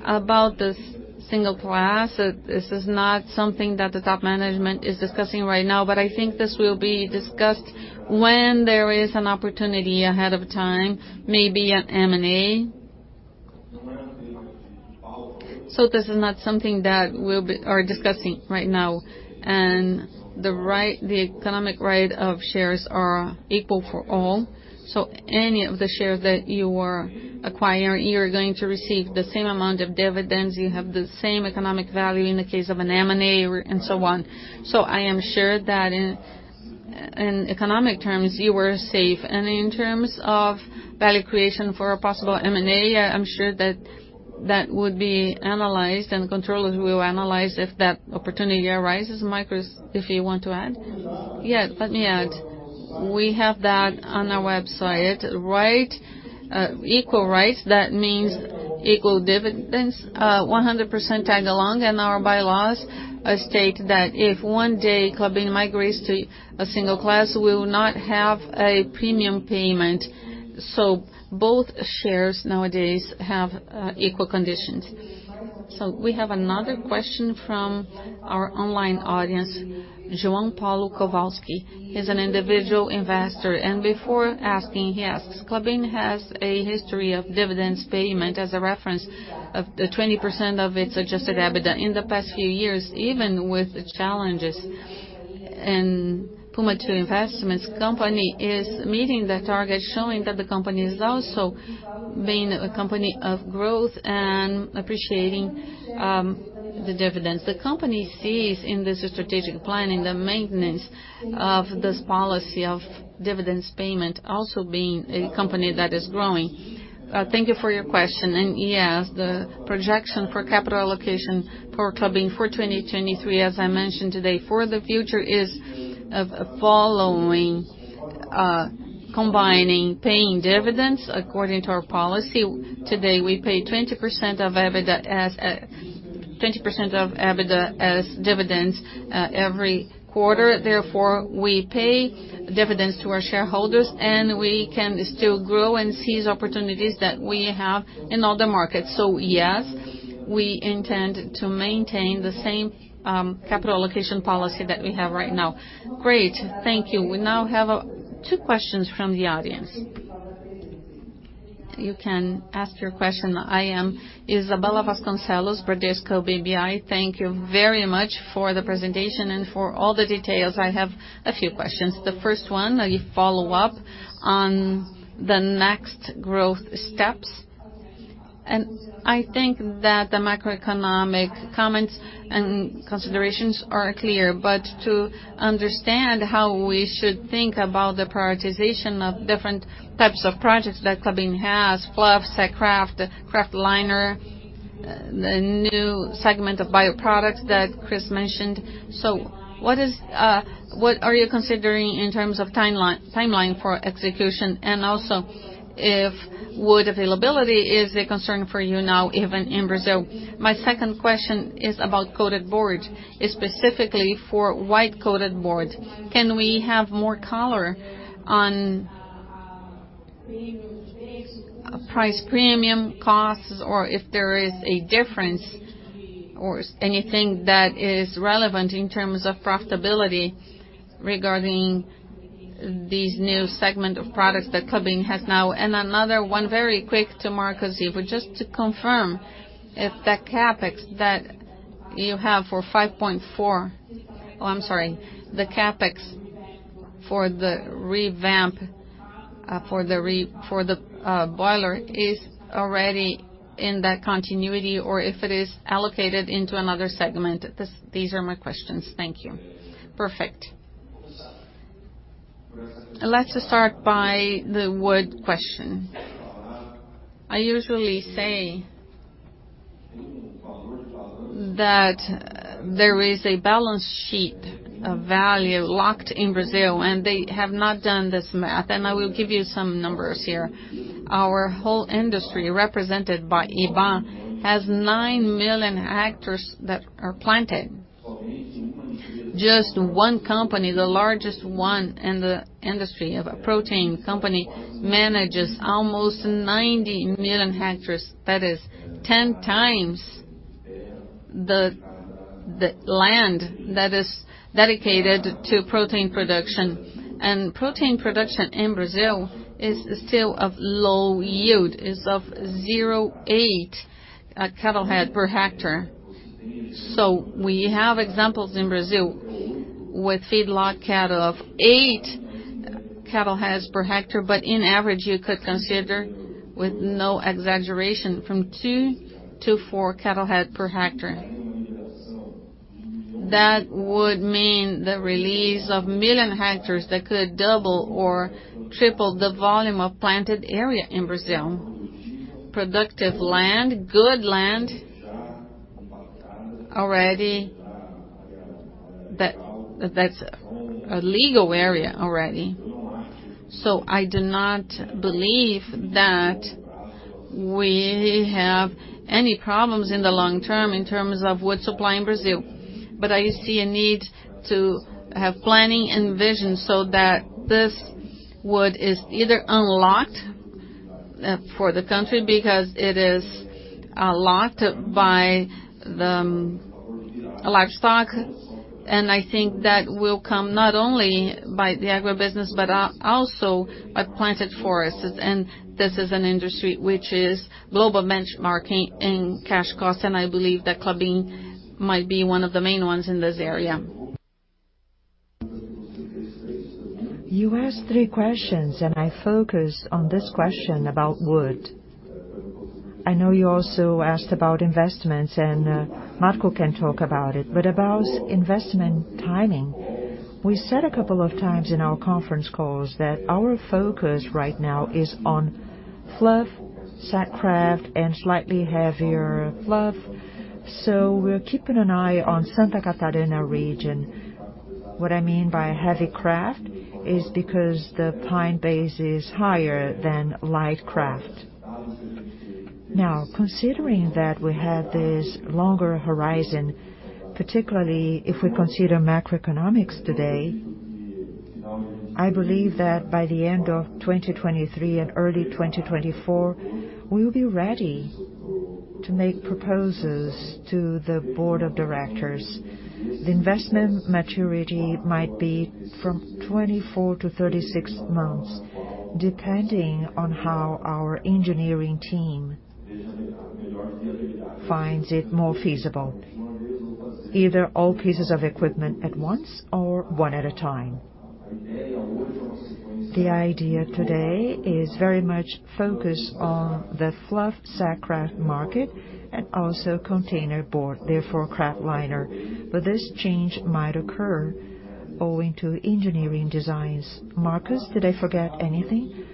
About the single class, this is not something that the top management is discussing right now, but I think this will be discussed when there is an opportunity ahead of time, maybe an M&A. This is not something that we are discussing right now. The economic right of shares are equal for all. Any of the shares that you are acquiring, you're going to receive the same amount of dividends, you have the same economic value in the case of an M&A or and so on. I am sure that in economic terms, you are safe. In terms of value creation for a possible M&A, I'm sure that that would be analyzed and controllers will analyze if that opportunity arises. Marcos, if you want to add? Yes. Let me add. We have that on our website, right, equal rights, that means equal dividends, 100% tag along. Our bylaws state that if one day Klabin migrates to a single class, we will not have a premium payment. Both shares nowadays have equal conditions. We have another question from our online audience. João Paulo Kowalski. He's an individual investor. Before asking, he asks, Klabin has a history of dividends payment as a reference of the 20% of its Adjusted EBITDA. In the past few years, even with the challenges and cumulative investments, company is meeting the target, showing that the company is also being a company of growth and appreciating the dividends. The company sees in this strategic planning the maintenance of this policy of dividends payment also being a company that is growing. Thank you for your question. Yes, the projection for capital allocation for Klabin for 2023, as I mentioned today, for the future is following combining paying dividends according to our policy. Today, we pay 20% of EBITDA as 20% of EBITDA as dividends every quarter. We pay dividends to our shareholders, and we can still grow and seize opportunities that we have in other markets. Yes, we intend to maintain the same capital allocation policy that we have right now. Great. Thank you. We now have two questions from the audience. You can ask your question. I am Isabella Vasconcelos, Bradesco BBI. Thank you very much for the presentation and for all the details. I have a few questions. The first one, a follow-up on the next growth steps. I think that the macroeconomic comments and considerations are clear. To understand how we should think about the prioritization of different types of projects that Klabin has, fluff, Sack Kraft, Kraftliner, the new segment of bioproducts that Cris mentioned. What is, what are you considering in terms of timeline for execution? Also, if wood availability is a concern for you now, even in Brazil. My second question is about Coated board, specifically for white coated board. Can we have more color on price premium costs, or if there is a difference Anything that is relevant in terms of profitability regarding these new segment of products that Klabin has now. Another one very quick to Marcos, just to confirm if the CapEx that you have for 5.4... Oh, I'm sorry. The CapEx for the revamp, for the boiler is already in that continuity or if it is allocated into another segment. These are my questions. Thank you. Perfect. Let's start by the wood question. I usually say that there is a balance sheet of value locked in Brazil, they have not done this math. I will give you some numbers here. Our whole industry, represented by Ibá, has 9 million ha that are planted. Just one company, the largest one in the industry of a protein company, manages almost 90 million ha. That is 10x the land that is dedicated to protein production. Protein production in Brazil is still of low yield, is of 0.8 cattle head per ha. We have examples in Brazil with feedlot cattle of eight cattle heads per ha, but in average, you could consider, with no exaggeration, from two to four cattle head per ha. That would mean the release of million ha that could double or triple the volume of planted area in Brazil. Productive land, good land already that's a legal area already. I do not believe that we have any problems in the long term in terms of wood supply in Brazil. I see a need to have planning and vision so that this wood is either unlocked for the country because it is locked by the livestock. I think that will come not only by the agribusiness, but also by planted forests. This is an industry which is global benchmarking in cash costs, and I believe that Klabin might be one of the main ones in this area. You asked three questions. I focused on this question about wood. I know you also asked about investments. Marco can talk about it. About investment timing, we said a couple of times in our conference calls that our focus right now is on fluff, Sack Kraft, and slightly heavier fluff. We're keeping an eye on Santa Catarina region. What I mean by heavy Kraft is because the pine base is higher than light Kraft. Considering that we have this longer horizon, particularly if we consider macroeconomics today, I believe that by the end of 2023 and early 2024, we will be ready to make proposals to the board of directors. The investment maturity might be from 24 to 36 months, depending on how our engineering team finds it more feasible. Either all pieces of equipment at once or one at a time. The idea today is very much focused on the fluff Sack Kraft market and also Containerboard, therefore Kraftliner. This change might occur owing to engineering designs. Marcos, did I forget anything?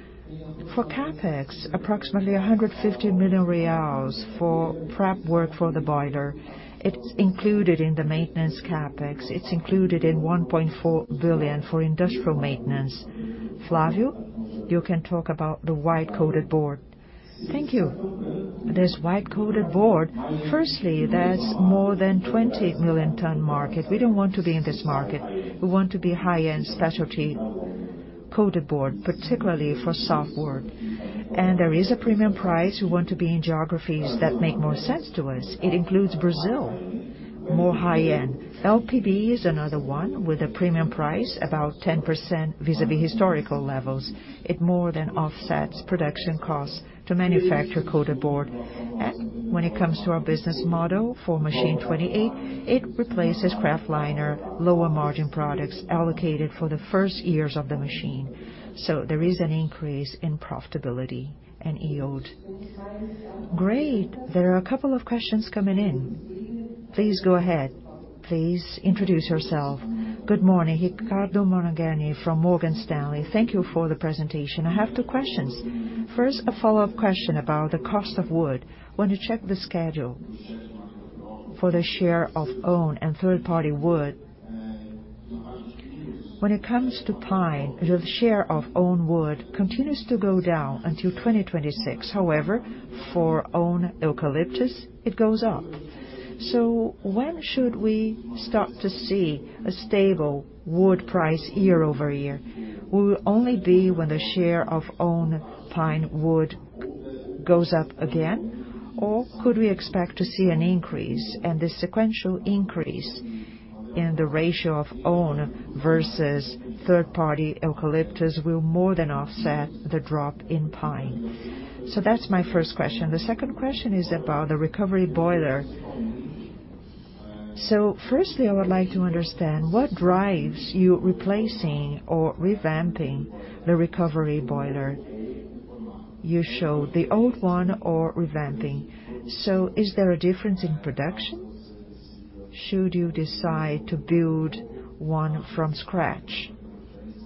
For CapEx, approximately 150 million reais for prep work for the boiler. It's included in the maintenance CapEx. It's included in 1.4 billion for industrial maintenance. Flávio, you can talk about the white-coated board. Thank you. This white-coated board, firstly, that's more than 20 million ton market. We don't want to be in this market. We want to be high-end specialty coated board, particularly for soft board. There is a premium price. We want to be in geographies that make more sense to us. It includes Brazil, more high-end. LPB is another one with a premium price, about 10% vis-à-vis historical levels. It more than offsets production costs to manufacture coated board. When it comes to our business model for Machine 28, it replaces Kraftliner lower margin products allocated for the first years of the machine. There is an increase in profitability and yield. Great. There are a couple of questions coming in. Please go ahead. Please introduce yourself. Good morning. Ricardo Morandini from Morgan Stanley. Thank you for the presentation. I have two questions. First, a follow-up question about the cost of wood. When you check the schedule for the share of owned and third-party wood, when it comes to pine, the share of owned wood continues to go down until 2026. However, for owned eucalyptus, it goes up. When should we start to see a stable wood price year-over-year? Will it only be when the share of owned pine wood goes up again, or could we expect to see an increase, and the sequential increase in the ratio of own versus third-party eucalyptus will more than offset the drop in pine. That's my first question. The second question is about the recovery boiler. Firstly, I would like to understand what drives you replacing or revamping the recovery boiler. You show the old one or revamping. Is there a difference in production should you decide to build one from scratch?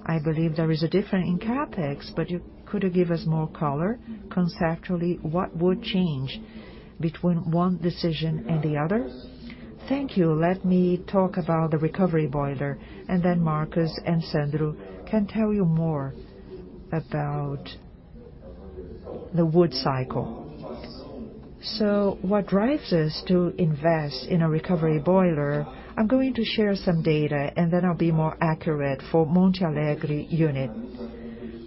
I believe there is a difference in CapEx, but could you give us more color? Conceptually, what would change between one decision and the other? Thank you. Let me talk about the recovery boiler, and then Marcos and Sandro can tell you more about the wood cycle. What drives us to invest in a recovery boiler, I'm going to share some data and then I'll be more accurate for Monte Alegre unit.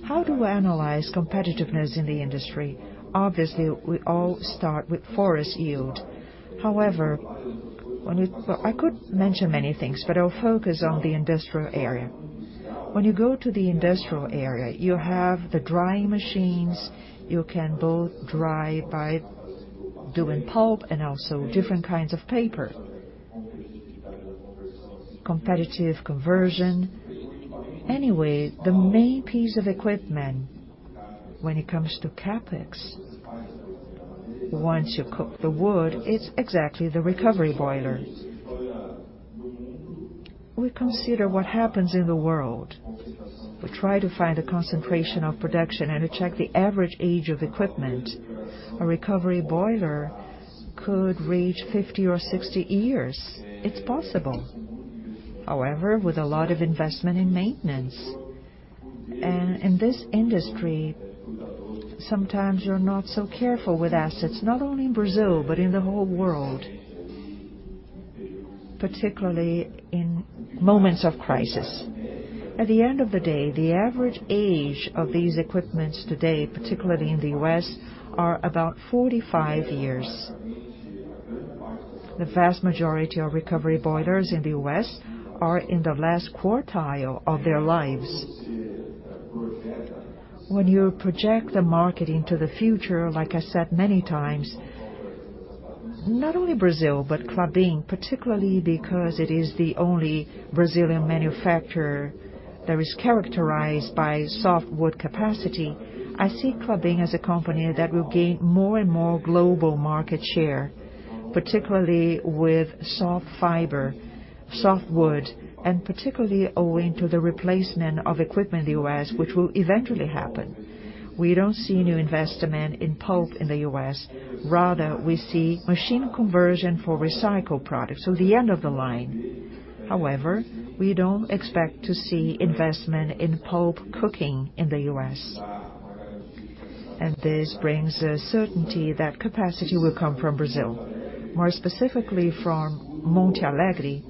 How do we analyze competitiveness in the industry? Obviously, we all start with forest yield. However, Well, I could mention many things, but I'll focus on the industrial area. When you go to the industrial area, you have the drying machines. You can both dry by doing pulp and also different kinds of paper. Competitive conversion. The main piece of equipment when it comes to CapEx, once you cook the wood, it's exactly the recovery boiler. We consider what happens in the world. We try to find a concentration of production and to check the average age of equipment. A recovery boiler could reach 50 or 60 years. It's possible. However, with a lot of investment in maintenance. In this industry sometimes you're not so careful with assets, not only in Brazil but in the whole world, particularly in moments of crisis. At the end of the day, the average age of these equipments today, particularly in the U.S., are about 45 years. The vast majority of recovery boilers in the U.S. are in the last quartile of their lives. When you project the market into the future, like I said many times, not only Brazil but Klabin, particularly because it is the only Brazilian manufacturer that is characterized by softwood capacity. I see Klabin as a company that will gain more and more global market share, particularly with soft fiber, softwood, and particularly owing to the replacement of equipment in the U.S., which will eventually happen. We don't see new investment in pulp in the U.S. Rather, we see machine conversion for recycled products, so the end of the line. However, we don't expect to see investment in pulp cooking in the U.S. This brings a certainty that capacity will come from Brazil, more specifically from Monte Alegre.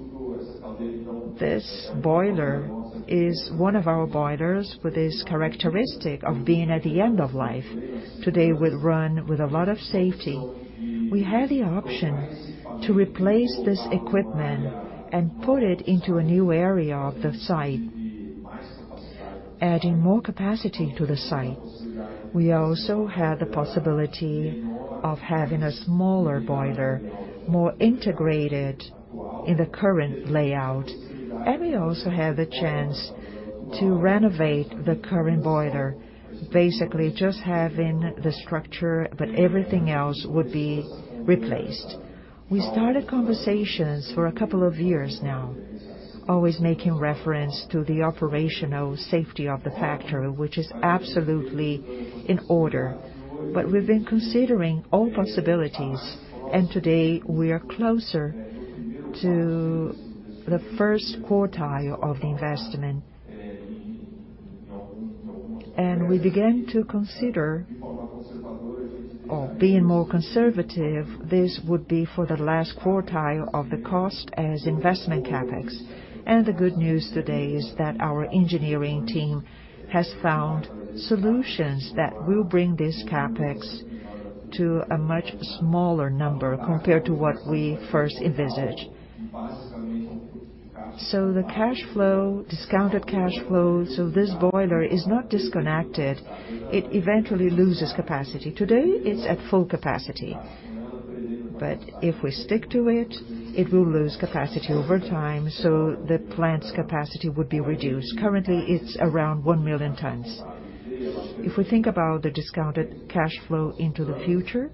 This boiler is one of our boilers with this characteristic of being at the end of life. Today, we run with a lot of safety. We have the option to replace this equipment and put it into a new area of the site, adding more capacity to the site. We also have the possibility of having a smaller boiler, more integrated in the current layout, and we also have the chance to renovate the current boiler, basically just having the structure, but everything else would be replaced. We started conversations for a couple of years now, always making reference to the operational safety of the factory, which is absolutely in order. We've been considering all possibilities and today we are closer to the first quartile of the investment. We began to consider or being more conservative, this would be for the last quartile of the cost as investment CapEx. The good news today is that our engineering team has found solutions that will bring this CapEx to a much smaller number compared to what we first envisaged. The cash flow, discounted cash flow, so this boiler is not disconnected. It eventually loses capacity. Today, it's at full capacity. If we stick to it will lose capacity over time, so the plant's capacity would be reduced. Currently, it's around 1 million tons. If we think about the discounted cash flow into the future,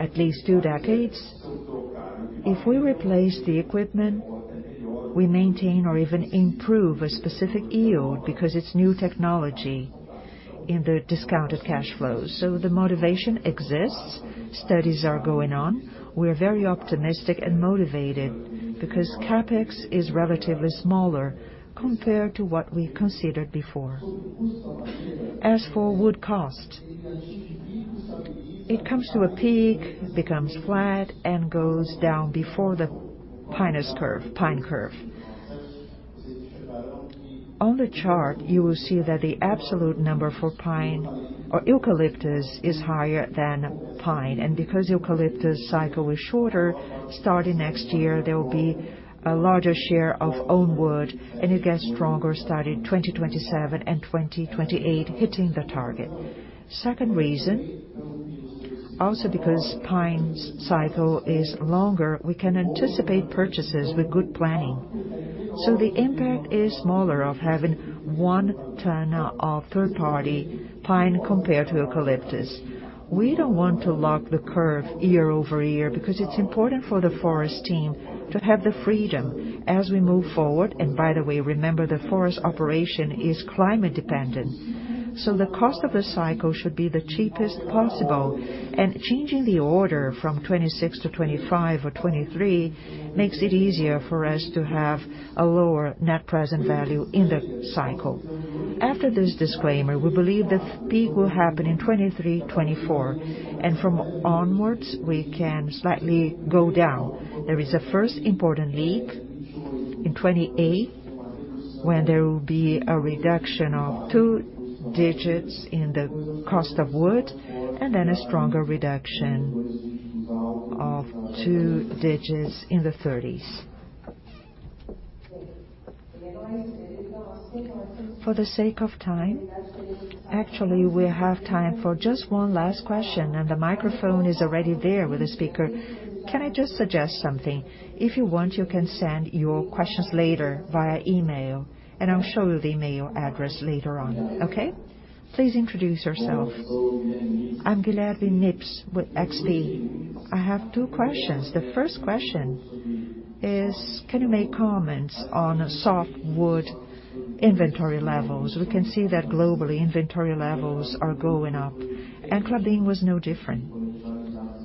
at least two decades, if we replace the equipment, we maintain or even improve a specific yield because it's new technology in the discounted cash flows. The motivation exists. Studies are going on. We're very optimistic and motivated because CapEx is relatively smaller compared to what we considered before. As for wood cost, it comes to a peak, becomes flat, and goes down before the pine curve. On the chart, you will see that the absolute number for pine or eucalyptus is higher than pine. Because eucalyptus cycle is shorter, starting next year, there will be a larger share of own wood, and it gets stronger starting 2027 and 2028 hitting the target. Second reason, also because pine's cycle is longer, we can anticipate purchases with good planning. The impact is smaller of having 1 ton of third-party pine compared to eucalyptus. We don't want to lock the curve year-over-year because it's important for the forest team to have the freedom as we move forward. By the way, remember the forest operation is climate dependent, so the cost of the cycle should be the cheapest possible. Changing the order from 2026 to 2025 or 2023 makes it easier for us to have a lower net present value in the cycle. After this disclaimer, we believe the peak will happen in 2023, 2024, and from onwards we can slightly go down. There is a first important leap in 2028 when there will be a reduction of two digits in the cost of wood and then a stronger reduction of two digits in the thirties. Actually, we have time for just one last question, and the microphone is already there with the speaker. Can I just suggest something? If you want, you can send your questions later via email, and I'll show you the email address later on. Okay? Please introduce yourself. I'm Guilherme Nippes with XP Investimentos. I have two questions. The first question is, can you make comments on softwood inventory levels? We can see that globally inventory levels are going up, and Klabin was no different.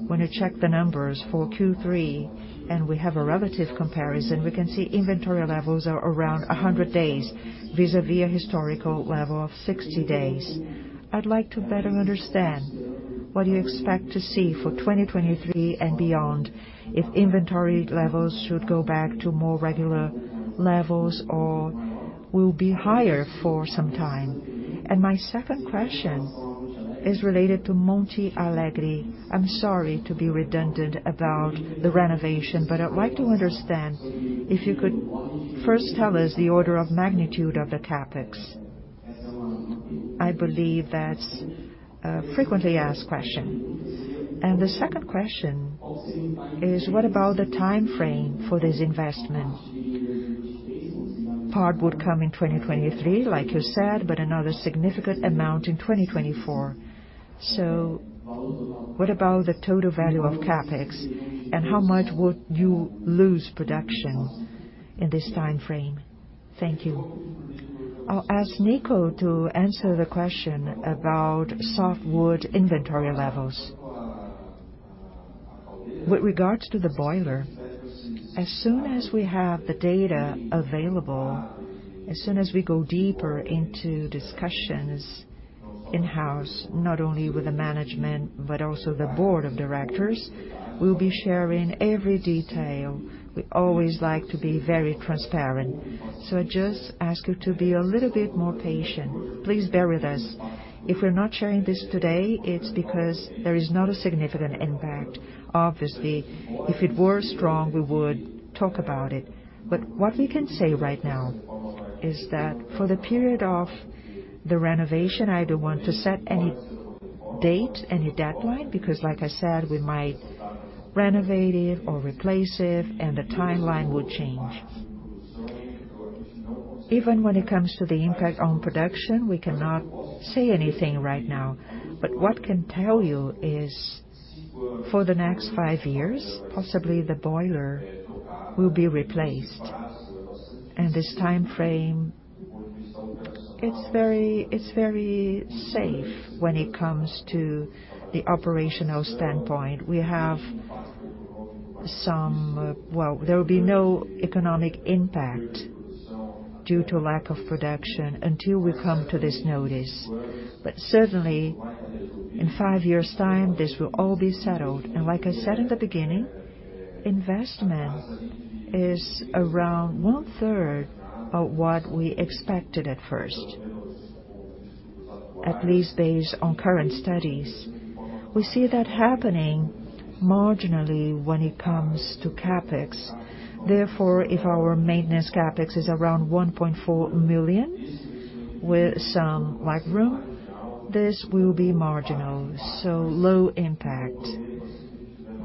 When you check the numbers for Q3 and we have a relative comparison, we can see inventory levels are around 100 days vis-a-vis a historical level of 60 days. I'd like to better understand what you expect to see for 2023 and beyond, if inventory levels should go back to more regular levels or will be higher for some time. My second question is related to Monte Alegre. I'm sorry to be redundant about the renovation, but I'd like to understand if you could first tell us the order of magnitude of the CapEx. I believe that's a frequently asked question. The second question is, what about the time frame for this investment? Part would come in 2023, like you said, but another significant amount in 2024. What about the total value of CapEx, and how much would you lose production in this time frame? Thank you. I'll ask Nico to answer the question about softwood inventory levels. With regards to the boiler, as soon as we have the data available, as soon as we go deeper into discussions in-house, not only with the management but also the board of directors, we'll be sharing every detail. We always like to be very transparent. I just ask you to be a little bit more patient. Please bear with us. If we're not sharing this today, it's because there is not a significant impact. Obviously, if it were strong, we would talk about it. What we can say right now is that for the period of the renovation, I don't want to set any date, any deadline, because like I said, we might renovate it or replace it and the timeline will change. Even when it comes to the impact on production, we cannot say anything right now. What I can tell you is for the next five years, possibly the boiler will be replaced. This time frame, it's very safe when it comes to the operational standpoint. There will be no economic impact due to lack of production until we come to this notice. Certainly, in five years' time, this will all be settled. Like I said in the beginning, investment is around 1/3 of what we expected at first, at least based on current studies. If our maintenance CapEx is around $1.4 million with some wiggle room, this will be marginal, so, low impact.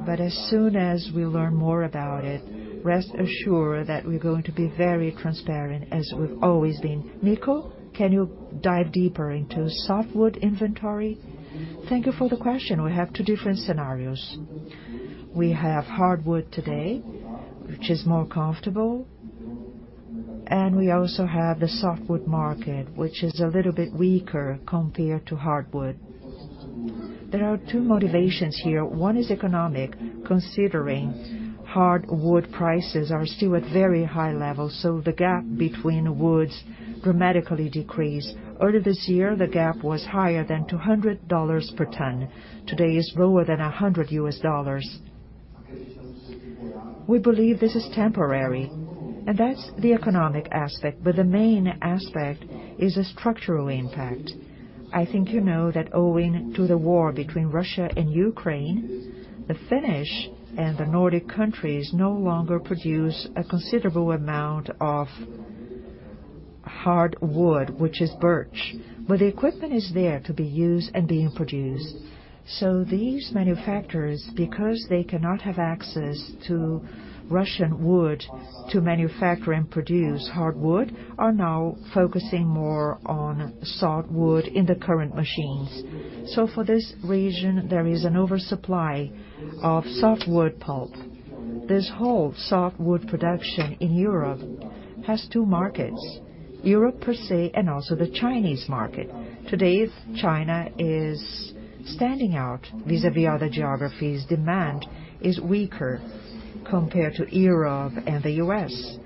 As soon as we learn more about it, rest assured that we're going to be very transparent as we've always been. Nico, can you dive deeper into softwood inventory? Thank you for the question. We have two different scenarios. We have hardwood today, which is more comfortable, and we also have the softwood market, which is a little bit weaker compared to hardwood. There are two motivations here. One is economic, considering hardwood prices are still at very high levels, so, the gap between woods dramatically decreased. Earlier this year, the gap was higher than $200 per ton. Today it's lower than $100 US dollars. We believe this is temporary, and that's the economic aspect. The main aspect is a structural impact. I think you know that owing to the war between Russia and Ukraine, the Finnish and the Nordic countries no longer produce a considerable amount of hardwood, which is birch. The equipment is there to be used and being produced. These manufacturers, because they cannot have access to Russian wood to manufacture and produce hardwood, are now focusing more on softwood in the current machines. For this region, there is an oversupply of softwood pulp. This whole softwood production in Europe has two markets, Europe per se and also the Chinese market. Today, China is standing out vis-à-vis other geographies. Demand is weaker compared to Europe and the US,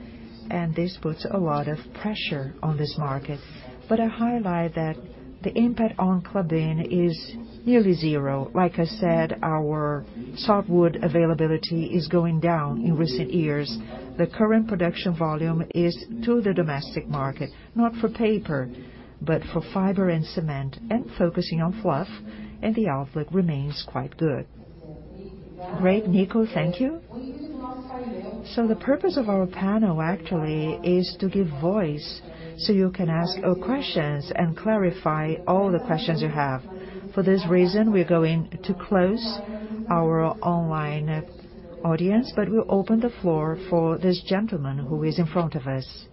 and this puts a lot of pressure on this market. I highlight that the impact on Klabin is nearly zero. Like I said, our softwood availability is going down in recent years. The current production volume is to the domestic market, not for paper, but for fiber and cement, and focusing on fluff, and the outlook remains quite good. Great, Nico. Thank you. The purpose of our panel actually is to give voice so you can ask questions and clarify all the questions you have. For this reason, we're going to close our online audience, but we'll open the floor for this gentleman who is in front of us.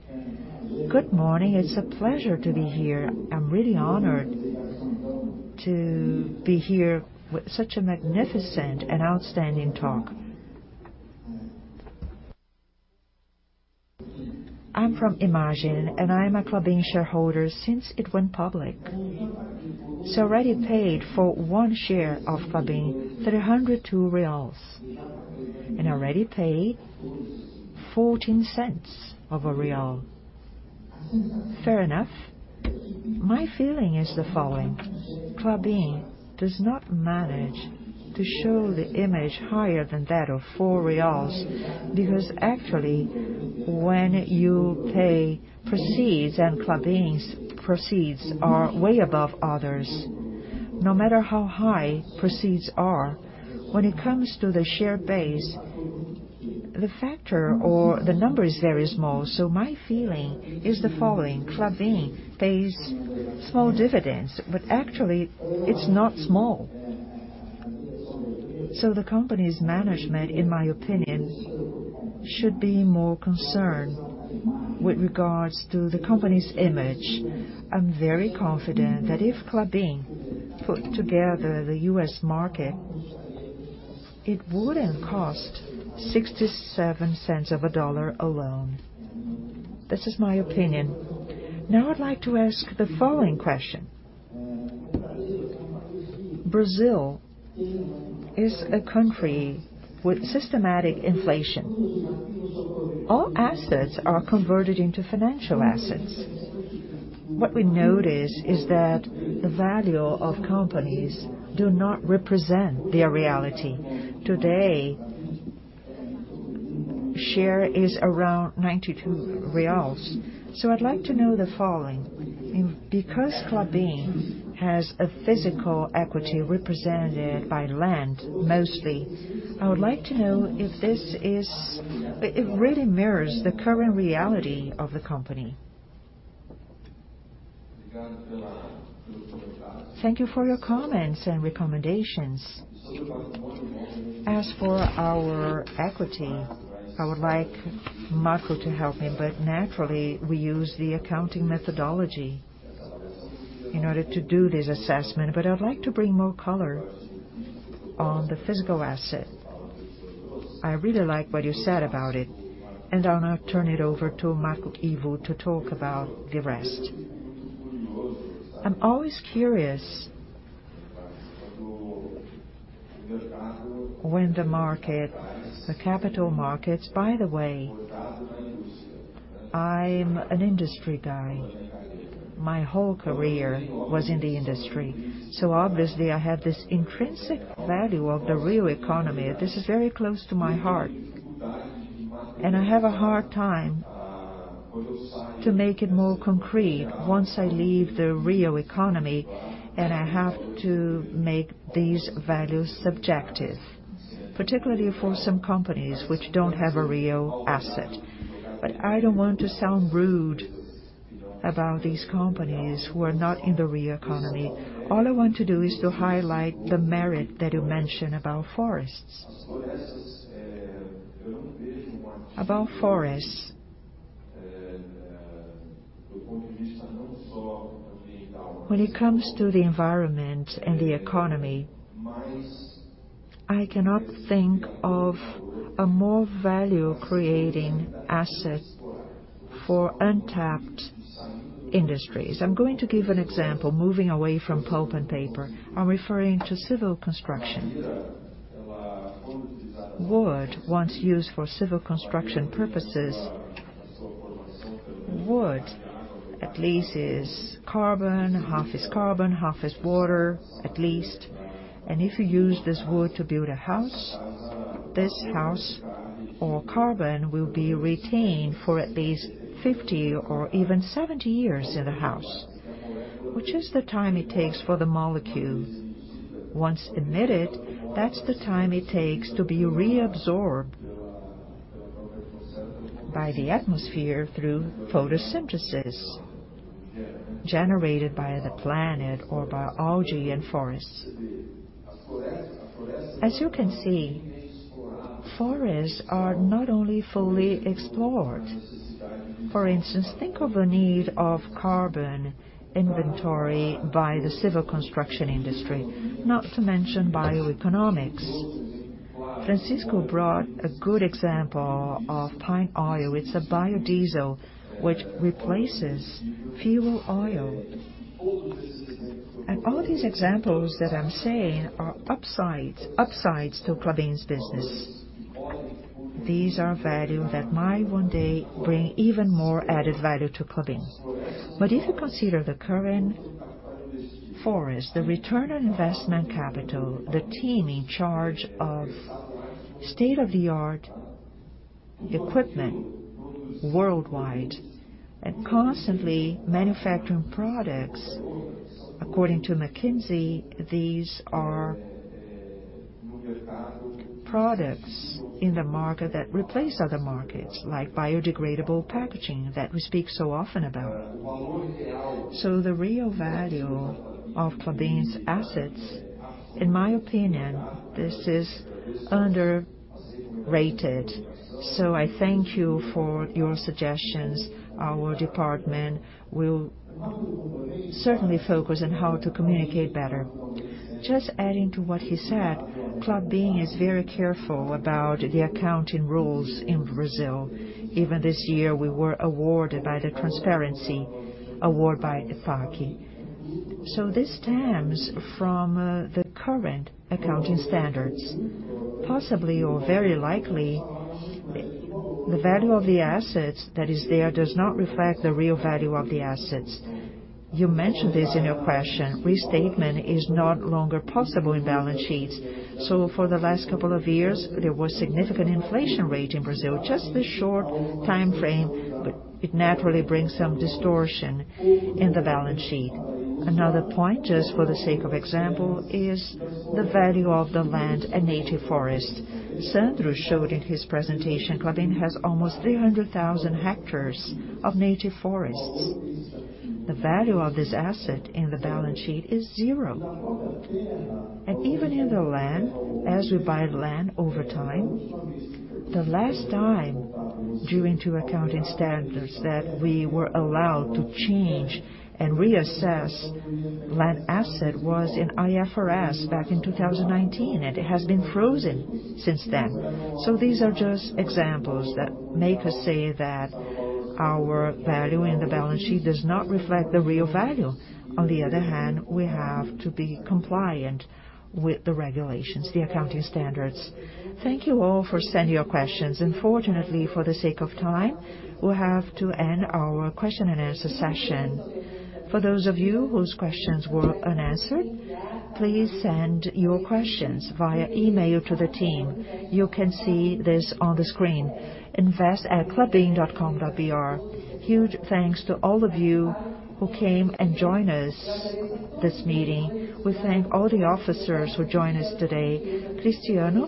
Good morning. It's a pleasure to be here. I'm really honored to be here with such a magnificent and outstanding talk. I'm from Imagine, and I am a Klabin shareholder since it went public. It's already paid for one share of Klabin 302 reais, and already paid 0.14. Fair enough. My feeling is the following: Klabin does not manage to show the image higher than that of 4 reais because actually, when you pay proceeds, and Klabin's proceeds are way above others, no matter how high proceeds are, when it comes to the share base, the factor or the number is very small. My feeling is the following: Klabin pays small dividends, but actually it's not small. The company's management, in my opinion, should be more concerned with regards to the company's image. I'm very confident that if Klabin put together the U.S. market, it wouldn't cost $0.67 alone. This is my opinion. I'd like to ask the following question. Brazil is a country with systematic inflation. All assets are converted into financial assets. What we notice is that the value of companies do not represent their reality. Today, share is around 92 reais. I'd like to know the following: Because Klabin has a physical equity represented by land mostly, I would like to know if this really mirrors the current reality of the company. Thank you for your comments and recommendations. As for our equity, I would like Marco to help me, but naturally, we use the accounting methodology in order to do this assessment. I'd like to bring more color on the physical asset. I really like what you said about it, and I'll now turn it over to Marcos Ivo to talk about the rest. I'm always curious when the market, the capital markets. By the way, I'm an industry guy. My whole career was in the industry, obviously I have this intrinsic value of the real economy. This is very close to my heart, and I have a hard time to make it more concrete once I leave the real economy, and I have to make these values subjective, particularly for some companies which don't have a real asset. I don't want to sound rude about these companies who are not in the real economy. All I want to do is to highlight the merit that you mentioned about forests. About forests, when it comes to the environment and the economy, I cannot think of a more value-creating asset for untapped industries. I'm going to give an example, moving away from pulp and paper. I'm referring to civil construction. Wood, once used for civil construction purposes. Wood at least is carbon, half is carbon, half is water, at least. If you use this wood to build a house, this house or carbon will be retained for at least 50 or even 70 years in a house, which is the time it takes for the molecule. Once emitted, that's the time it takes to be reabsorbed by the atmosphere through photosynthesis generated by the planet or by algae and forests. As you can see, forests are not only fully explored. For instance, think of a need of carbon inventory by the civil construction industry, not to mention bioeconomics. Francisco brought a good example of pine oil. It's a biodiesel which replaces fuel oil. All these examples that I'm saying are upsides to Klabin's business. These are value that might one day bring even more added value to Klabin. If you consider the current forest, the return on investment capital, the team in charge of state-of-the-art equipment worldwide and constantly manufacturing products. According to McKinsey, these are products in the market that replace other markets, like biodegradable packaging that we speak so often about. The real value of Klabin's assets, in my opinion, this is underrated. I thank you for your suggestions. Our department will certainly focus on how to communicate better. Just adding to what he said, Klabin is very careful about the accounting rules in Brazil. Even this year, we were awarded by the transparency award by ANEFAC. This stems from the current accounting standards. Possibly or very likely, the value of the assets that is there does not reflect the real value of the assets. You mentioned this in your question. Restatement is no longer possible in balance sheets. For the last couple of years, there was significant inflation rate in Brazil. Just the short time frame, but it naturally brings some distortion in the balance sheet. Another point, just for the sake of example, is the value of the land and native forest. Sandro showed in his presentation, Klabin has almost 300,000 ha of native forests. The value of this asset in the balance sheet is zero. Even in the land, as we buy land over time, the last time due into accounting standards that we were allowed to change and reassess land asset was in IFRS back in 2019, and it has been frozen since then. These are just examples that make us say that our value in the balance sheet does not reflect the real value. On the other hand, we have to be compliant with the regulations, the accounting standards. Thank you all for sending your questions. Unfortunately, for the sake of time, we have to end our question and answer session. For those of you whose questions were unanswered, please send your questions via email to the team. You can see this on the screen, invest@klabin.com.br. Huge thanks to all of you who came and join us this meeting. We thank all the officers who joined us today. Cristiano,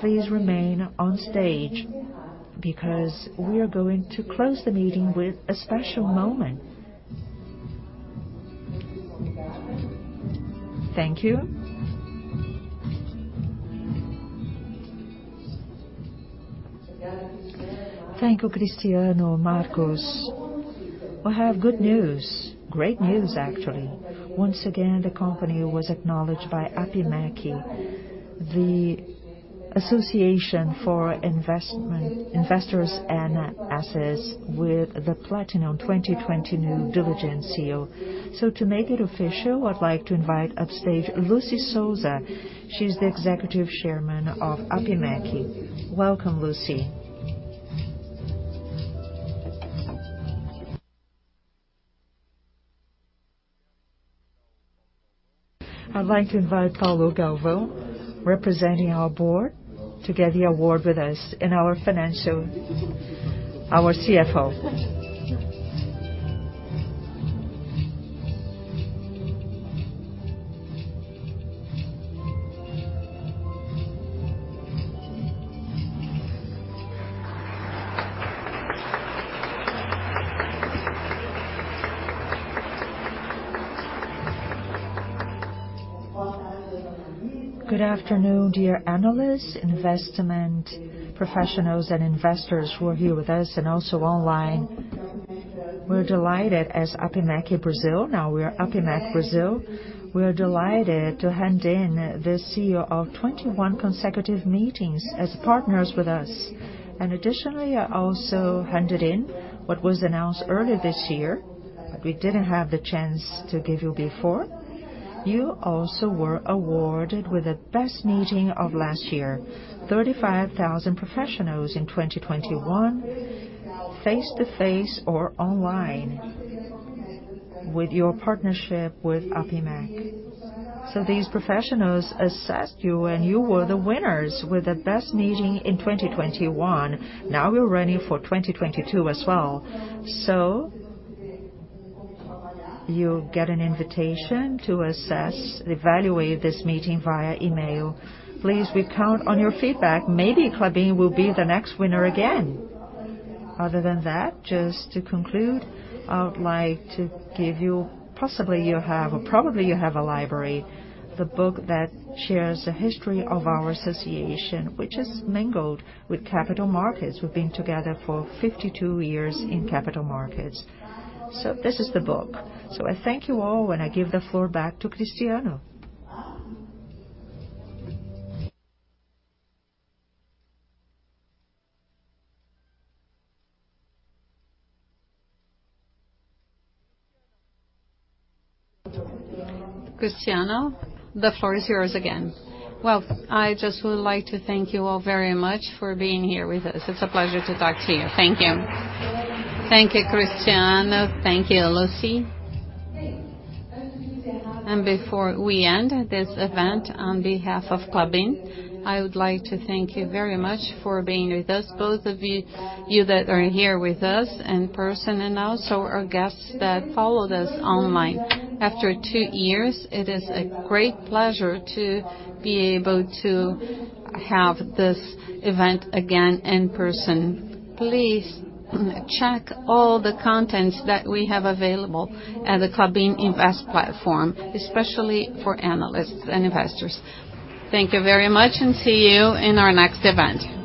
please remain on stage because we are going to close the meeting with a special moment. Thank you. Thank you, Cristiano, Marcos. We have good news. Great news, actually. Once again, the company was acknowledged by APIMEC, the Association for Investors and Assets with the Platinum 2020 New Diligence Seal. To make it official, I'd like to invite upstage Lucy Souza. She's the executive chairman of APIMEC. Welcome, Lucy. I'd like to invite Paulo Galvão, representing our board, to get the award with us and our CFO. Good afternoon, dear analysts, investment professionals and investors who are here with us and also online. We're delighted as APIMEC Brasil. We are APIMEC Brasil. We are delighted to hand in the CEO of 21 consecutive meetings as partners with us. Additionally, I also handed in what was announced earlier this year. We didn't have the chance to give you before. You also were awarded with the best meeting of last year. 35,000 professionals in 2021, face-to-face or online with your partnership with APIMEC. These professionals assessed you, and you were the winners with the best meeting in 2021. We're running for 2022 as well. You'll get an invitation to evaluate this meeting via email. Please, we count on your feedback. Maybe Klabin will be the next winner again. Other than that, just to conclude, I would like to give you... Possibly you have or probably you have a library. The book that shares the history of our association, which is mingled with capital markets. We've been together for 52 years in capital markets. This is the book. I thank you all, and I give the floor back to Cristiano. Cristiano, the floor is yours again. I just would like to thank you all very much for being here with us. It's a pleasure to talk to you. Thank you. Thank you, Cristiano. Thank you, Lucy. Before we end this event, on behalf of Klabin, I would like to thank you very much for being with us, both of you that are in here with us in person and also our guests that followed us online. After two years, it is a great pleasure to be able to have this event again in person. Please check all the contents that we have available at the Klabin Invest platform, especially for analysts and investors. Thank you very much. See you in our next event.